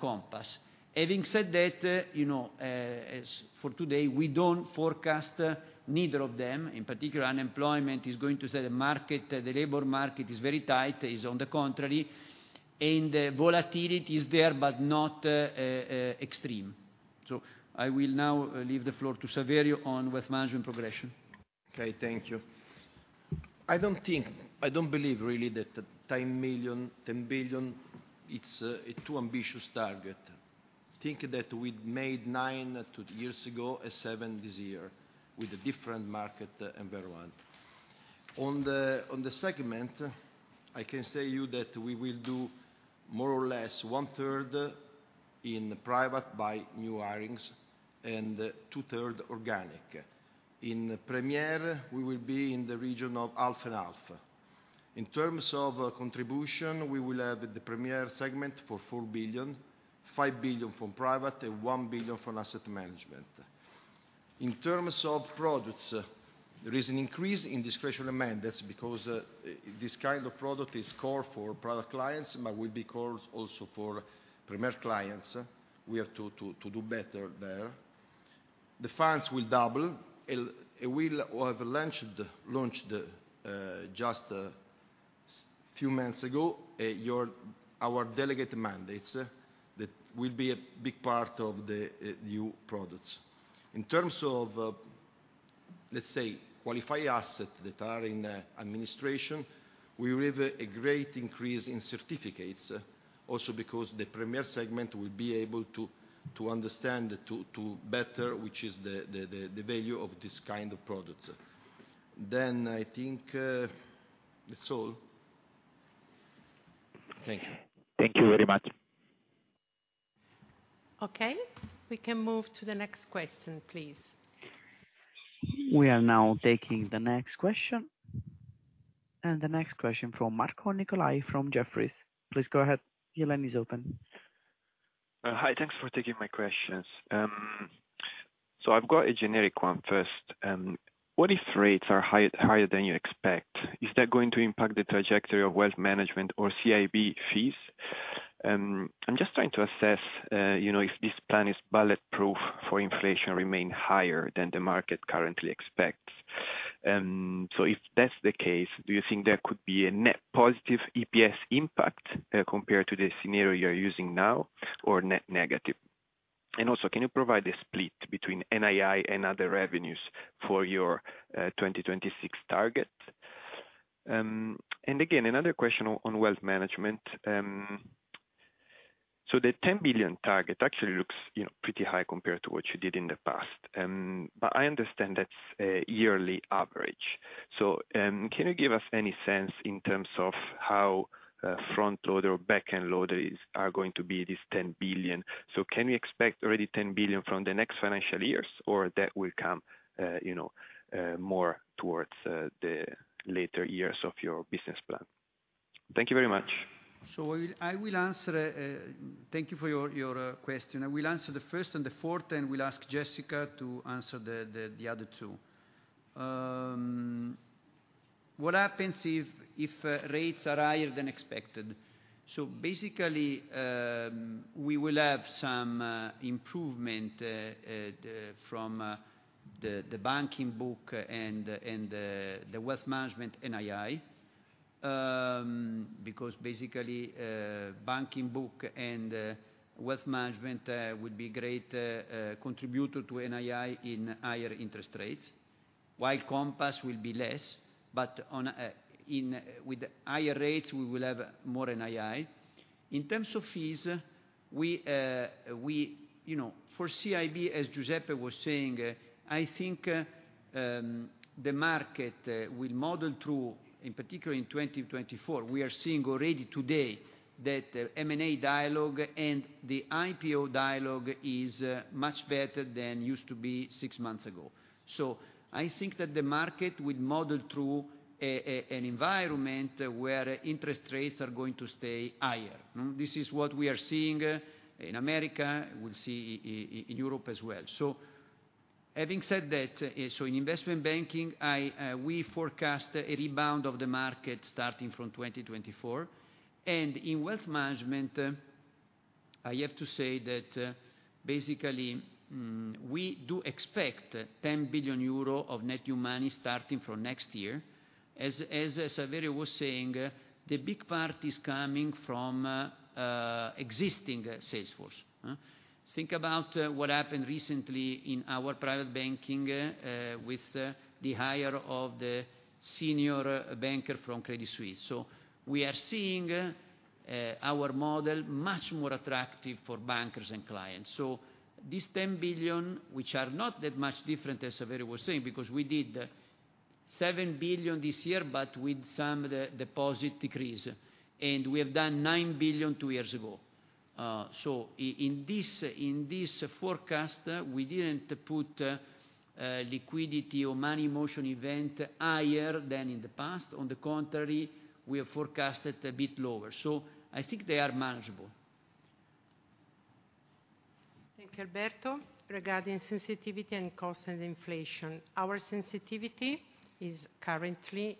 Compass. Having said that, you know, as for today, we don't forecast neither of them. Unemployment is going to set a market, the labor market is very tight, is on the contrary, volatility is there but not extreme. I will now leave the floor to Saverio on Wealth Management progression. Okay, thank you. I don't believe really that 10 million, 10 billion, it's a too ambitious target. Think that we made 9 billion two years ago and 7 billion this year with a different market environment. On the segment, I can say you that we will do more or less one-third in Private by new hirings and two-third organic. In Premier, we will be in the region of half and half. In terms of contribution, we will have the Premier segment for 4 billion, 5 billion from Private, and 1 billion from asset management. In terms of products, there is an increase in discretionary mandates because this kind of product is core for product clients, but will be core also for Premier clients. We have to do better there. The funds will double, and we'll have launched just few months ago our delegated mandates. That will be a big part of the new products. In terms of, let's say, qualified assets that are in administration, we have a great increase in certificates also because the Premier segment will be able to understand to better, which is the value of this kind of products. I think that's all. Thank you. Thank you very much. Okay. We can move to the next question, please. We are now taking the next question. The next question from Marco Nicolai from Jefferies. Please go ahead. Your line is open. Hi. Thanks for taking my questions. I've got a generic one first. What if rates are higher than you expect? Is that going to impact the trajectory of Wealth Management or CIB fees? I'm just trying to assess, you know, if this plan is bulletproof for inflation remain higher than the market currently expects. If that's the case, do you think there could be a net positive EPS impact compared to the scenario you're using now, or net negative? Can you provide a split between NII and other revenues for your 2026 target? Another question on Wealth Management. The 10 billion target actually looks, you know, pretty high compared to what you did in the past. I understand that's a yearly average. Can you give us any sense in terms of how front load or back-end load are going to be this 10 billion? Can we expect already 10 billion from the next financial years, or that will come, you know, more towards the later years of your business plan? Thank you very much. I will answer. Thank you for your question. I will answer the first and the fourth, and will ask Jessica to answer the other two. What happens if rates are higher than expected? Basically, we will have some improvement from the banking book and the Wealth Management NII. Because basically, banking book and Wealth Management would be great contributor to NII in higher interest rates. While Compass will be less, with higher rates, we will have more NII. In terms of fees, we... You know, for CIB, as Giuseppe was saying, I think the market will model through, in particular in 2024, we are seeing already today that M&A dialogue and the IPO dialogue is much better than used to be six-month ago. I think that the market will model through an environment where interest rates are going to stay higher. This is what we are seeing in America, we'll see in Europe as well. Having said that, in investment banking, we forecast a rebound of the market starting from 2024. In Wealth Management, I have to say that basically, we do expect 10 billion euro of net new money starting from next year. As Saverio was saying, the big part is coming from existing sales force. Huh? Think about what happened recently in our Private Banking with the hire of the senior banker from Credit Suisse. We are seeing our model much more attractive for bankers and clients. This 10 billion, which are not that much different, as Saverio was saying, because we did 7 billion this year, but with some deposit decrease, and we have done 9 billion two years ago. In this forecast, we didn't put liquidity or money motion event higher than in the past. On the contrary, we have forecasted a bit lower. I think they are manageable. Thank you, Alberto. Regarding sensitivity and cost and inflation, our sensitivity is currently,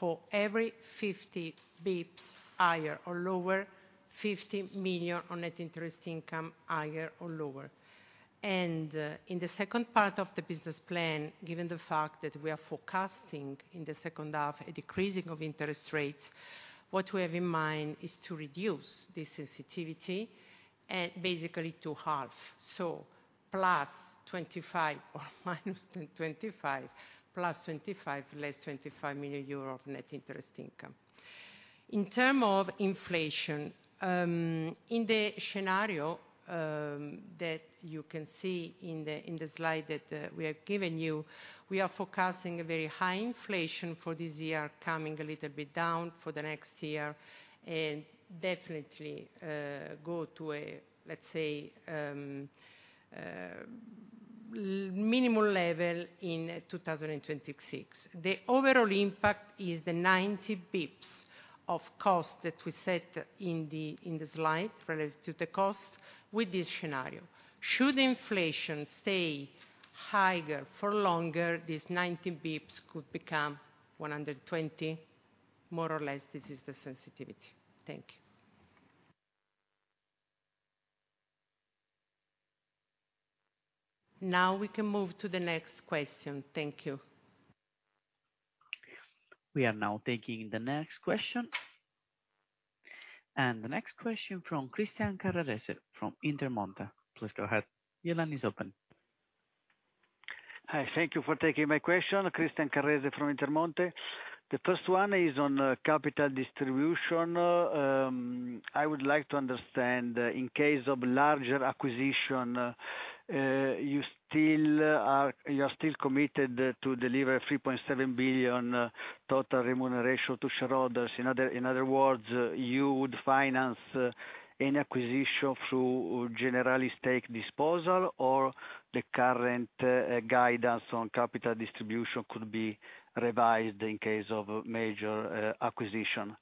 for every 50 bips higher or lower, 50 million on net interest income higher or lower. In the second part of the business plan, given the fact that we are forecasting in the second half a decreasing of interest rates, what we have in mind is to reduce the sensitivity at basically to half, so +25 or -25, +25, less 25 million euro of net interest income. In term of inflation, in the scenario that you can see in the slide that we have given you, we are forecasting a very high inflation for this year, coming a little bit down for the next year, and definitely, go to a, let's say, minimal level in 2026. The overall impact is the 90 bips of cost that we set in the slide relative to the cost with this scenario. Should inflation stay higher for longer, this 90 bips could become 120, more or less this is the sensitivity. Thank you. Now we can move to the next question. Thank you. We are now taking the next question. The next question from Christian Carrese from Intermonte. Please go ahead. Your line is open. Hi, thank you for taking my question. Christian Carrese from Intermonte. The first one is on capital distribution. I would like to understand, in case of larger acquisition, you are still committed to deliver 3.7 billion total remuneration to shareholders. In other words, you would finance any acquisition through Generali stake disposal, or the current guidance on capital distribution could be revised in case of a major acquisition?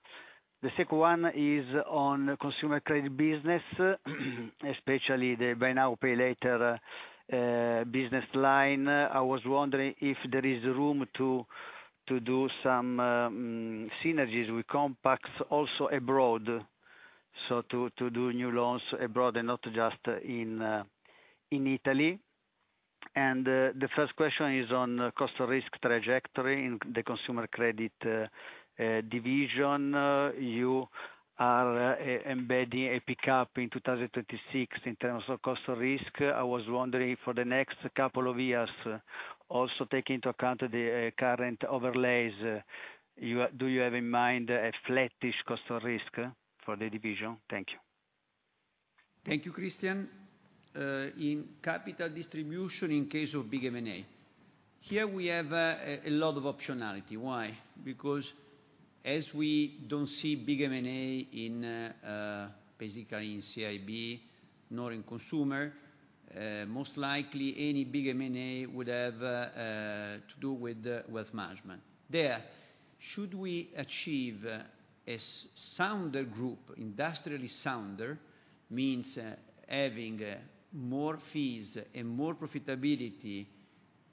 The second one is on consumer credit business, especially the Buy Now, Pay Later business line. I was wondering if there is room to do some synergies with Compass also abroad, to do new loans abroad and not just in Italy. The first question is on cost of risk trajectory in the consumer credit division. You are embedding a pickup in 2026 in terms of cost of risk. I was wondering for the next couple of years, also take into account the current overlays, do you have in mind a flattish cost of risk for the division? Thank you. Thank you, Christian. In capital distribution in case of big M&A. Here we have a lot of optionality. Why? Because as we don't see big M&A in basically in CIB, nor in consumer, most likely any big M&A would have to do with the Wealth Management. There, should we achieve a sounder group, industrially sounder, means having more fees and more profitability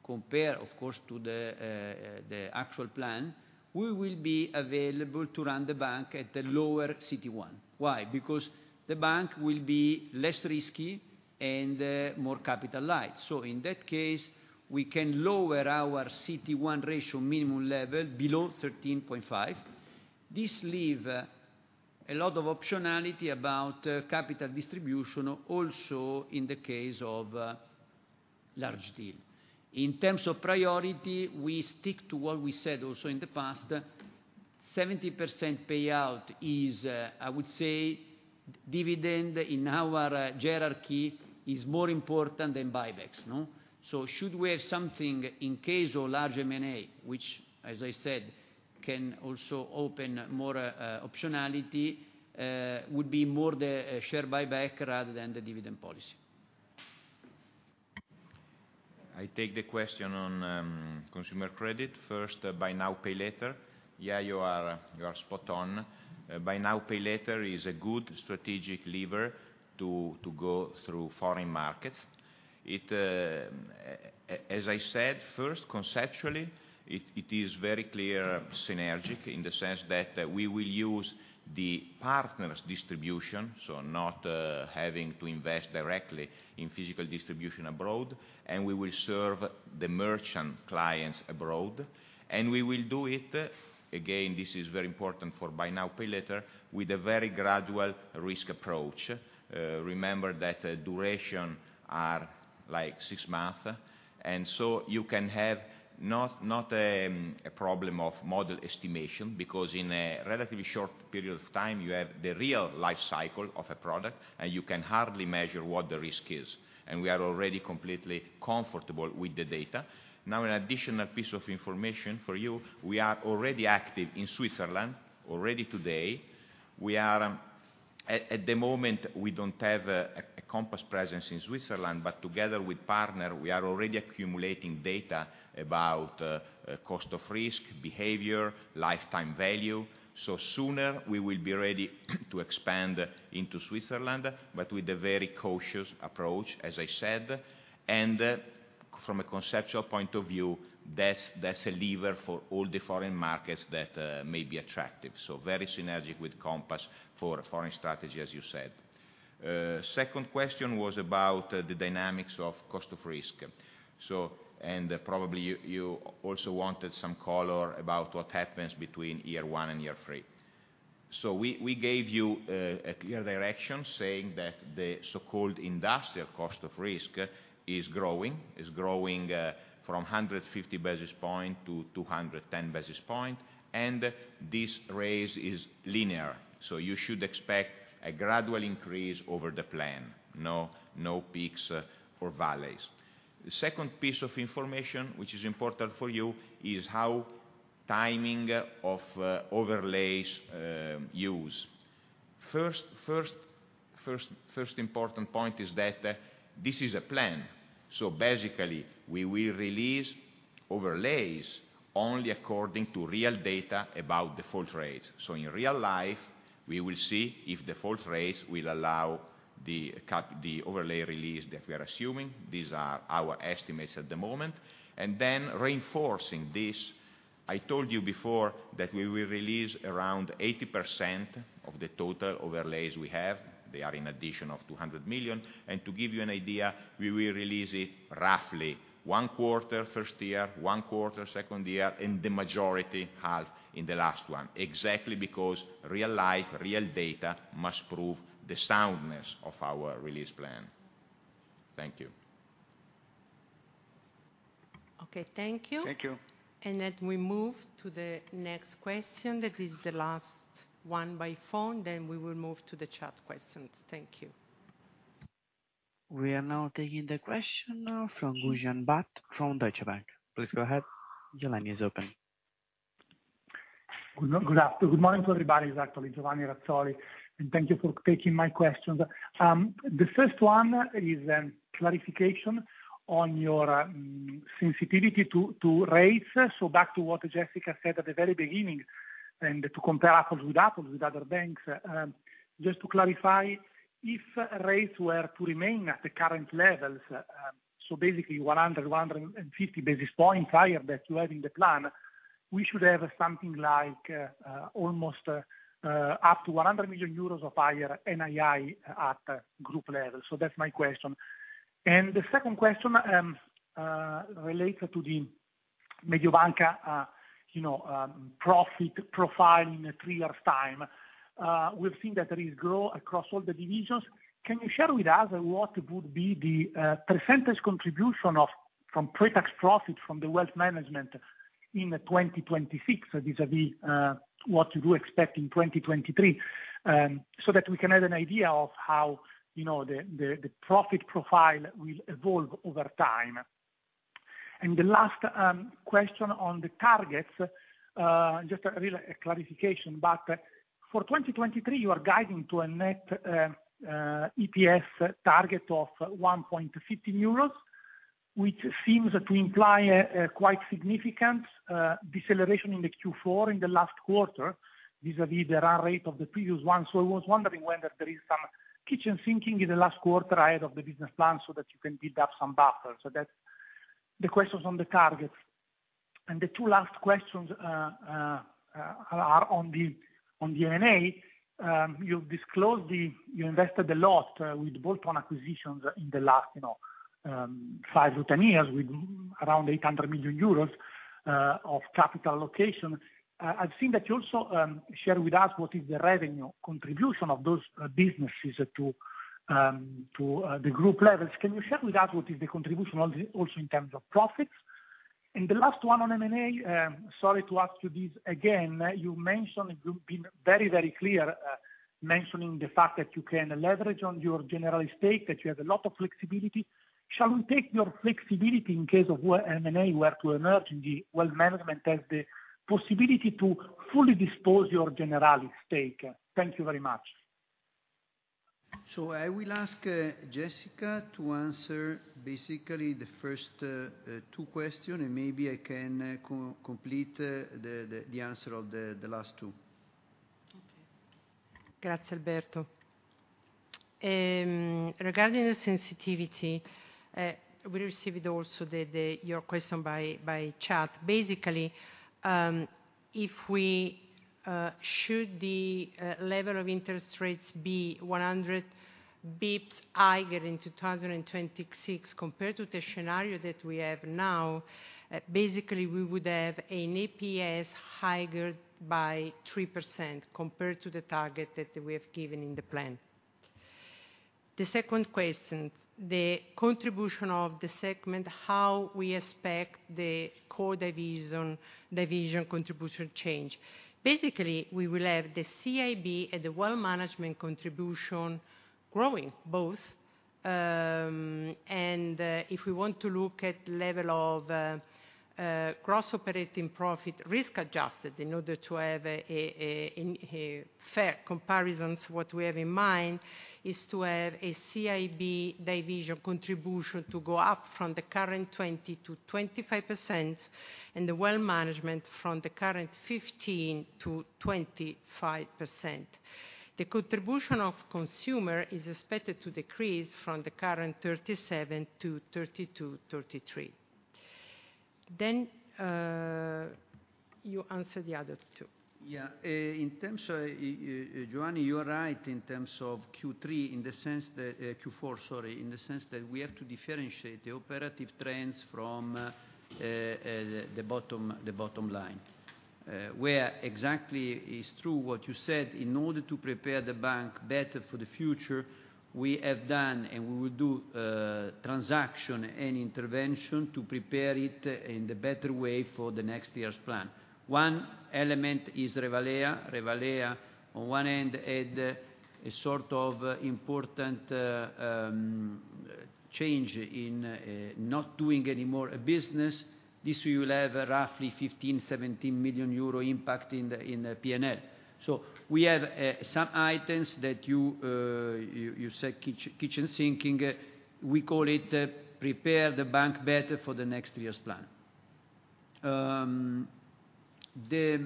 compared of course to the actual plan, we will be available to run the bank at a lower CT1. Why? Because the bank will be less risky and more capital light. In that case, we can lower our CT1 ratio minimum level below 13.5. This leave a lot of optionality about capital distribution also in the case of large deal. In terms of priority, we stick to what we said also in the past. 70% payout is, I would say dividend in our hierarchy is more important than buybacks, no? Should we have something in case of large M&A, which as I said can also open more optionality, would be more the share buyback rather than the dividend policy. I take the question on Consumer Credit first. Buy Now, Pay Later. Yeah, you are spot on. Buy Now, Pay Later is a good strategic lever to go through foreign markets. As I said, first conceptually it is very clear synergic in the sense that we will use the partners distribution, so not having to invest directly in physical distribution abroad, and we will serve the merchant clients abroad, and we will do it. This is very important for Buy Now, Pay Later with a very gradual risk approach. Remember that duration are like six-month, and so you can have not a problem of model estimation because in a relatively short period of time you have the real life cycle of a product and you can hardly measure what the risk is, and we are already completely comfortable with the data. Now, an additional piece of information for you, we are already active in Switzerland already today. We are At the moment, we don't have a Compass presence in Switzerland, but together with partner we are already accumulating data about cost of risk, behavior, lifetime value. Sooner we will be ready to expand into Switzerland, but with a very cautious approach, as I said. From a conceptual point of view, that's a lever for all the foreign markets that may be attractive. Very synergic with Compass for foreign strategy, as you said. Second question was about the dynamics of cost of risk. Probably you also wanted some color about what happens between year one and year three. We gave you a clear direction saying that the so-called industrial cost of risk is growing from 150 basis points to 210 basis points, and this raise is linear, so you should expect a gradual increase over the plan. No peaks or valleys. The second piece of information, which is important for you, is how timing of overlays use. First important point is that this is a plan. Basically we will release overlays only according to real data about default rates. In real life, we will see if default rates will allow the overlay release that we are assuming. These are our estimates at the moment. Then reinforcing this, I told you before that we will release around 80% of the total overlays we have. They are in addition of 200 million. And to give you an idea, we will release it roughly one quarter first year, one quarter second year, and the majority half in the last one. Exactly because real life, real data must prove the soundness of our release plan. Thank you. Okay, thank you. Thank you. We move to the next question. That is the last one by phone, we will move to the chat questions. Thank you. We are now taking the question from Giovanni Razzoli from Deutsche Bank. Please go ahead. Your line is open. Good afternoon. Good morning to everybody. It's actually Giovanni Razzoli, thank you for taking my questions. The first one is clarification on your sensitivity to rates. Back to what Jessica said at the very beginning, and to compare apples with apples with other banks, just to clarify, if rates were to remain at the current levels, so basically 100, 150 basis points higher that you have in the plan, we should have something like almost up to 100 million euros of higher NII at group level. That's my question. The second question relates to the Mediobanca, you know, profit profile in three years time. We've seen that there is growth across all the divisions. Can you share with us what would be the percentage contribution of, from pre-tax profit from the Wealth Management in 2026 vis-à-vis what you expect in 2023, so that we can have an idea of how, you know, the profit profile will evolve over time. The last question on the targets, just a real clarification. For 2023, you are guiding to a net EPS target of 1.50 euros, which seems to imply a quite significant deceleration in the Q4, in the last quarter vis-à-vis the run rate of the previous one. I was wondering whether there is some kitchen sinking in the last quarter ahead of the business plan so that you can build up some buffer. That's the questions on the targets. The 2 last questions are on the M&A. You've disclosed. You invested a lot with bolt-on acquisitions in the last, you know, five to 10 years with around 800 million euros. Of capital location. I've seen that you also share with us what is the revenue contribution of those businesses to the group levels. Can you share with us what is the contribution also in terms of profits? The last one on M&A, sorry to ask you this again. You mentioned, you've been very, very clear, mentioning the fact that you can leverage on your Generali stake, that you have a lot of flexibility. Shall we take your flexibility in case of M&A were to emerge in the Wealth Management as the possibility to fully dispose your Generali stake? Thank you very much. I will ask, Jessica to answer basically the first, 2 question, and maybe I can co-complete the answer of the last 2. Okay. Grazie, Alberto. Regarding the sensitivity, we received also the your question by chat. Basically, if we should the level of interest rates be 100 basis points higher in 2026 compared to the scenario that we have now, basically we would have an EPS higher by 3% compared to the target that we have given in the plan. The second question, the contribution of the segment, how we expect the core division contribution change. Basically, we will have the CIB and the Wealth Management contribution growing both, and, if we want to look at level of, Gross Operating Profit risk adjusted in order to have a fair comparisons, what we have in mind is to have a CIB division contribution to go up from the current 20%-25%, and the Wealth Management from the current 15%-25%. The contribution of Consumer is expected to decrease from the current 37% to 32%-33%. You answer the other two. Yeah. In terms of Giovanni, you are right in terms of Q3, in the sense that Q4, sorry, in the sense that we have to differentiate the operative trends from the bottom line. Where exactly is true what you said, in order to prepare the bank better for the future, we have done and we will do transaction and intervention to prepare it in the better way for the next year's plan. One element is Revalea. Revalea on one end had a sort of important change in not doing any more business. This will have roughly 15 million, 17 million euro impact in the P&L. We have some items that you said kitchen sinking. We call it prepare the bank better for the next year's plan. The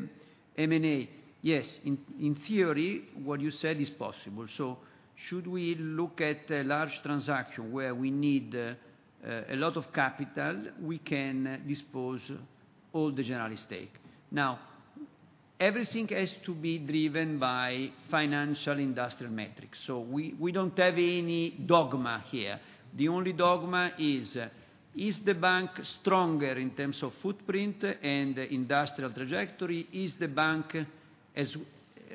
M&A. Yes. In theory, what you said is possible. Should we look at a large transaction where we need a lot of capital, we can dispose all the Generali stake. Everything has to be driven by financial industrial metrics. We don't have any dogma here. The only dogma is the bank stronger in terms of footprint and industrial trajectory?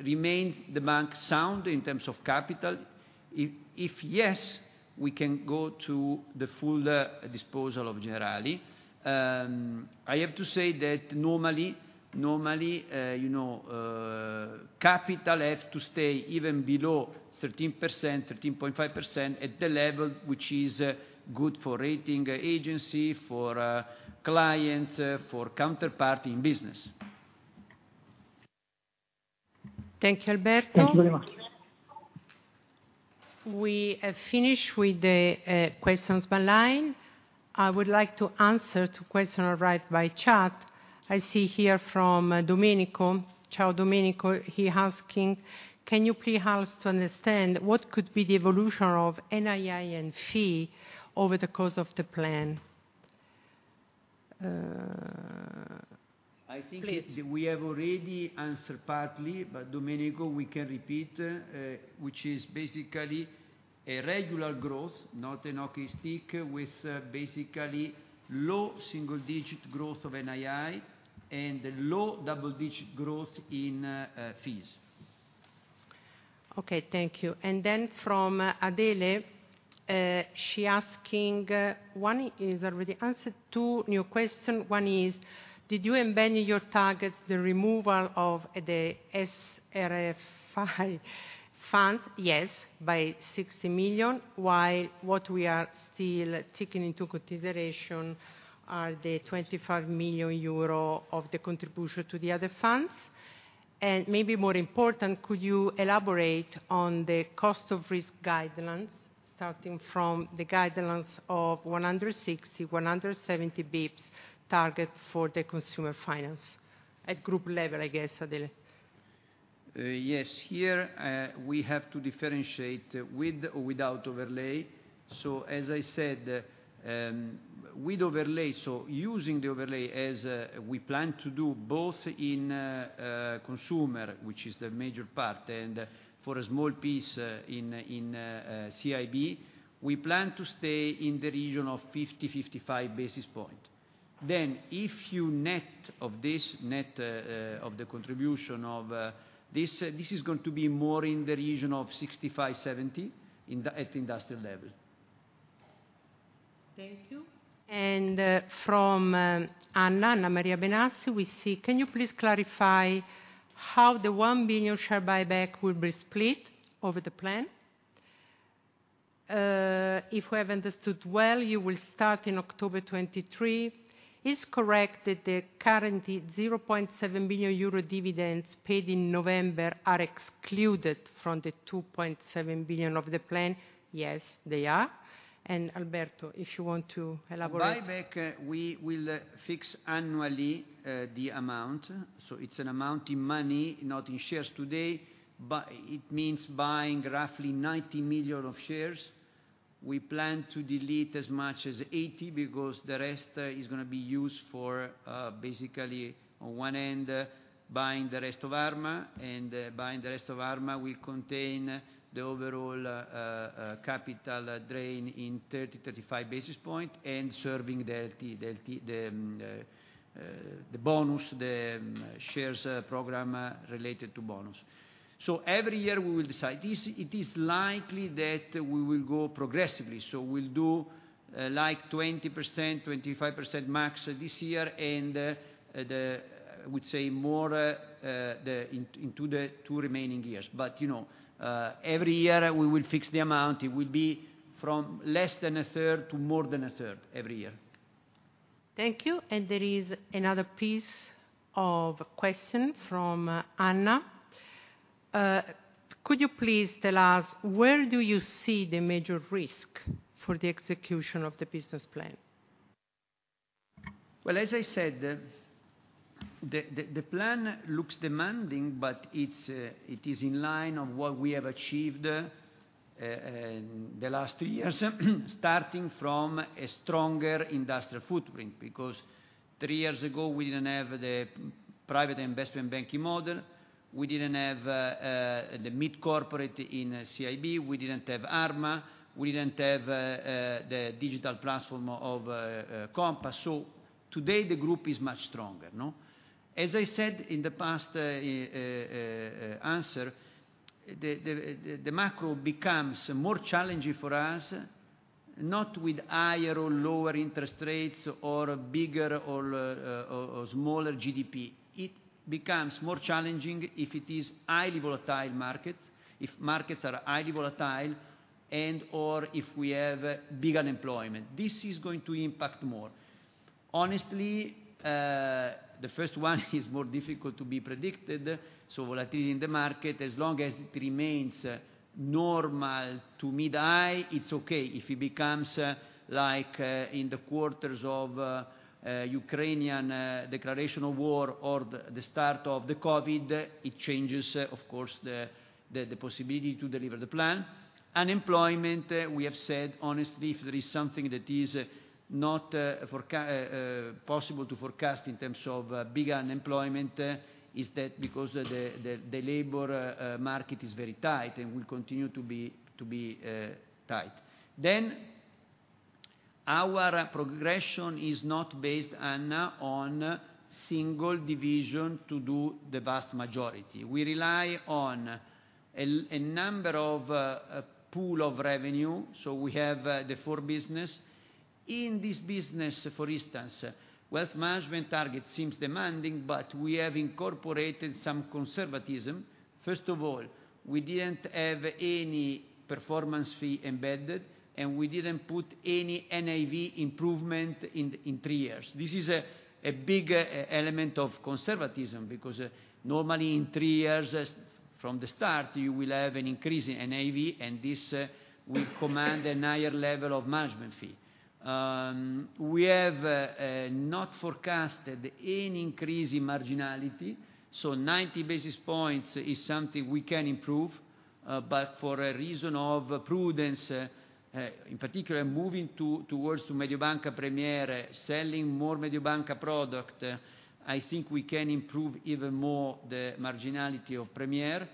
Remains the bank sound in terms of capital? If yes, we can go to the full disposal of Generali. I have to say that normally, you know, capital have to stay even below 13%, 13.5% at the level which is good for rating agency, for clients, for counterparty in business. Thank you, Alberto. Thank you very much. We have finished with the questions by line. I would like to answer to question arrived by chat. I see here from Domenico. Ciao, Domenico. He asking, "Can you please help us to understand what could be the evolution of NII and fee over the course of the plan? I think that we have already answered partly, but Domenico, we can repeat, which is basically a regular growth, not a hockey stick, with basically low single-digit growth of NII and low double-digit growth in fees. Okay, thank you. From Adele, she asking, one is already answered. Two new question. One is, did you embed in your targets the removal of the SRF fund? Yes, by 60 million, while what we are still taking into consideration are the 25 million euro of the contribution to the other funds. Maybe more important, could you elaborate on the cost of risk guidelines, starting from the guidelines of 160, 170 bips target for the consumer finance at group level, I guess, Adele. Yes. Here, we have to differentiate with or without overlay. As I said, with overlay, using the overlay as we plan to do both in Consumer, which is the major part, and for a small piece in CIB, we plan to stay in the region of 50-55 basis point. If you net of this, net of the contribution of this is going to be more in the region of 65-70 at industrial level. Thank you. From Anna Maria Benassi, we see can you please clarify how the 1 billion share buyback will be split over the plan? If we have understood well, you will start in October 2023. Is correct that the current 0.7 billion euro dividends paid in November are excluded from the 2.7 billion of the plan? Yes, they are. Alberto, if you want to elaborate. The buyback, we will fix annually, the amount, so it's an amount in money, not in shares today, but it means buying roughly 90 million of shares. We plan to delete as much as 80 because the rest is gonna be used for, basically on one end, buying the rest of Arma, and buying the rest of Arma will contain the overall capital drain in 30-35 basis points and serving the bonus, the shares program related to bonus. Every year we will decide. This, it is likely that we will go progressively. We'll do, like 20%-25% max this year and, I would say more into the two remaining years. You know, every year we will fix the amount. It will be from less than a third to more than a third every year. Thank you. There is another piece of question from Anna. Could you please tell us where do you see the major risk for the execution of the business plan? Well, as I said, the plan looks demanding, but it's, it is in line of what we have achieved in the last two years, starting from a stronger industrial footprint. Because three years ago, we didn't have the private investment banking model. We didn't have the Mid Corporate in CIB. We didn't have Arma. We didn't have the digital platform of Compass. Today, the group is much stronger, no? As I said in the past answer, the macro becomes more challenging for us, not with higher or lower interest rates or bigger or smaller GDP. It becomes more challenging if it is highly volatile market, if markets are highly volatile and/or if we have big unemployment. This is going to impact more. Honestly, the first one is more difficult to be predicted, volatility in the market. As long as it remains normal to mid-high, it's okay. If it becomes like in the quarters of Ukrainian declaration of war or the start of the COVID, it changes of course the possibility to deliver the plan. Unemployment, we have said honestly, if there is something that is not possible to forecast in terms of big unemployment, is that because the labor market is very tight and will continue to be tight. Our progression is not based, Anna, on single division to do the vast majority. We rely on a number of pool of revenue, we have the four business. In this business, for instance, Wealth Management target seems demanding, but we have incorporated some conservatism. First of all, we didn't have any performance fee embedded, and we didn't put any NAV improvement in three years. This is a big element of conservatism, because normally in three years from the start, you will have an increase in NAV, and this will command a higher level of management fee. We have not forecasted any increase in marginality, 90 basis points is something we can improve, but for a reason of prudence, in particular, moving towards Mediobanca Premier, selling more Mediobanca product, I think we can improve even more the marginality of Premier.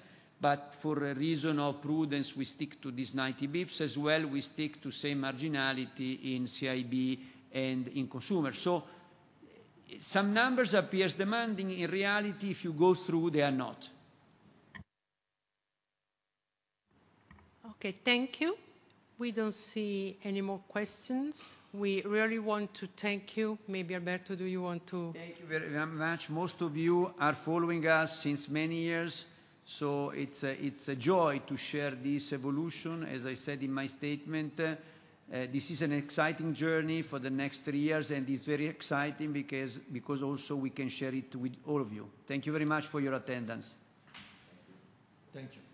For a reason of prudence, we stick to these 90 bips. As well, we stick to same marginality in CIB and in consumer. Some numbers appears demanding. In reality, if you go through, they are not. Okay, thank you. We don't see any more questions. We really want to thank you. Maybe, Alberto, do you want to. Thank you very much. Most of you are following us since many years, so it's a joy to share this evolution. As I said in my statement, this is an exciting journey for the next three years, and it's very exciting because also we can share it with all of you. Thank you very much for your attendance. Thank you. Thank you.